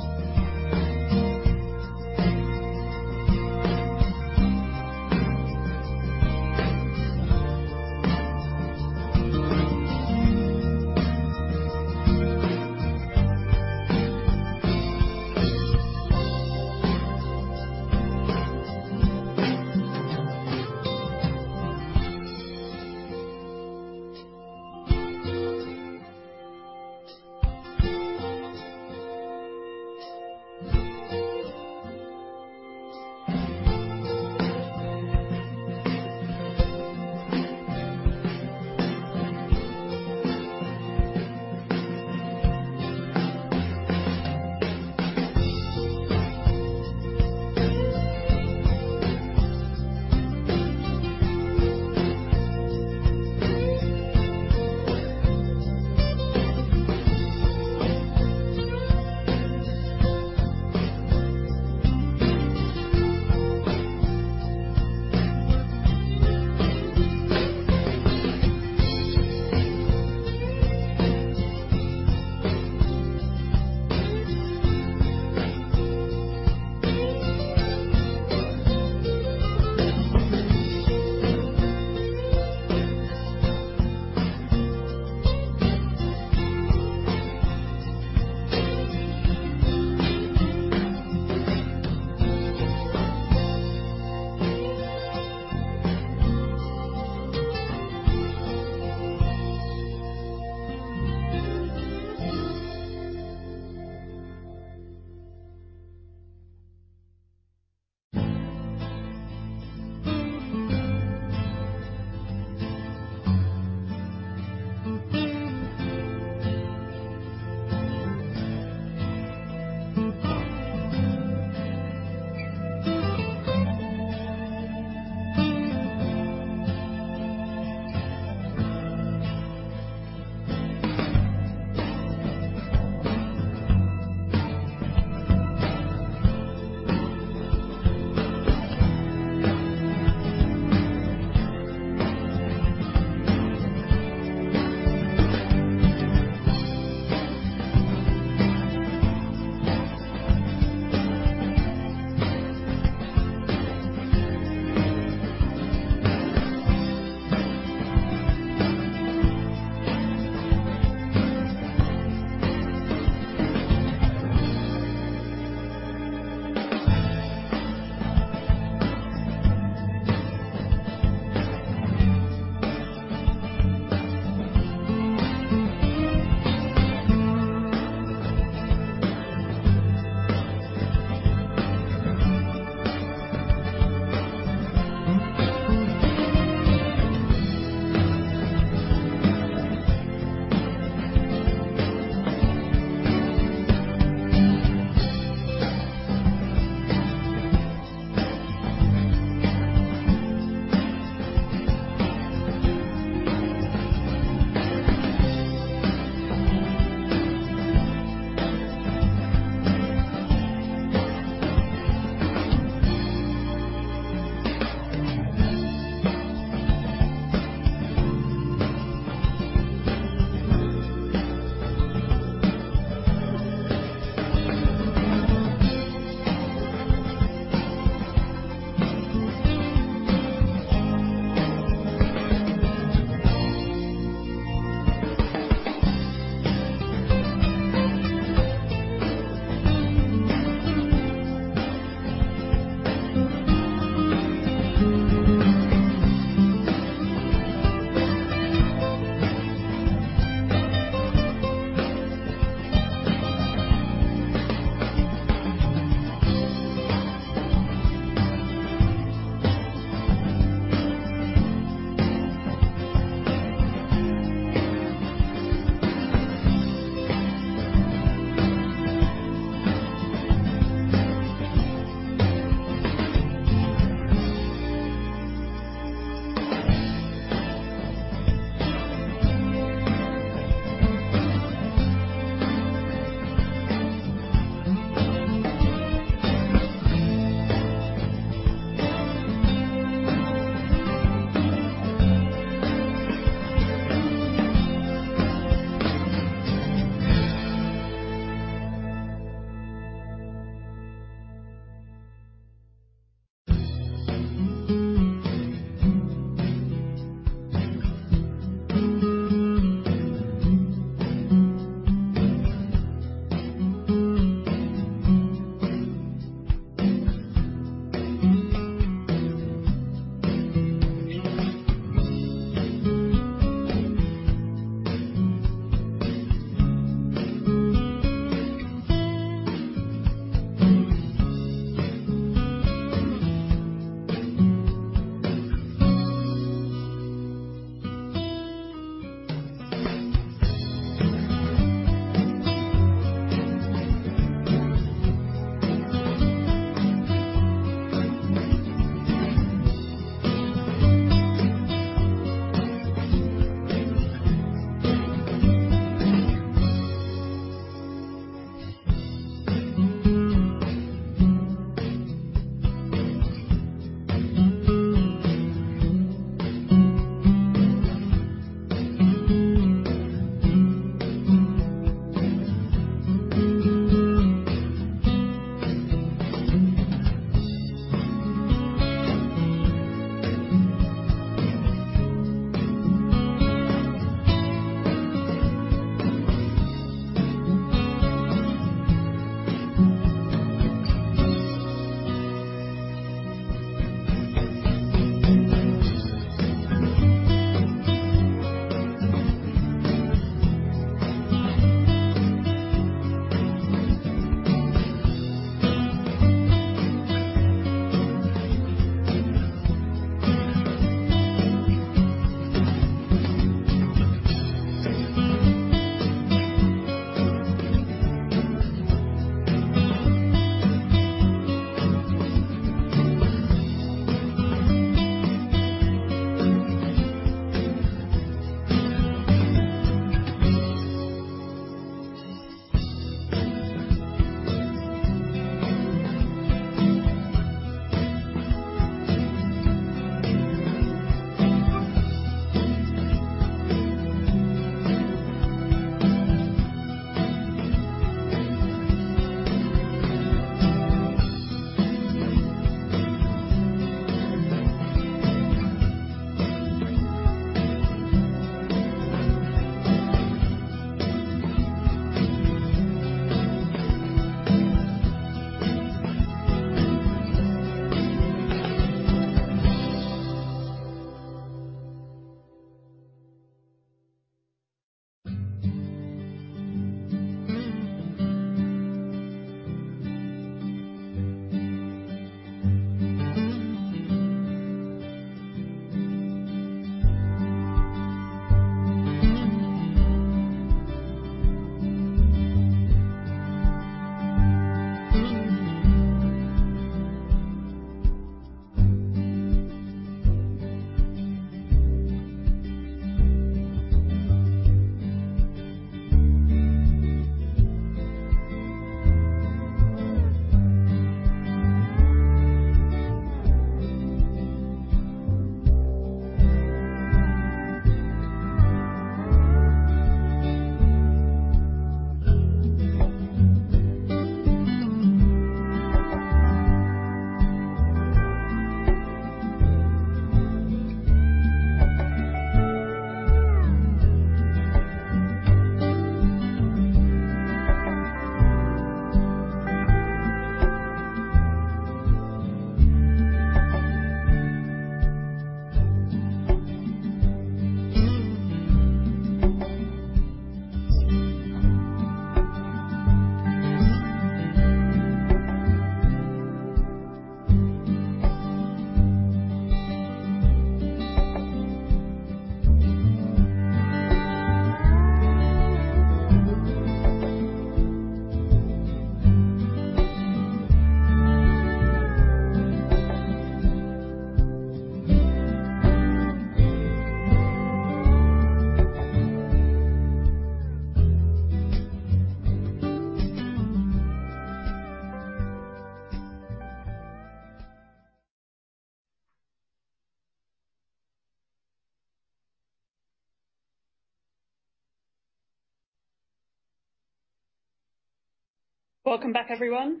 Welcome back, everyone.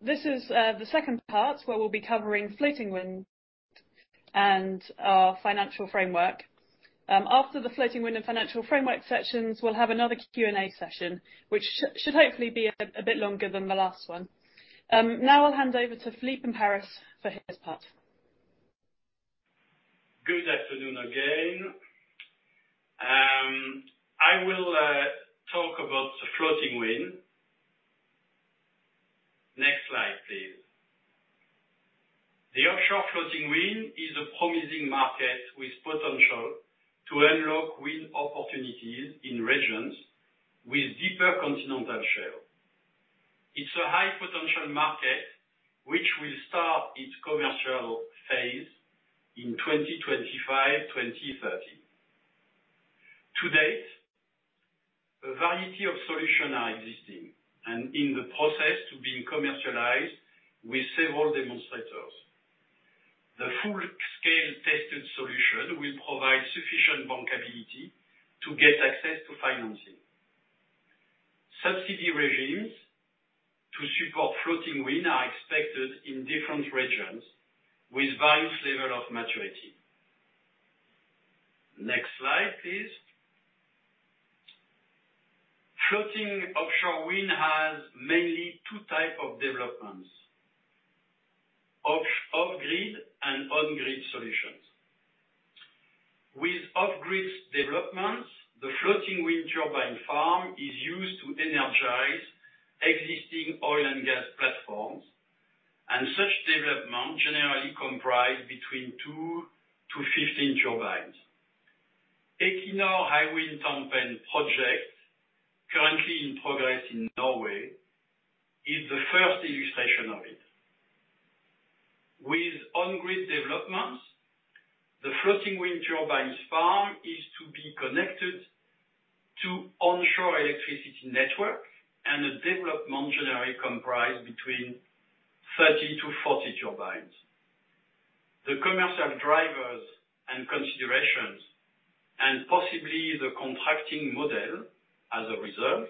This is the second part, where we'll be covering floating wind and our financial framework. After the floating wind and financial framework sections, we'll have another Q&A session, which should hopefully be a bit longer than the last one. Now I'll hand over to Philippe in Paris for his part. Good afternoon again. I will talk about the floating wind. Next slide, please. The offshore floating wind is a promising market with potential to unlock wind opportunities in regions with deeper continental shelf. It's a high potential market, which will start its commercial phase in 2025, 2030. To date, a variety of solution are existing, and in the process to being commercialized with several demonstrators. The full-scale tested solution will provide sufficient bankability to get access to financing. Subsidy regimes to support floating wind are expected in different regions with various level of maturity. Next slide, please. Floating offshore wind has mainly two type of developments, off-grid and on grid solutions. With off-grid developments, the floating wind turbine farm is used to energize existing oil and gas platforms, and such development generally comprise between two to 15 turbines. Equinor Hywind Tampen project, currently in progress in Norway, is the first illustration of it. With on-grid developments, the floating wind turbines farm is to be connected to onshore electricity network, and the development generally comprise between thirty to forty turbines. The commercial drivers and considerations, and possibly the contracting model as a result,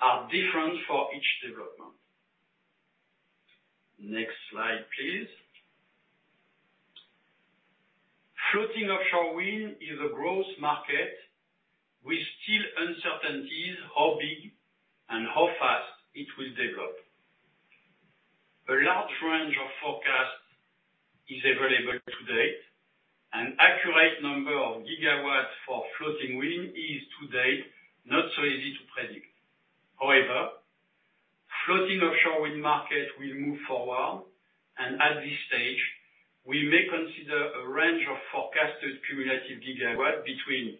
are different for each development. Next slide, please. Floating offshore wind is a growth market with still uncertainties, how big and how fast it will develop. A large range of forecast is available to date, an accurate number of gigawatts for floating wind is to date, not so easy to predict. However, floating offshore wind market will move forward, and at this stage, we may consider a range of forecasted cumulative gigawatt between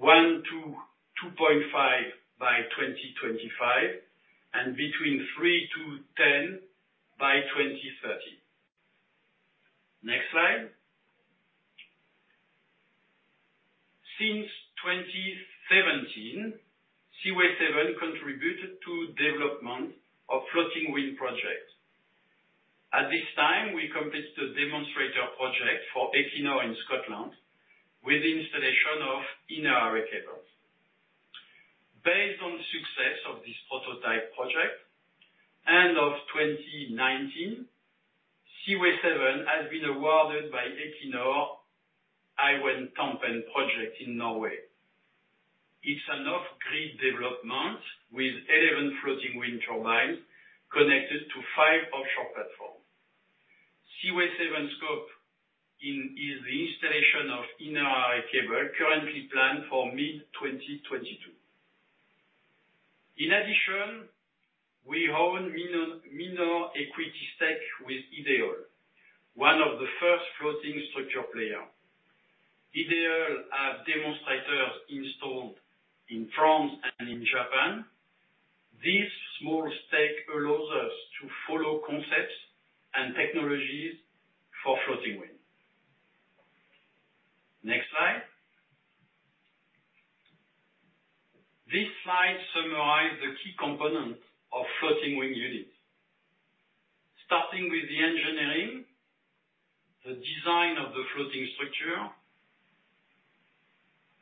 1-2.5 by 2025, and between 3-10 by 2030. Next slide. Since 2017, Seaway 7 contributed to development of floating wind project. At this time, we completed the demonstrator project for Equinor in Scotland with installation of inner array cables. Based on the success of this prototype project, end of 2019, Seaway 7 has been awarded by Equinor Hywind Tampen project in Norway. It's an off-grid development with 11 floating wind turbines connected to 5 offshore platforms. Seaway 7 scope is the installation of inner array cable, currently planned for mid-2022. In addition, we own minor equity stake with Ideol, one of the first floating structure player. Ideol have demonstrators installed in France and in Japan. This small stake allows us to follow concepts and technologies for floating wind. Next slide. This slide summarizes the key components of floating wind unit. Starting with the engineering, the design of the floating structure,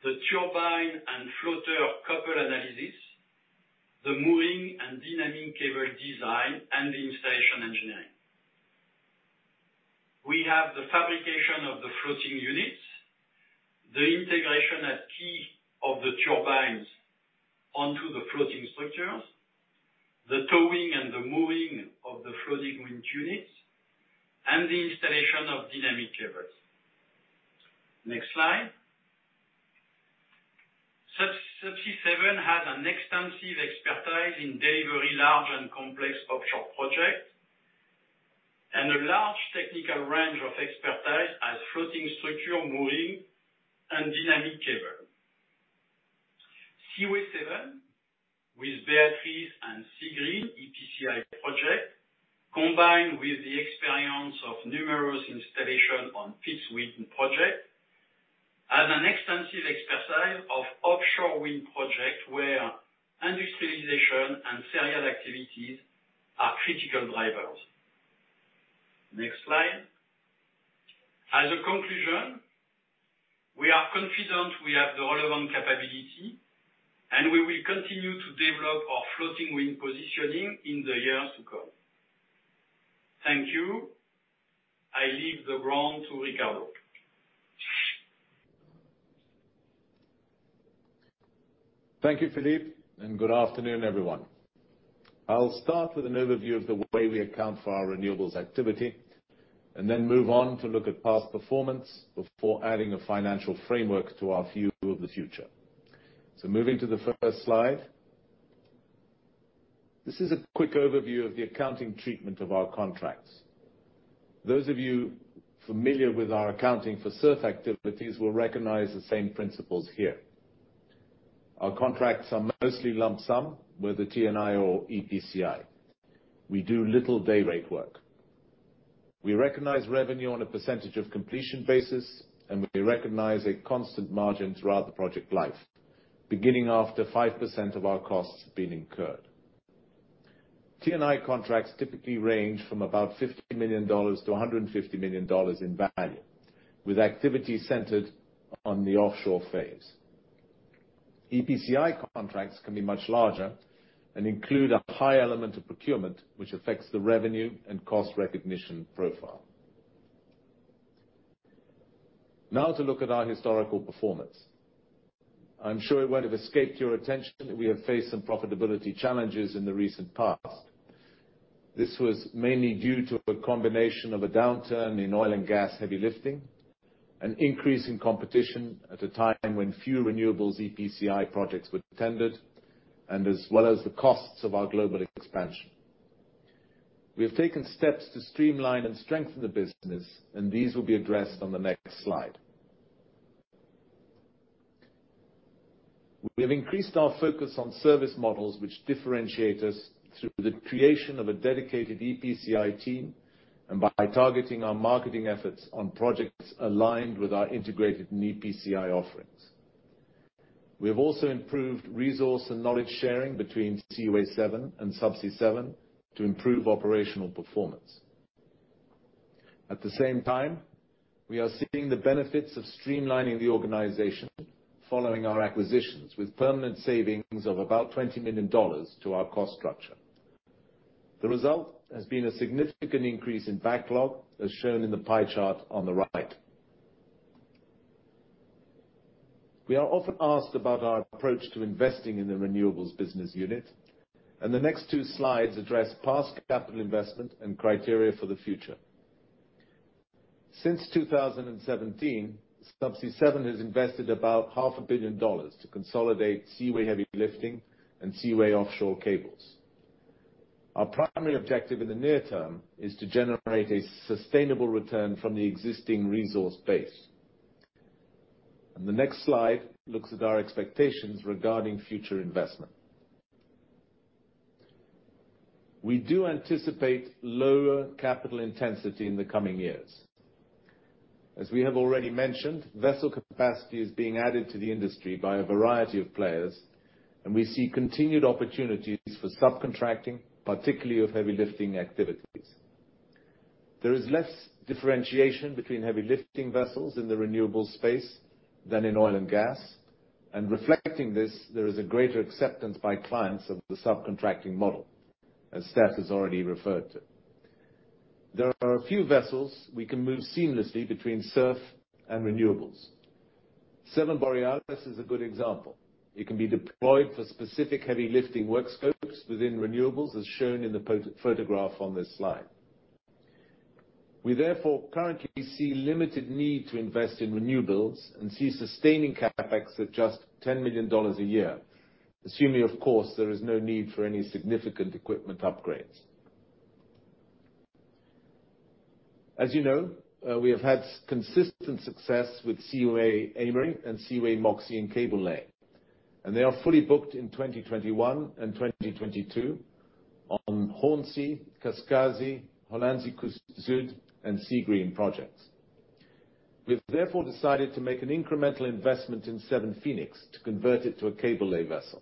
the turbine and floater coupled analysis, the mooring and dynamic cable design, and the installation engineering. We have the fabrication of the floating units, the integration at quayside of the turbines onto the floating structures, the towing and the moving of the floating wind units, and the installation of dynamic cables. Next slide. Subsea 7 has an extensive expertise in delivering large and complex offshore projects, and a large technical range of expertise in floating structure, mooring, and dynamic cable. Seaway 7, with Beatrice and Seagreen EPCI project, combined with the experience of numerous installations on fixed wind projects, has an extensive expertise in offshore wind projects, where industrialization and serial activities are critical drivers. Next slide. As a conclusion, we are confident we have the relevant capability, and we will continue to develop our floating wind positioning in the years to come. Thank you. I leave the ground to Ricardo. Thank you, Philippe, and good afternoon, everyone. I'll start with an overview of the way we account for our renewables activity, and then move on to look at past performance before adding a financial framework to our view of the future. So moving to the first slide, this is a quick overview of the accounting treatment of our contracts. Those of you familiar with our accounting for SURF activities will recognize the same principles here. Our contracts are mostly lump sum, whether T&I or EPCI. We do little day rate work. We recognize revenue on a percentage of completion basis, and we recognize a constant margin throughout the project life, beginning after 5% of our costs have been incurred. T&I contracts typically range from about $50 million to $150 million in value, with activity centered on the offshore phase. EPCI contracts can be much larger and include a high element of procurement, which affects the revenue and cost recognition profile. Now to look at our historical performance. I'm sure it won't have escaped your attention that we have faced some profitability challenges in the recent past. This was mainly due to a combination of a downturn in oil and gas heavy lifting, an increase in competition at a time when few renewables EPCI projects were tendered, and as well as the costs of our global expansion. We have taken steps to streamline and strengthen the business, and these will be addressed on the next slide. We have increased our focus on service models, which differentiate us through the creation of a dedicated EPCI team and by targeting our marketing efforts on projects aligned with our integrated EPCI offerings. We have also improved resource and knowledge sharing between Seaway 7 and Subsea 7 to improve operational performance. At the same time, we are seeing the benefits of streamlining the organization following our acquisitions, with permanent savings of about $20 million to our cost structure. The result has been a significant increase in backlog, as shown in the pie chart on the right. We are often asked about our approach to investing in the renewables business unit, and the next two slides address past capital investment and criteria for the future. Since 2017, Subsea 7 has invested about $500 million to consolidate Seaway Heavy Lifting and Seaway Offshore Cables. Our primary objective in the near term is to generate a sustainable return from the existing resource base. And the next slide looks at our expectations regarding future investment. We do anticipate lower capital intensity in the coming years. As we have already mentioned, vessel capacity is being added to the industry by a variety of players, and we see continued opportunities for subcontracting, particularly of heavy lifting activities. There is less differentiation between heavy lifting vessels in the renewables space than in oil and gas, and reflecting this, there is a greater acceptance by clients of the subcontracting model, as Steph has already referred to. There are a few vessels we can move seamlessly between SURF and renewables. Seven Borealis is a good example. It can be deployed for specific heavy lifting work scopes within renewables, as shown in the photograph on this slide. We therefore currently see limited need to invest in renewables and see sustaining CapEx at just $10 million a year, assuming, of course, there is no need for any significant equipment upgrades. As you know, we have had consistent success with Seaway Aimery and Seaway Moxie in cable lay, and they are fully booked in 2021 and 2022 on Hornsea, Kaskasi, Hollandse Kust Zuid, and Seagreen projects. We've therefore decided to make an incremental investment in Seven Phoenix to convert it to a cable lay vessel.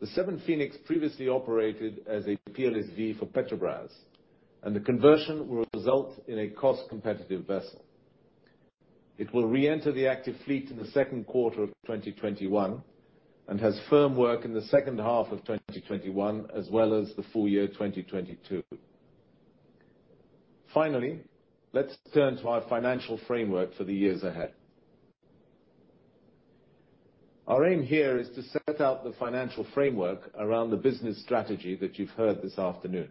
The Seven Phoenix previously operated as a PLSV for Petrobras, and the conversion will result in a cost-competitive vessel. It will reenter the active fleet in the second quarter of 2021 and has firm work in the second half of 2021, as well as the full year 2022. Finally, let's turn to our financial framework for the years ahead. Our aim here is to set out the financial framework around the business strategy that you've heard this afternoon.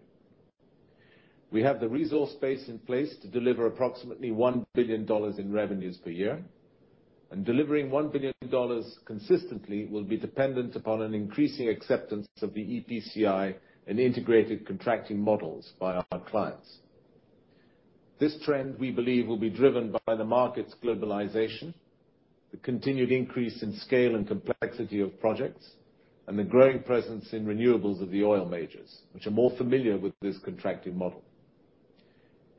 We have the resource base in place to deliver approximately $1 billion in revenues per year, and delivering $1 billion consistently will be dependent upon an increasing acceptance of the EPCI and integrated contracting models by our clients. This trend, we believe, will be driven by the market's globalization, the continued increase in scale and complexity of projects, and the growing presence in renewables of the oil majors, which are more familiar with this contracting model.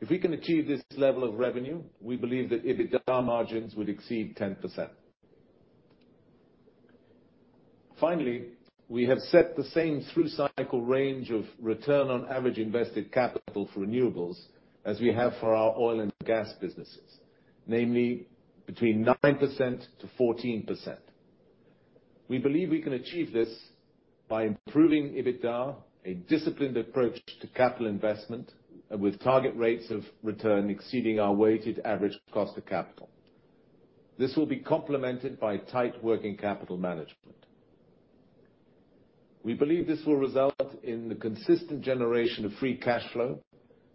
If we can achieve this level of revenue, we believe that EBITDA margins would exceed 10%. Finally, we have set the same through cycle range of return on average invested capital for renewables as we have for our oil and gas businesses, namely between 9% to 14%. We believe we can achieve this by improving EBITDA, a disciplined approach to capital investment, and with target rates of return exceeding our weighted average cost of capital. This will be complemented by tight working capital management. We believe this will result in the consistent generation of free cash flow,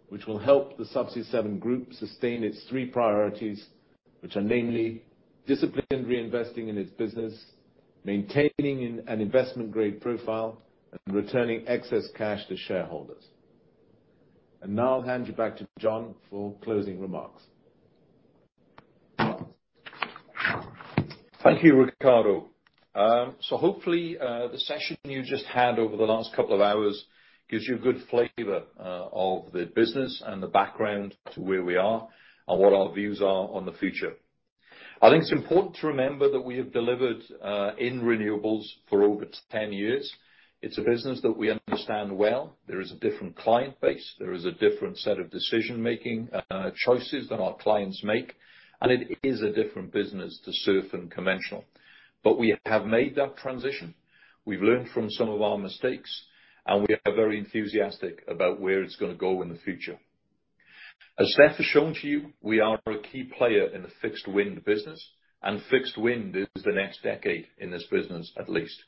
which will help the Subsea 7 Group sustain its three priorities, which are namely, disciplined reinvesting in its business, maintaining an investment-grade profile, and returning excess cash to shareholders. And now I'll hand you back to John for closing remarks. Thank you, Ricardo. So hopefully, the session you just had over the last couple of hours gives you a good flavor of the business and the background to where we are and what our views are on the future. I think it's important to remember that we have delivered in renewables for over 10 years. It's a business that we understand well. There is a different client base, there is a different set of decision-making choices that our clients make, and it is a different business to surf and conventional. But we have made that transition, we've learned from some of our mistakes, and we are very enthusiastic about where it's gonna go in the future. As Steph has shown to you, we are a key player in the fixed wind business, and fixed wind is the next decade in this business, at least.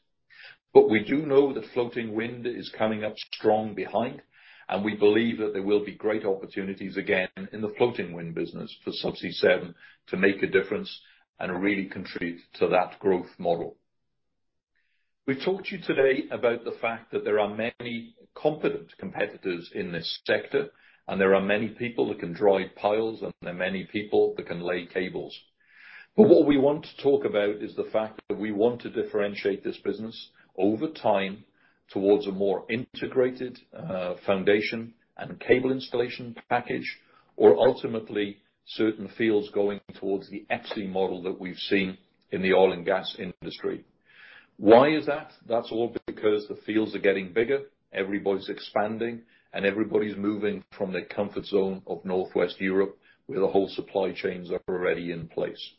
But we do know that floating wind is coming up strong behind, and we believe that there will be great opportunities again in the floating wind business for Subsea 7 to make a difference and really contribute to that growth model. We've talked to you today about the fact that there are many competent competitors in this sector, and there are many people that can drive piles, and there are many people that can lay cables. But what we want to talk about is the fact that we want to differentiate this business over time towards a more integrated, foundation and cable installation package, or ultimately, certain fields going towards the EPIC model that we've seen in the oil and gas industry. Why is that? That's all because the fields are getting bigger, everybody's expanding, and everybody's moving from their comfort zone of Northwest Europe, where the whole supply chains are already in place.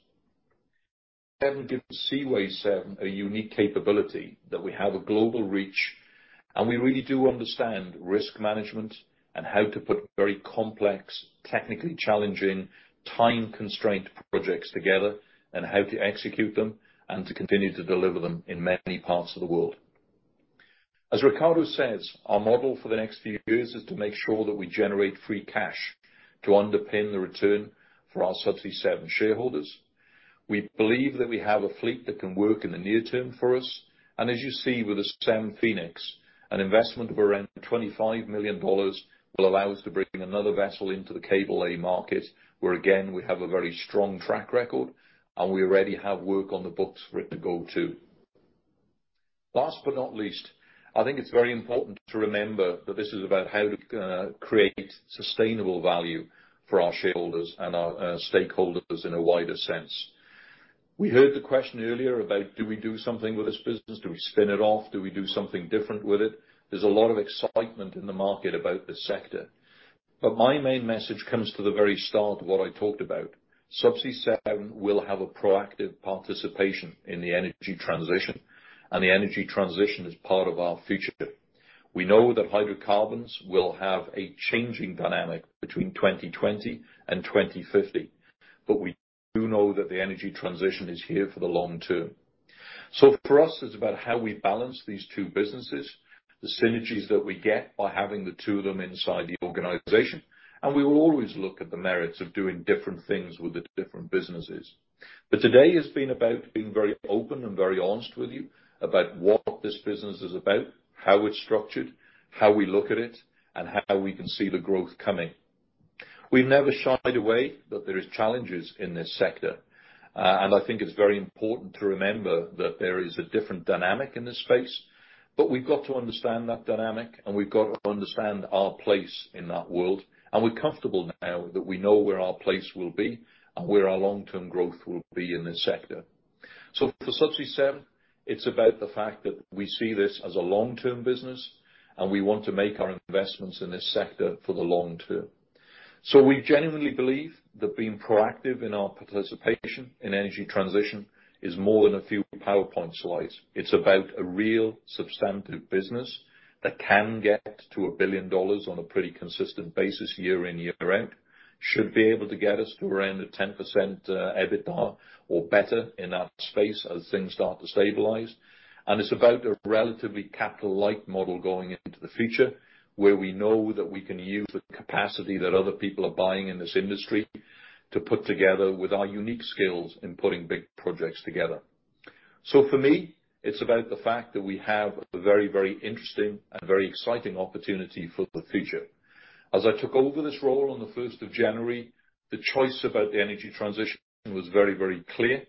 Seven gives Seaway 7 a unique capability that we have a global reach, and we really do understand risk management and how to put very complex, technically challenging, time-constrained projects together, and how to execute them, and to continue to deliver them in many parts of the world. As Ricardo says, our model for the next few years is to make sure that we generate free cash to underpin the return for our Subsea 7 shareholders. We believe that we have a fleet that can work in the near term for us, and as you see with the Seven Phoenix, an investment of around $25 million will allow us to bring another vessel into the cable lay market, where again, we have a very strong track record, and we already have work on the books for it to go to. Last but not least, I think it's very important to remember that this is about how to create sustainable value for our shareholders and our stakeholders in a wider sense. We heard the question earlier about, do we do something with this business? Do we spin it off? Do we do something different with it? There's a lot of excitement in the market about this sector, but my main message comes to the very start of what I talked about. Subsea 7 will have a proactive participation in the energy transition, and the energy transition is part of our future. We know that hydrocarbons will have a changing dynamic between 2020 and 2050, but we do know that the energy transition is here for the long term. So for us, it's about how we balance these two businesses, the synergies that we get by having the two of them inside the organization, and we will always look at the merits of doing different things with the different businesses. But today has been about being very open and very honest with you about what this business is about, how it's structured, how we look at it, and how we can see the growth coming. We've never shied away that there is challenges in this sector, and I think it's very important to remember that there is a different dynamic in this space, but we've got to understand that dynamic, and we've got to understand our place in that world. And we're comfortable now that we know where our place will be and where our long-term growth will be in this sector. So for Subsea 7, it's about the fact that we see this as a long-term business, and we want to make our investments in this sector for the long term. So we genuinely believe that being proactive in our participation in energy transition is more than a few PowerPoint slides. It's about a real substantive business that can get to $1 billion on a pretty consistent basis, year in, year out. Should be able to get us to around a 10%, EBITDA or better in that space as things start to stabilize. And it's about a relatively capital-light model going into the future, where we know that we can use the capacity that other people are buying in this industry to put together with our unique skills in putting big projects together. So for me, it's about the fact that we have a very, very interesting and very exciting opportunity for the future. As I took over this role on the first of January, the choice about the energy transition was very, very clear.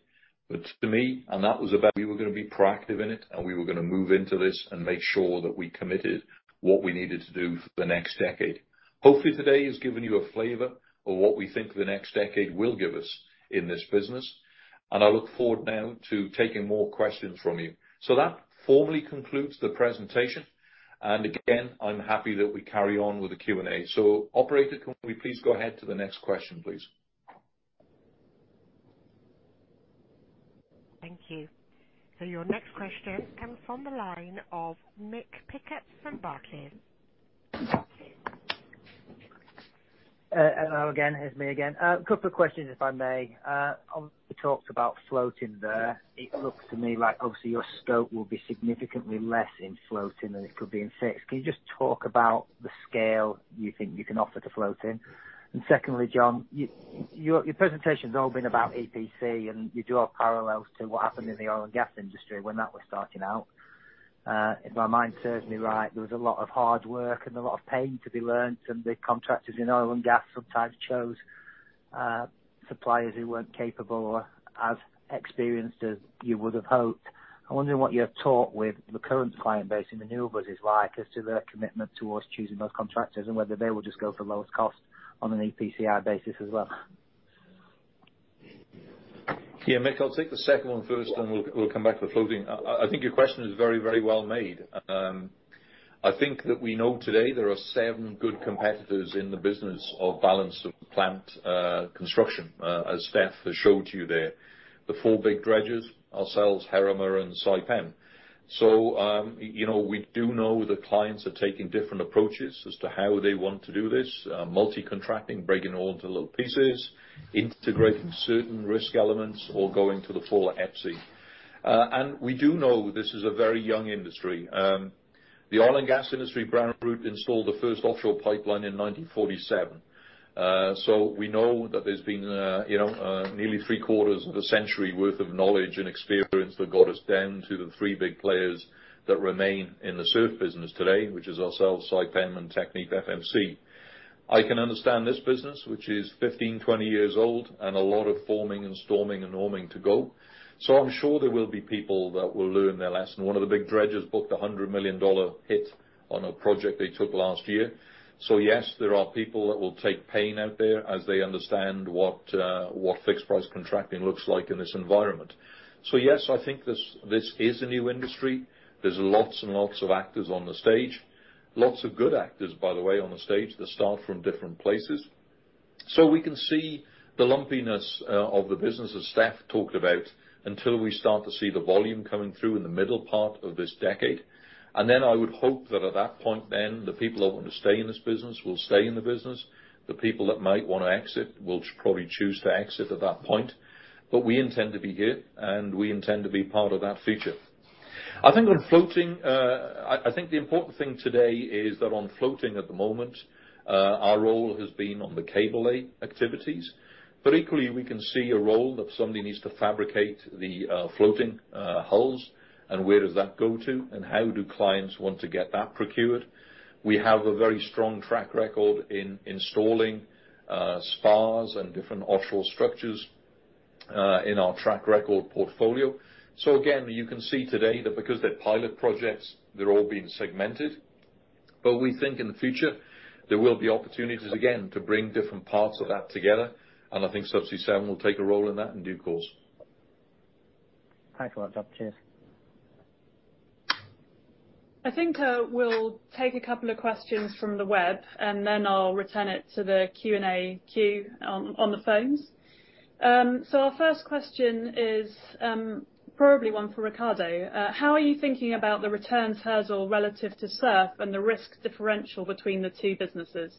But to me, and that was about we were gonna be proactive in it, and we were gonna move into this and make sure that we committed what we needed to do for the next decade. Hopefully, today has given you a flavor of what we think the next decade will give us in this business, and I look forward now to taking more questions from you. So that formally concludes the presentation, and again, I'm happy that we carry on with the Q&A, so operator, can we please go ahead to the next question, please? Thank you, so your next question comes from the line of Mick Pickett from Barclays. Hello again, it's me again. A couple of questions, if I may. Obviously, you talked about floating there. It looks to me like obviously your scope will be significantly less in floating than it could be in fixed. Can you just talk about the scale you think you can offer to floating? And secondly, John, your presentation has all been about EPC, and you draw parallels to what happened in the oil and gas industry when that was starting out. If my mind serves me right, there was a lot of hard work and a lot of pain to be learned, and the contractors in oil and gas sometimes chose suppliers who weren't capable or as experienced as you would have hoped. I'm wondering what you have thought with the current client base in the renewables is like, as to their commitment towards choosing those contractors and whether they will just go for the lowest cost on an EPCI basis as well. Yeah, Mick, I'll take the second one first, and we'll come back to the floating. I think your question is very, very well made. I think that we know today there are seven good competitors in the business of Balance of Plant construction, as Steph has showed you there. The four big dredgers, ourselves, Heerema and Saipem. So, you know, we do know that clients are taking different approaches as to how they want to do this. Multi-contracting, breaking it all into little pieces, integrating certain risk elements, or going to the full EPC. And we do know this is a very young industry. The oil and gas industry, Brown & Root, installed the first offshore pipeline in nineteen forty-seven. So we know that there's been, you know, nearly three-quarters of a century worth of knowledge and experience that got us down to the three big players that remain in the SURF business today, which is ourselves, Saipem, and TechnipFMC. I can understand this business, which is 15, 20 years old, and a lot of forming and storming and norming to go. So I'm sure there will be people that will learn their lesson. One of the big dredgers booked a $100 million hit on a project they took last year. So yes, there are people that will take pain out there as they understand what fixed price contracting looks like in this environment. So yes, I think this is a new industry. There's lots and lots of actors on the stage. Lots of good actors, by the way, on the stage that start from different places. So we can see the lumpiness of the business, as Stef talked about, until we start to see the volume coming through in the middle part of this decade. And then I would hope that at that point then, the people that want to stay in this business will stay in the business. The people that might want to exit will probably choose to exit at that point. But we intend to be here, and we intend to be part of that future. I think on floating, I think the important thing today is that on floating at the moment, our role has been on the cable activities, but equally, we can see a role that somebody needs to fabricate the floating hulls, and where does that go to, and how do clients want to get that procured? We have a very strong track record in installing spars and different offshore structures in our track record portfolio. So again, you can see today that because they're pilot projects, they're all being segmented. But we think in the future, there will be opportunities again to bring different parts of that together, and I think Subsea 7 will take a role in that in due course. Thanks a lot, John. Cheers. I think we'll take a couple of questions from the web, and then I'll return it to the Q&A queue on, on the phones. Our first question is probably one for Ricardo. How are you thinking about the return hurdle relative to SURF and the risk differential between the two businesses?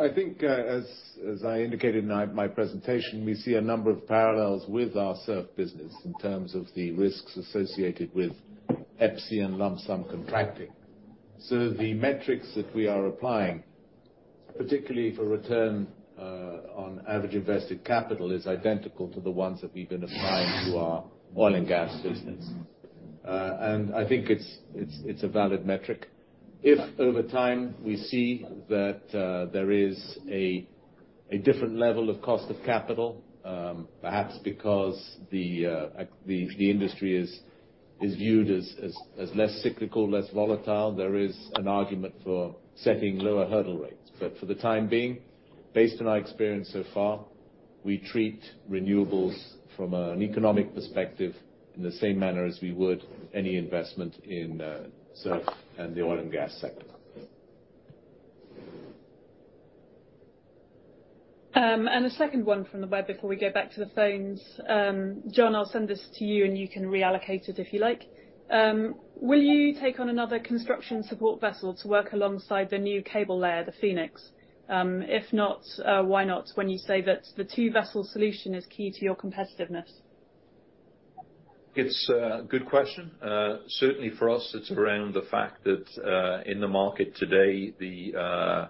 I think, as I indicated in my presentation, we see a number of parallels with our SURF business in terms of the risks associated with EPCI and lump-sum contracting. The metrics that we are applying, particularly for return on average invested capital, is identical to the ones that we've been applying to our oil and gas business. I think it's a valid metric. If over time we see that there is a different level of cost of capital, perhaps because the industry is viewed as less cyclical, less volatile, there is an argument for setting lower hurdle rates. But for the time being, based on our experience so far, we treat renewables from an economic perspective in the same manner as we would any investment in SURF and the oil and gas sector. And a second one from the web before we go back to the phones. John, I'll send this to you, and you can reallocate it if you like. Will you take on another construction support vessel to work alongside the new cable layer, the Phoenix? If not, why not, when you say that the two-vessel solution is key to your competitiveness? It's a good question. Certainly for us, it's around the fact that, in the market today, the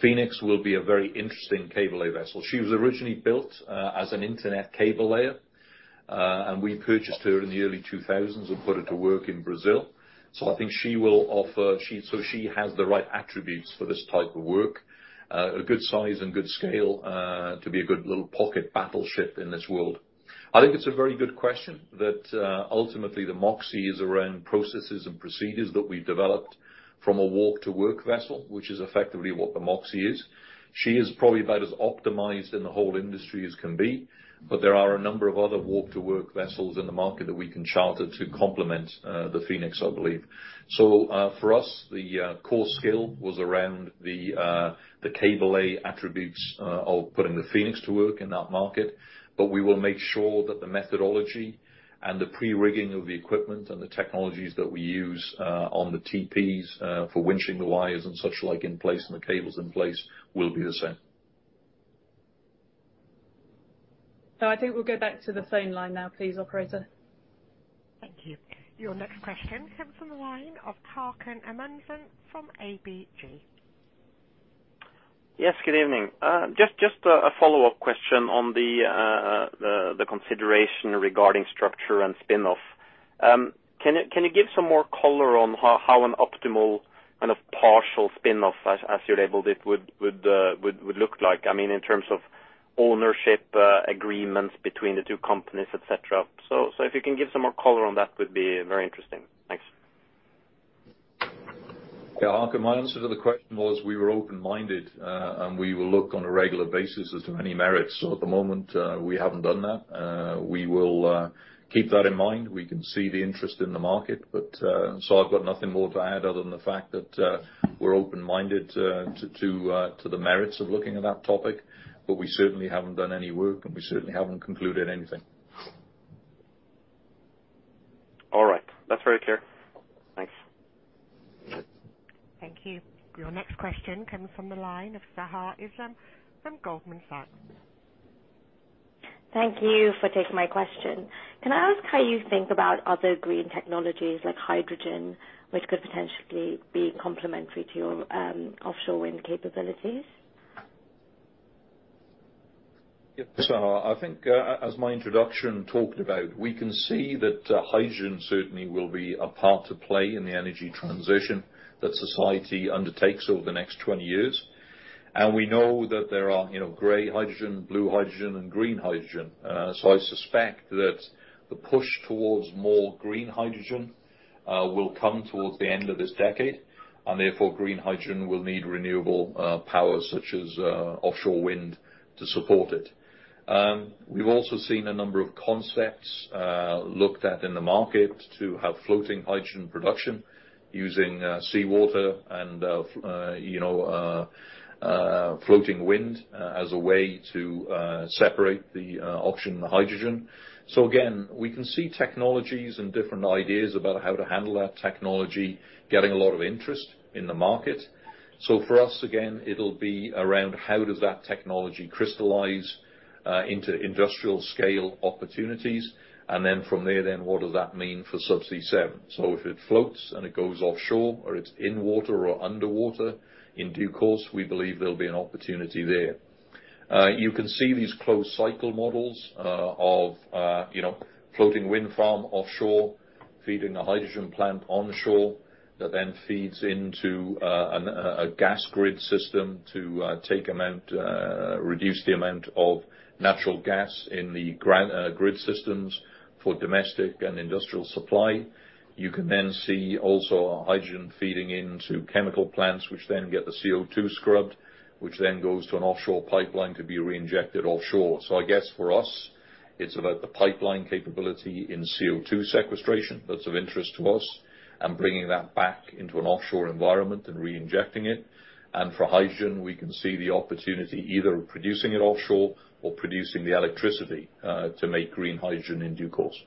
Phoenix will be a very interesting cable lay vessel. She was originally built, as an internet cable layer, and we purchased her in the early 2000s and put her to work in Brazil. So I think she will offer. So she has the right attributes for this type of work, a good size and good scale, to be a good little pocket battleship in this world. I think it's a very good question that, ultimately, the Moxie is around processes and procedures that we've developed from a walk-to-work vessel, which is effectively what the Moxie is. She is probably about as optimized in the whole industry as can be, but there are a number of other walk-to-work vessels in the market that we can charter to complement, the Phoenix, I believe. So, for us, the core skill was around the cable lay attributes of putting the Phoenix to work in that market, but we will make sure that the methodology and the pre-rigging of the equipment and the technologies that we use on the TPs for winching the wires and such like in place and the cables in place will be the same. So I think we'll go back to the phone line now, please, operator. Thank you. Your next question comes from the line of Haakon Amundsen from ABG. Yes, good evening. Just a follow-up question on the consideration regarding structure and spin-off. Can you give some more color on how an optimal and a partial spin-off, as you labeled it, would look like? I mean, in terms of ownership, agreements between the two companies, et cetera. So if you can give some more color on that would be very interesting. Thanks. Yeah, Haakon, my answer to the question was we were open-minded, and we will look on a regular basis as to any merits. So at the moment, we haven't done that. We will keep that in mind. We can see the interest in the market, but, so I've got nothing more to add other than the fact that, we're open-minded to the merits of looking at that topic, but we certainly haven't done any work, and we certainly haven't concluded anything. All right. That's very clear. Thanks. Thank you. Your next question comes from the line of Sahar Islam from Goldman Sachs. Thank you for taking my question. Can I ask how you think about other green technologies, like hydrogen, which could potentially be complementary to your offshore wind capabilities? Yes, Sahar, I think, as my introduction talked about, we can see that, hydrogen certainly will be a part to play in the energy transition that society undertakes over the next twenty years. And we know that there are, you know, gray hydrogen, blue hydrogen, and green hydrogen. So I suspect that the push towards more green hydrogen, will come towards the end of this decade, and therefore, green hydrogen will need renewable, power, such as, offshore wind to support it. We've also seen a number of concepts, looked at in the market to have floating hydrogen production using, seawater and, you know, floating wind, as a way to, separate the, oxygen and the hydrogen. Again, we can see technologies and different ideas about how to handle that technology, getting a lot of interest in the market. For us, again, it'll be around how does that technology crystallize into industrial scale opportunities, and then from there, what does that mean for Subsea 7? If it floats and it goes offshore or it's in water or underwater, in due course, we believe there'll be an opportunity there. You can see these closed cycle models of you know, floating wind farm offshore, feeding a hydrogen plant onshore, that then feeds into a gas grid system to reduce the amount of natural gas in the grid systems for domestic and industrial supply. You can then see also hydrogen feeding into chemical plants, which then get the CO2 scrubbed, which then goes to an offshore pipeline to be reinjected offshore. So I guess for us, it's about the pipeline capability in CO2 sequestration that's of interest to us, and bringing that back into an offshore environment and reinjecting it. And for hydrogen, we can see the opportunity either of producing it offshore or producing the electricity, to make green hydrogen in due course.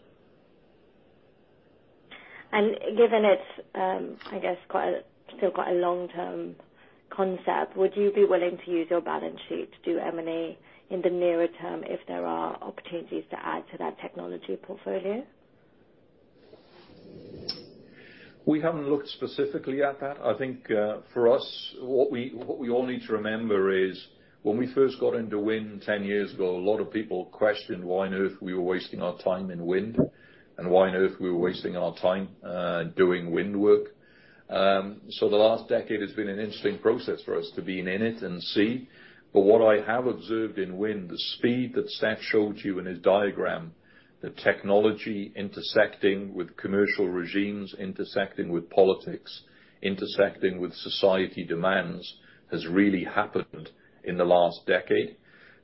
Given it's, I guess, still quite a long-term concept, would you be willing to use your balance sheet to do M&A in the nearer term if there are opportunities to add to that technology portfolio? We haven't looked specifically at that. I think, for us, what we, what we all need to remember is when we first got into wind ten years ago, a lot of people questioned why on earth we were wasting our time in wind, and why on earth we were wasting our time, doing wind work. So the last decade has been an interesting process for us to be in it and see. But what I have observed in wind, the speed that Seth showed you in his diagram, the technology intersecting with commercial regimes, intersecting with politics, intersecting with society demands, has really happened in the last decade.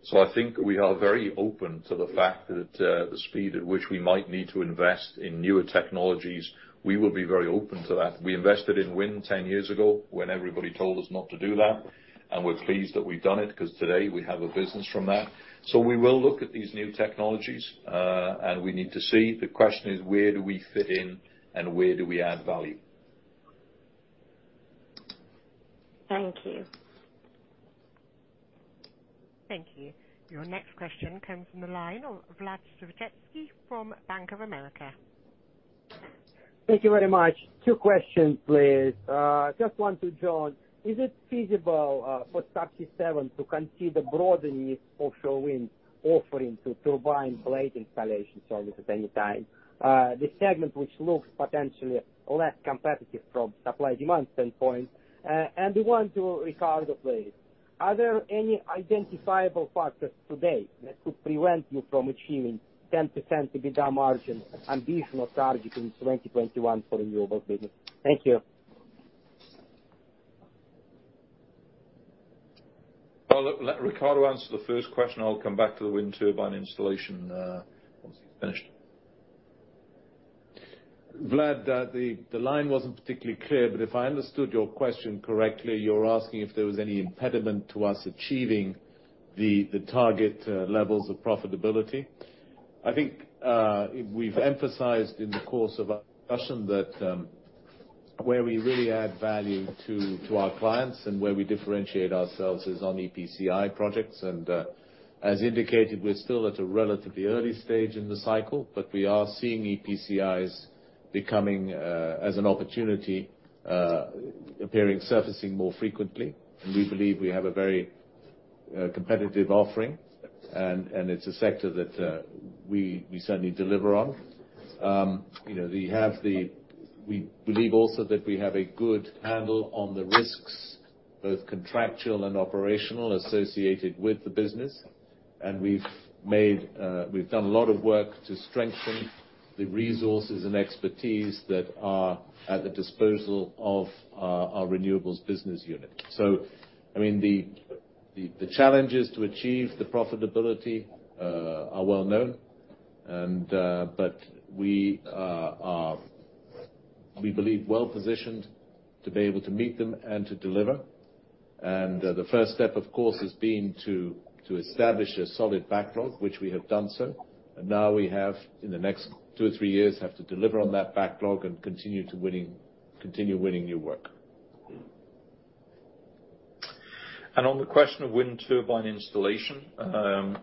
So I think we are very open to the fact that, the speed at which we might need to invest in newer technologies, we will be very open to that. We invested in wind ten years ago when everybody told us not to do that, and we're pleased that we've done it, because today we have a business from that. So we will look at these new technologies, and we need to see. The question is: Where do we fit in, and where do we add value? Thank you. Thank you. Your next question comes from the line of Vlad Slivchevsky from Bank of America. Thank you very much. Two questions, please. Just one to John. Is it feasible for Subsea 7 to consider broadening offshore wind offering to turbine blade installation service at any time? The segment which looks potentially less competitive from supply-demand standpoint. And one to Ricardo, please. Are there any identifiable factors today that could prevent you from achieving 10% EBITDA margin ambitious target in 2021 for renewable business? Thank you. Let Ricardo answer the first question. I'll come back to the wind turbine installation once he's finished. Vlad, the line wasn't particularly clear, but if I understood your question correctly, you're asking if there was any impediment to us achieving the target levels of profitability. I think, we've emphasized in the course of our discussion that where we really add value to our clients and where we differentiate ourselves is on EPCI projects, and, as indicated, we're still at a relatively early stage in the cycle, but we are seeing EPCIs becoming as an opportunity appearing, surfacing more frequently. We believe we have a very competitive offering, and it's a sector that we certainly deliver on. You know, we believe also that we have a good handle on the risks, both contractual and operational, associated with the business. We've done a lot of work to strengthen the resources and expertise that are at the disposal of our renewables business unit. I mean, the challenges to achieve the profitability are well known, but we are, we believe, well positioned to be able to meet them and to deliver. The first step, of course, has been to establish a solid backlog, which we have done so, and now we have, in the next two or three years, to deliver on that backlog and continue winning new work. And on the question of wind turbine installation,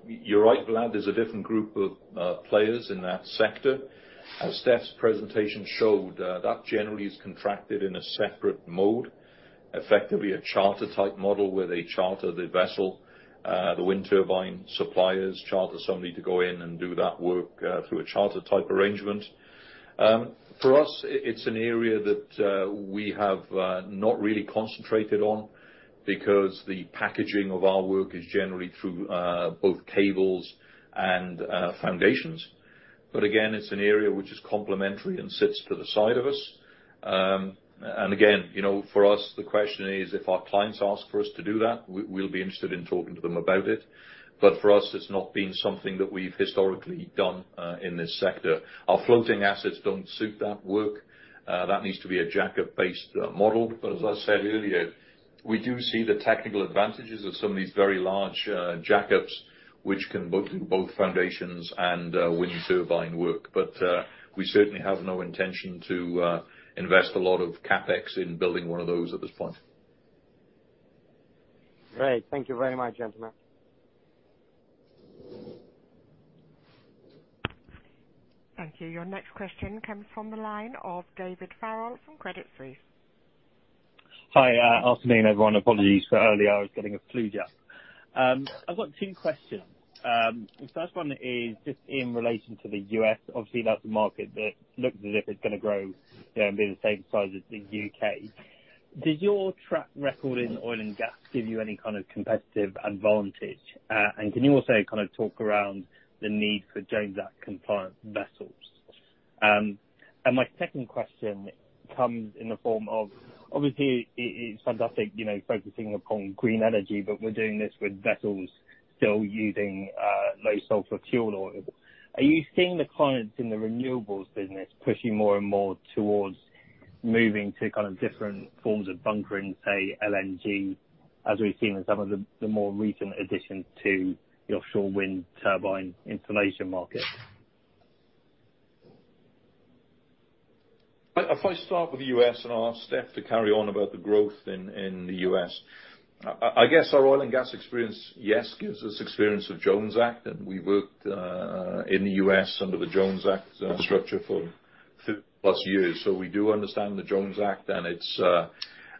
you're right, Vlad, there's a different group of players in that sector. As Seth's presentation showed, that generally is contracted in a separate mode, effectively a charter-type model where they charter the vessel. The wind turbine suppliers charter somebody to go in and do that work through a charter-type arrangement. For us, it's an area that we have not really concentrated on, because the packaging of our work is generally through both cables and foundations. But again, it's an area which is complementary and sits to the side of us. And again, you know, for us, the question is, if our clients ask for us to do that, we'll be interested in talking to them about it. But for us, it's not been something that we've historically done in this sector. Our floating assets don't suit that work. That needs to be a jacket-based model. But as I said earlier, we do see the technical advantages of some of these very large jackets, which can do both foundations and wind turbine work. But we certainly have no intention to invest a lot of CapEx in building one of those at this point. Great. Thank you very much, gentlemen. Thank you. Your next question comes from the line of David Farrell from Credit Suisse. Hi, afternoon, everyone. Apologies for earlier, I was getting a flu jab. I've got two questions. The first one is just in relation to the U.S. Obviously, that's a market that looks as if it's gonna grow, you know, and be the same size as the U.K. Does your track record in oil and gas give you any kind of competitive advantage? And can you also kind of talk around the need for Jones Act-compliant vessels? And my second question comes in the form of, obviously, it's fantastic, you know, focusing upon green energy, but we're doing this with vessels still using, low sulfur fuel oil. Are you seeing the clients in the renewables business pushing more and more towards moving to kind of different forms of bunkering, say, LNG, as we've seen in some of the, the more recent additions to the offshore wind turbine installation market? If I start with the U.S. and ask Steph to carry on about the growth in the U.S. I guess our oil and gas experience, yes, gives us experience of Jones Act, and we worked in the U.S. under the Jones Act structure for 50-plus years. So we do understand the Jones Act and its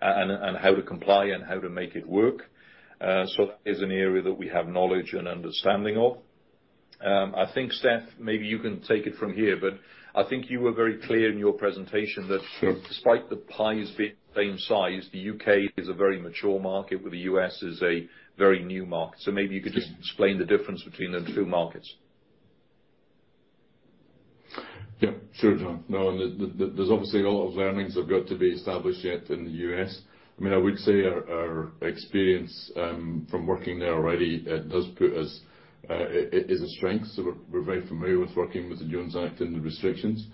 and how to comply and how to make it work. So that is an area that we have knowledge and understanding of. I think, Steph, maybe you can take it from here, but I think you were very clear in your presentation that despite the pies being the same size, the U.K. is a very mature market, where the U.S. is a very new market. So maybe you could just explain the difference between the two markets. Yeah, sure, John. No, and there's obviously a lot of learnings have got to be established yet in the US. I mean, I would say our experience from working there already, it does put us, it is a strength, so we're very familiar with working with the Jones Act and the restrictions.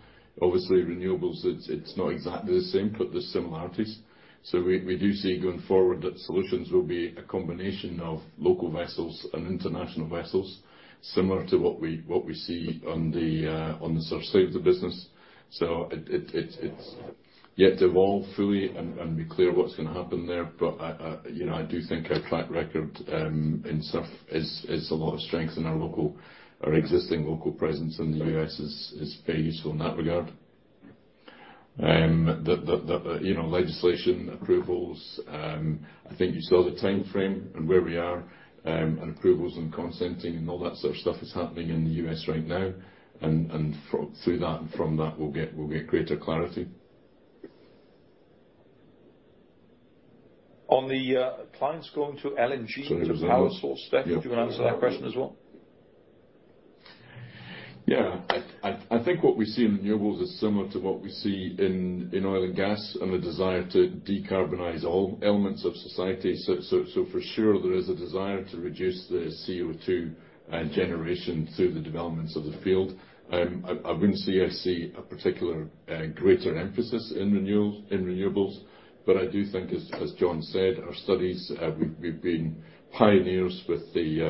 Obviously, renewables, it's not exactly the same, but there's similarities. So we do see going forward that solutions will be a combination of local vessels and international vessels, similar to what we see on the surf side of the business. So it's yet to evolve fully and be clear what's going to happen there. But, you know, I do think our track record in SURF is a lot of strength. Our existing local presence in the U.S. is very useful in that regard. You know, the legislation, approvals, I think you saw the timeframe and where we are, and approvals and consenting and all that sort of stuff is happening in the U.S. right now, and through that and from that, we'll get greater clarity. On the clients going to LNG- Sorry... to power sources. Steph, do you want to answer that question as well? Yeah. I think what we see in renewables is similar to what we see in oil and gas, and the desire to decarbonize all elements of society. So for sure, there is a desire to reduce the CO2 generation through the developments of the field. I wouldn't say I see a particular greater emphasis in renewables, but I do think as John said, our studies, we've been pioneers with the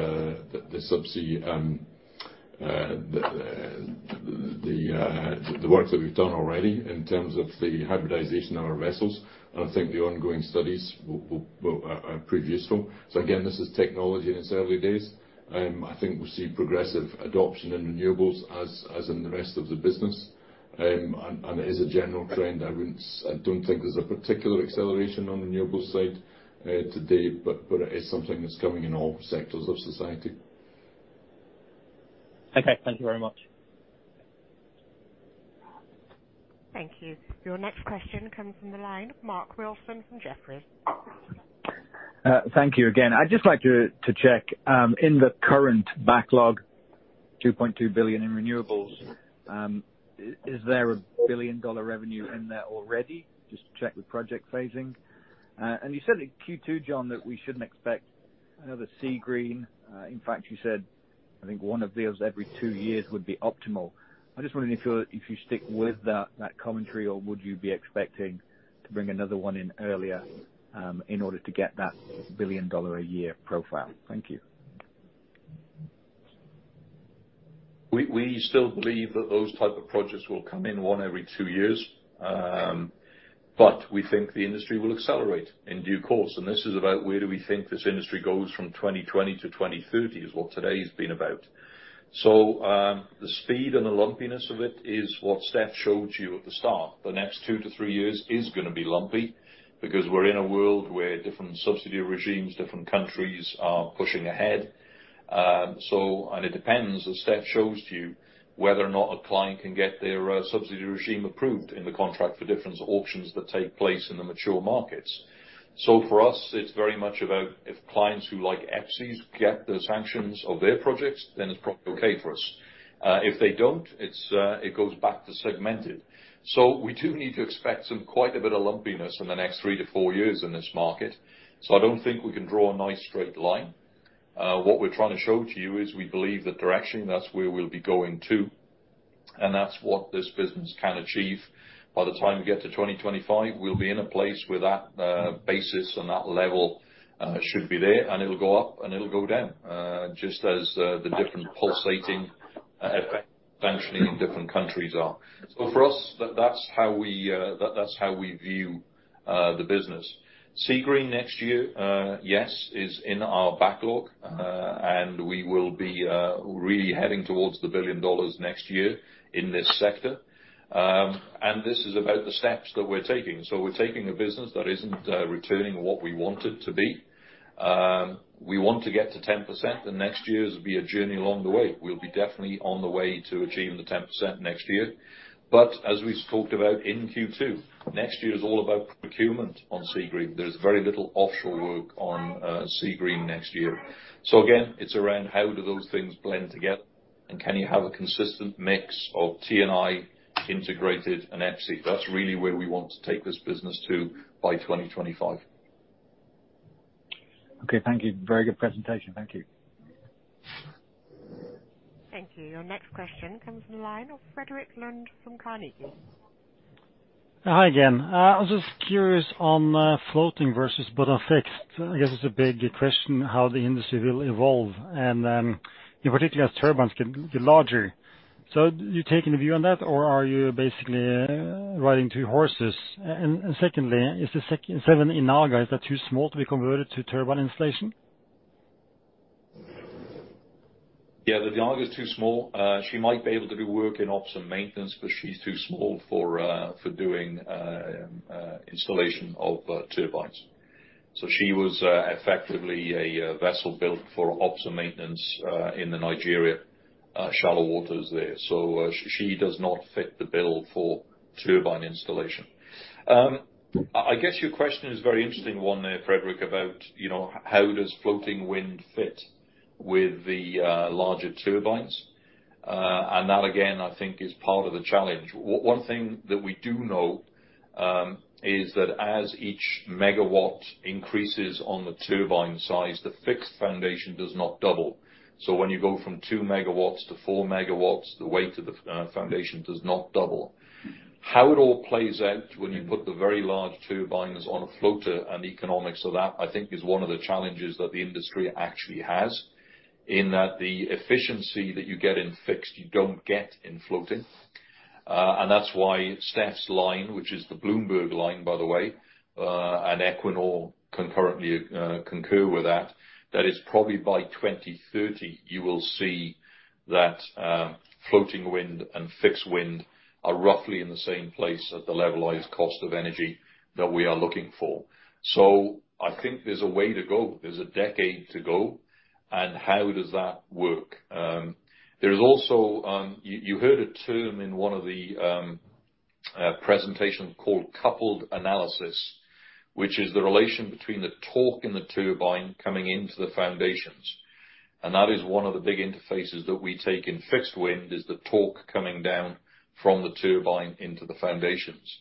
subsea work that we've done already in terms of the hybridization of our vessels, and I think the ongoing studies will prove useful. So again, this is technology in its early days. I think we'll see progressive adoption in renewables as in the rest of the business. It is a general trend. I don't think there's a particular acceleration on the renewables side today, but it is something that's coming in all sectors of society. Okay. Thank you very much. Thank you. Your next question comes from the line of Mark Wilson from Jefferies. Thank you again. I'd just like to check in the current backlog, $2.2 billion in renewables, is there $1 billion revenue in there already? Just to check the project phasing. And you said in Q2, John, that we shouldn't expect another Seagreen. In fact, you said, I think one of those every two years would be optimal. I just wondering if you stick with that commentary, or would you be expecting to bring another one in earlier, in order to get that $1 billion a year profile? Thank you. We still believe that those type of projects will come in one every two years. But we think the industry will accelerate in due course, and this is about where do we think this industry goes from 2020 to 2030, is what today has been about. So, the speed and the lumpiness of it is what Steph showed you at the start. The next two to three years is gonna be lumpy because we're in a world where different subsidy regimes, different countries, are pushing ahead. And it depends, as Steph showed to you, whether or not a client can get their, uh, subsidy regime approved in the contract for different auctions that take place in the mature markets. So for us, it's very much about if clients who, like, EPCIs get the sanctions of their projects, then it's probably okay for us. If they don't, it's, it goes back to segmented. So we do need to expect some quite a bit of lumpiness in the next three to four years in this market. So I don't think we can draw a nice straight line. What we're trying to show to you is we believe the direction, that's where we'll be going to, and that's what this business can achieve. By the time we get to 2025, we'll be in a place where that basis and that level should be there, and it'll go up, and it'll go down, just as the different pulsating eventually in different countries are. So for us, that's how we view the business. Seagreen next year, yes, is in our backlog, and we will be really heading towards $1 billion next year in this sector. This is about the steps that we're taking. We're taking a business that isn't returning what we want it to be. We want to get to 10%, and next year will be a journey along the way. We'll be definitely on the way to achieving the 10% next year. But as we've talked about in Q2, next year is all about procurement on Seagreen. There's very little offshore work on Seagreen next year. Again, it's around how do those things blend together, and can you have a consistent mix of T&I integrated and EPCI? That's really where we want to take this business to by 2025. Okay, thank you. Very good presentation. Thank you. Thank you. Your next question comes from the line of Frederik Lunde from Carnegie. Hi again. I was just curious on floating versus bottom fixed. I guess it's a big question, how the industry will evolve, and in particular, as turbines get larger. So do you take any view on that, or are you basically riding two horses? And secondly, is the Seven Inagra too small to be converted to turbine installation? Yeah, the Seven Inaga is too small. She might be able to do work in ops and maintenance, but she's too small for doing installation of turbines. So she was effectively a vessel built for ops and maintenance in the Nigerian shallow waters there. So she does not fit the bill for turbine installation. I guess your question is a very interesting one there, Frederik, about, you know, how does floating wind fit with the larger turbines? And that, again, I think is part of the challenge. One thing that we do know is that as each megawatt increases on the turbine size, the fixed foundation does not double. So when you go from two megawatts to four megawatts, the weight of the foundation does not double. How it all plays out when you put the very large turbines on a floater and the economics of that, I think, is one of the challenges that the industry actually has, in that the efficiency that you get in fixed, you don't get in floating. And that's why Stef's line, which is the Bloomberg line, by the way, and Equinor concurrently concur with that, that it's probably by 2030, you will see that floating wind and fixed wind are roughly in the same place at the levelized cost of energy that we are looking for. So I think there's a way to go. There's a decade to go, and how does that work? There's also... You heard a term in one of the presentation called coupled analysis, which is the relation between the torque and the turbine coming into the foundations. And that is one of the big interfaces that we take in fixed wind, is the torque coming down from the turbine into the foundations.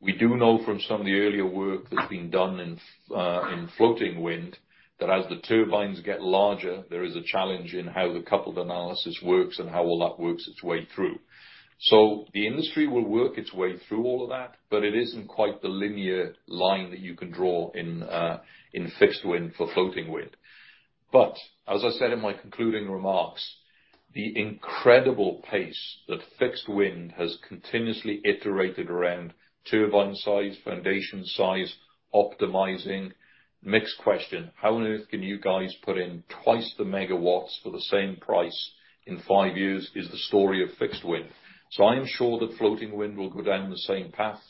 We do know from some of the earlier work that's been done in floating wind, that as the turbines get larger, there is a challenge in how the coupled analysis works and how all that works its way through. So the industry will work its way through all of that, but it isn't quite the linear line that you can draw in fixed wind for floating wind. But as I said in my concluding remarks, the incredible pace that fixed wind has continuously iterated around turbine size, foundation size, optimizing. Next question, how on earth can you guys put in twice the megawatts for the same price in five years, is the story of fixed wind? So I'm sure that floating wind will go down the same path,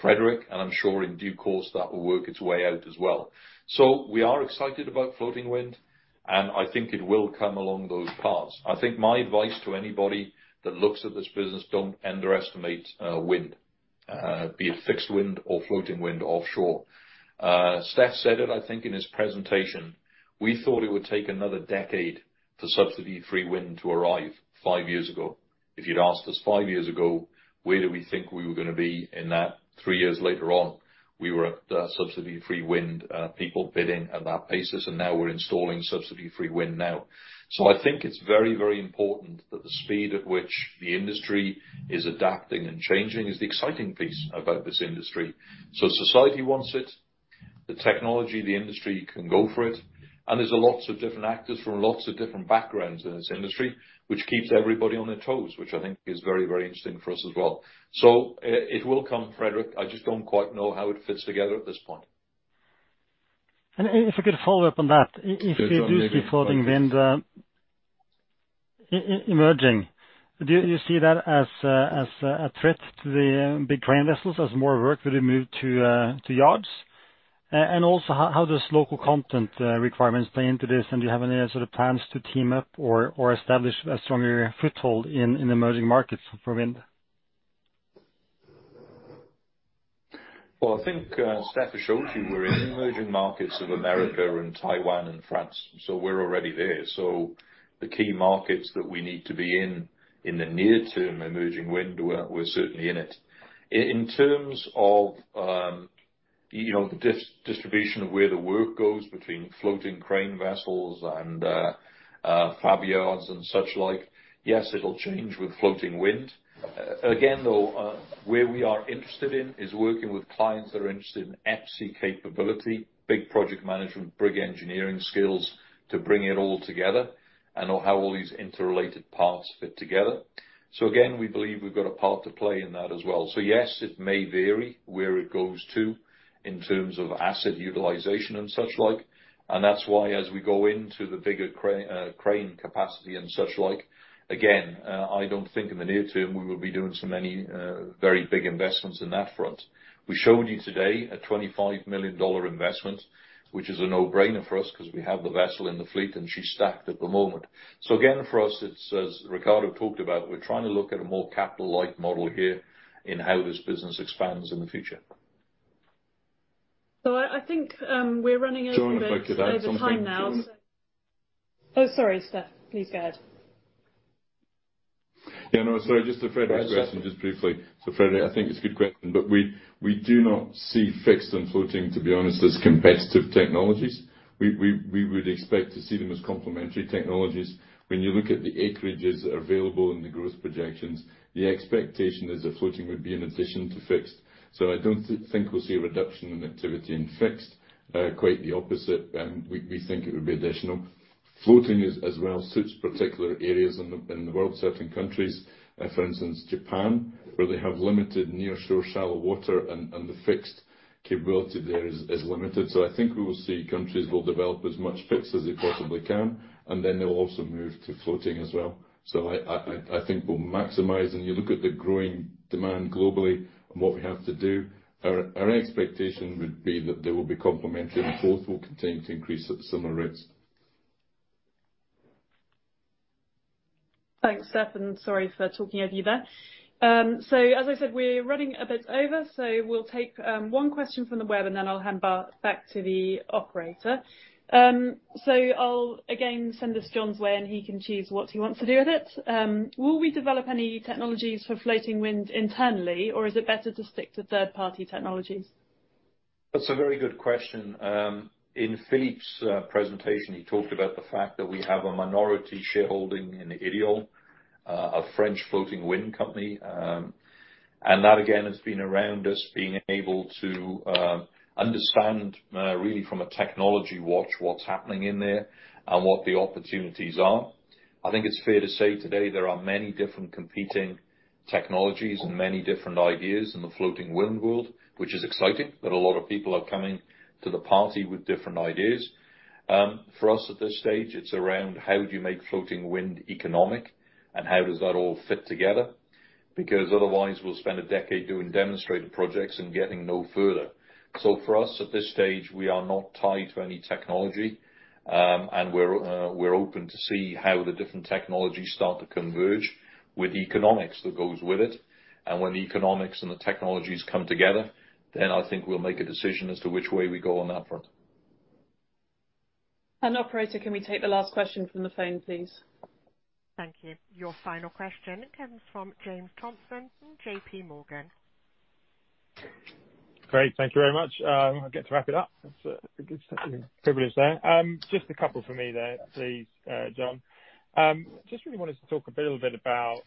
Frederik, and I'm sure in due course that will work its way out as well. So we are excited about floating wind, and I think it will come along those paths. I think my advice to anybody that looks at this business, don't underestimate wind, be it fixed wind or floating wind offshore. Steph said it, I think, in his presentation. We thought it would take another decade for subsidy-free wind to arrive five years ago. If you'd asked us five years ago, where do we think we were gonna be in that? Three years later on, we were at subsidy-free wind, people bidding at that pace, and now we're installing subsidy-free wind now. So I think it's very, very important that the speed at which the industry is adapting and changing is the exciting piece about this industry. So society wants it, the technology, the industry can go for it, and there's lots of different actors from lots of different backgrounds in this industry, which keeps everybody on their toes, which I think is very, very interesting for us as well. So it will come, Frederik, I just don't quite know how it fits together at this point. And if I could follow up on that. Sure. If it is floating wind emerging, do you see that as a threat to the big crane vessels as more work will be moved to yards? And also, how does local content requirements play into this? And do you have any sort of plans to team up or establish a stronger foothold in the emerging markets for wind? I think, Steph has showed you we're in emerging markets of the Americas and Taiwan and France, so we're already there. So the key markets that we need to be in, in the near term, emerging wind, we're certainly in it. In terms of, you know, the distribution of where the work goes between floating crane vessels and, fab yards and such like, yes, it'll change with floating wind. Again, though, where we are interested in is working with clients that are interested in EPCI capability, big project management, big engineering skills to bring it all together, and know how all these interrelated parts fit together. So again, we believe we've got a part to play in that as well. So yes, it may vary where it goes to in terms of asset utilization and such like, and that's why, as we go into the bigger crane capacity and such like, again, I don't think in the near term, we will be doing so many very big investments in that front. We showed you today a $25 million investment, which is a no-brainer for us, 'cause we have the vessel in the fleet, and she's stacked at the moment. So again, for us, it's as Ricardo talked about, we're trying to look at a more capital light model here in how this business expands in the future. So I think we're running a bit- Jo, if I could add something? Over time now. Oh, sorry, Steph. Please go ahead. Yeah, no, sorry. Just to Frederik's question, just briefly. So Frederik, I think it's a good question, but we do not see fixed and floating, to be honest, as competitive technologies. We would expect to see them as complementary technologies. When you look at the acreages that are available in the growth projections, the expectation is that floating would be in addition to fixed. I don't think we'll see a reduction in activity in fixed, quite the opposite, and we think it would be additional. Floating, as well, suits particular areas in the world, certain countries, for instance, Japan, where they have limited nearshore, shallow water, and the fixed capability there is limited. So I think we will see countries will develop as much fixed as they possibly can, and then they'll also move to floating as well. So I think we'll maximize. When you look at the growing demand globally and what we have to do, our expectation would be that they will be complementary, and both will continue to increase at similar rates. Thanks, Steph, and sorry for talking over you there, so as I said, we're running a bit over, so we'll take one question from the web, and then I'll hand back to the operator, so I'll again send this John's way, and he can choose what he wants to do with it. Will we develop any technologies for floating wind internally, or is it better to stick to third-party technologies? That's a very good question. In Philippe's presentation, he talked about the fact that we have a minority shareholding in Ideol, a French floating wind company, and that, again, has been around us being able to understand, really from a technology watch, what's happening in there and what the opportunities are. I think it's fair to say today, there are many different competing technologies and many different ideas in the floating wind world, which is exciting that a lot of people are coming to the party with different ideas. For us, at this stage, it's around how do you make floating wind economic, and how does that all fit together? Because otherwise, we'll spend a decade doing demonstrator projects and getting no further. So for us, at this stage, we are not tied to any technology, and we're open to see how the different technologies start to converge with the economics that goes with it. And when the economics and the technologies come together, then I think we'll make a decision as to which way we go on that front. Operator, can we take the last question from the phone, please? Thank you. Your final question comes from James Thompson from J.P. Morgan. Great, thank you very much. I get to wrap it up. That's a good privilege there. Just a couple from me there, please, John. Just really wanted to talk a little bit about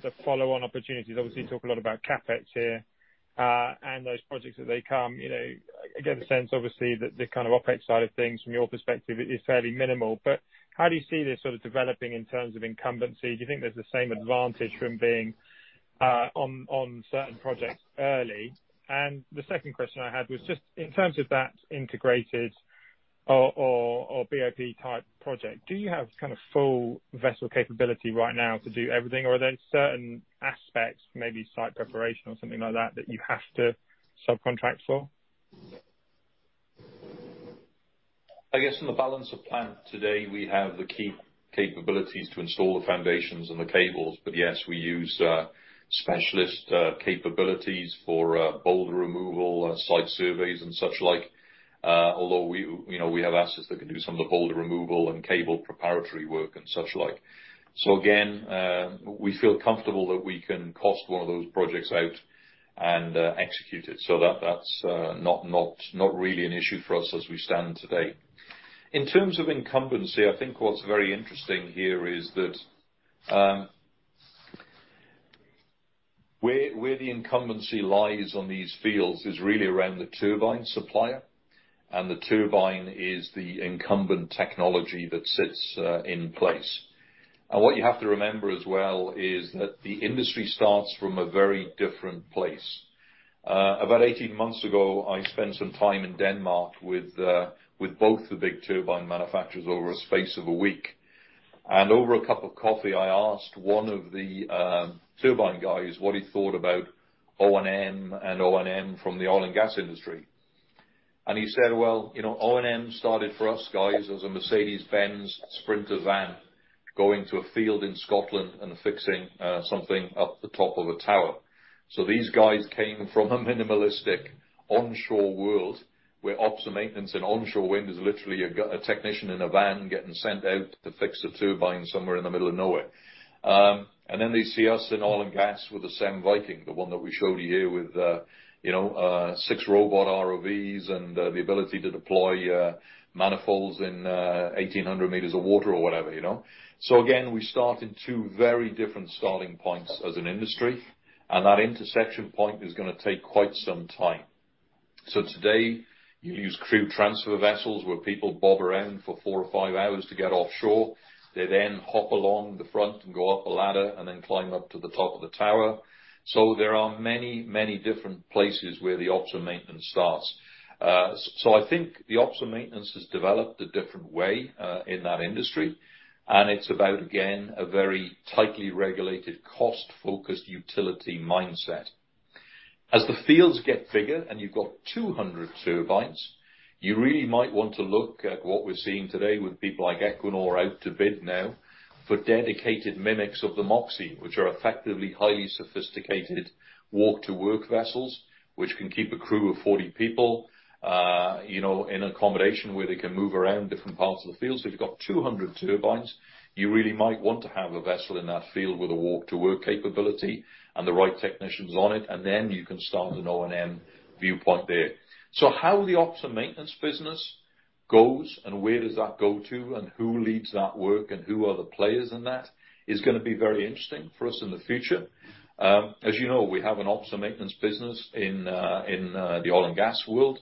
the follow-on opportunities. Obviously, you talk a lot about CapEx here, and those projects as they come. You know, I get the sense, obviously, that the kind of OpEx side of things from your perspective is fairly minimal, but how do you see this sort of developing in terms of incumbency? Do you think there's the same advantage from being on certain projects early? The second question I had was just in terms of that integrated or BOP-type project, do you have kind of full vessel capability right now to do everything, or are there certain aspects, maybe site preparation or something like that, that you have to subcontract for? I guess in the balance of plant today, we have the key capabilities to install the foundations and the cables, but yes, we use specialist capabilities for boulder removal, site surveys and such like. Although we, you know, we have assets that can do some of the boulder removal and cable preparatory work and such like. So again, we feel comfortable that we can cost one of those projects out and execute it. So that, that's not really an issue for us as we stand today. In terms of incumbency, I think what's very interesting here is that where the incumbency lies on these fields is really around the turbine supplier, and the turbine is the incumbent technology that sits in place. And what you have to remember as well is that the industry starts from a very different place. About eighteen months ago, I spent some time in Denmark with both the big turbine manufacturers over a space of a week. And over a cup of coffee, I asked one of the turbine guys what he thought about O&M and O&M from the oil and gas industry. And he said, "Well, you know, O&M started for us guys as a Mercedes-Benz Sprinter van going to a field in Scotland and fixing something up the top of a tower." So these guys came from a minimalistic onshore world where ops and maintenance and onshore wind is literally a technician in a van getting sent out to fix a turbine somewhere in the middle of nowhere. And then they see us in oil and gas with the same Viking, the one that we showed you here with, you know, six robot ROVs and the ability to deploy manifolds in 1,800 meters of water or whatever, you know? So again, we started two very different starting points as an industry, and that intersection point is gonna take quite some time. So today, you use crew transfer vessels, where people bob around for four or five hours to get offshore. They then hop along the front and go up a ladder and then climb up to the top of the tower. So there are many, many different places where the ops and maintenance starts. So I think the ops and maintenance has developed a different way, in that industry, and it's about, again, a very tightly regulated, cost-focused utility mindset. As the fields get bigger and you've got 200 turbines, you really might want to look at what we're seeing today with people like Equinor out to bid now for dedicated mimics of the Moxie, which are effectively highly sophisticated walk-to-work vessels, which can keep a crew of 40 people, you know, in accommodation, where they can move around different parts of the field. So if you've got 200 turbines, you really might want to have a vessel in that field with a walk-to-work capability and the right technicians on it, and then you can start an O&M viewpoint there. So how the ops and maintenance business goes, and where does that go to, and who leads that work, and who are the players in that, is gonna be very interesting for us in the future. As you know, we have an ops and maintenance business in the oil and gas world,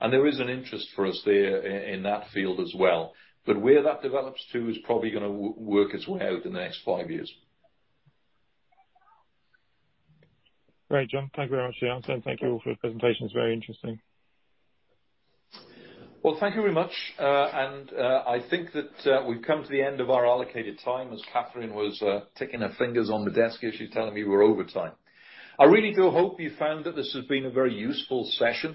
and there is an interest for us there in that field as well. But where that develops to is probably gonna work its way out in the next five years. Great, John. Thank you very much for the answer, and thank you all for the presentation. It's very interesting. Well, thank you very much. And, I think that, we've come to the end of our allocated time, as Katherine was, ticking her fingers on the desk as she's telling me we're over time. I really do hope you found that this has been a very useful session.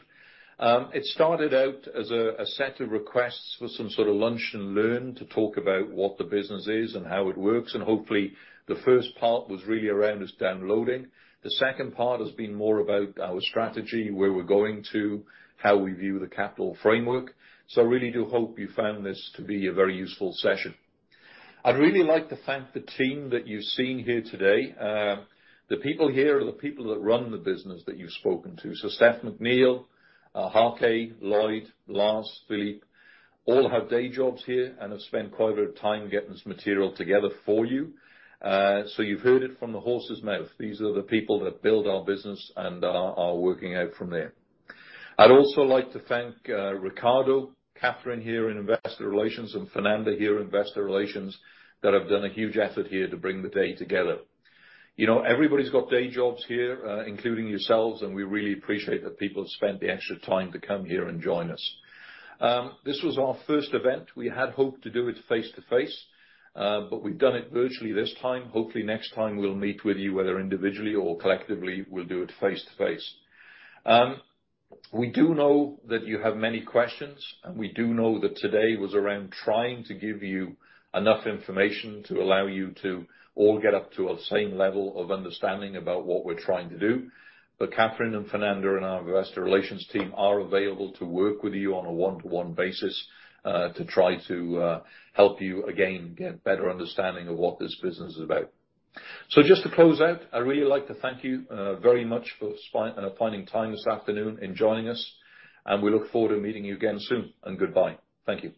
It started out as a set of requests for some sort of lunch and learn to talk about what the business is and how it works, and hopefully, the first part was really around us downloading. The second part has been more about our strategy, where we're going to, how we view the capital framework. So I really do hope you found this to be a very useful session. I'd really like to thank the team that you've seen here today. The people here are the people that run the business that you've spoken to. So Steph McNeill, Harke, Lloyd, Lars, Philippe, all have day jobs here and have spent quite a bit of time getting this material together for you. So you've heard it from the horse's mouth. These are the people that build our business and are working out from there. I'd also like to thank Ricardo, Katherine here in Investor Relations, and Fernanda here in Investor Relations, that have done a huge effort here to bring the day together. You know, everybody's got day jobs here, including yourselves, and we really appreciate that people spent the extra time to come here and join us. This was our first event. We had hoped to do it face-to-face, but we've done it virtually this time. Hopefully, next time we'll meet with you, whether individually or collectively, we'll do it face-to-face. We do know that you have many questions, and we do know that today was around trying to give you enough information to allow you to all get up to a same level of understanding about what we're trying to do. But Katherine and Fernanda and our Investor Relations team are available to work with you on a one-to-one basis, to try to help you, again, get better understanding of what this business is about. So just to close out, I'd really like to thank you very much for finding time this afternoon and joining us, and we look forward to meeting you again soon, and goodbye. Thank you.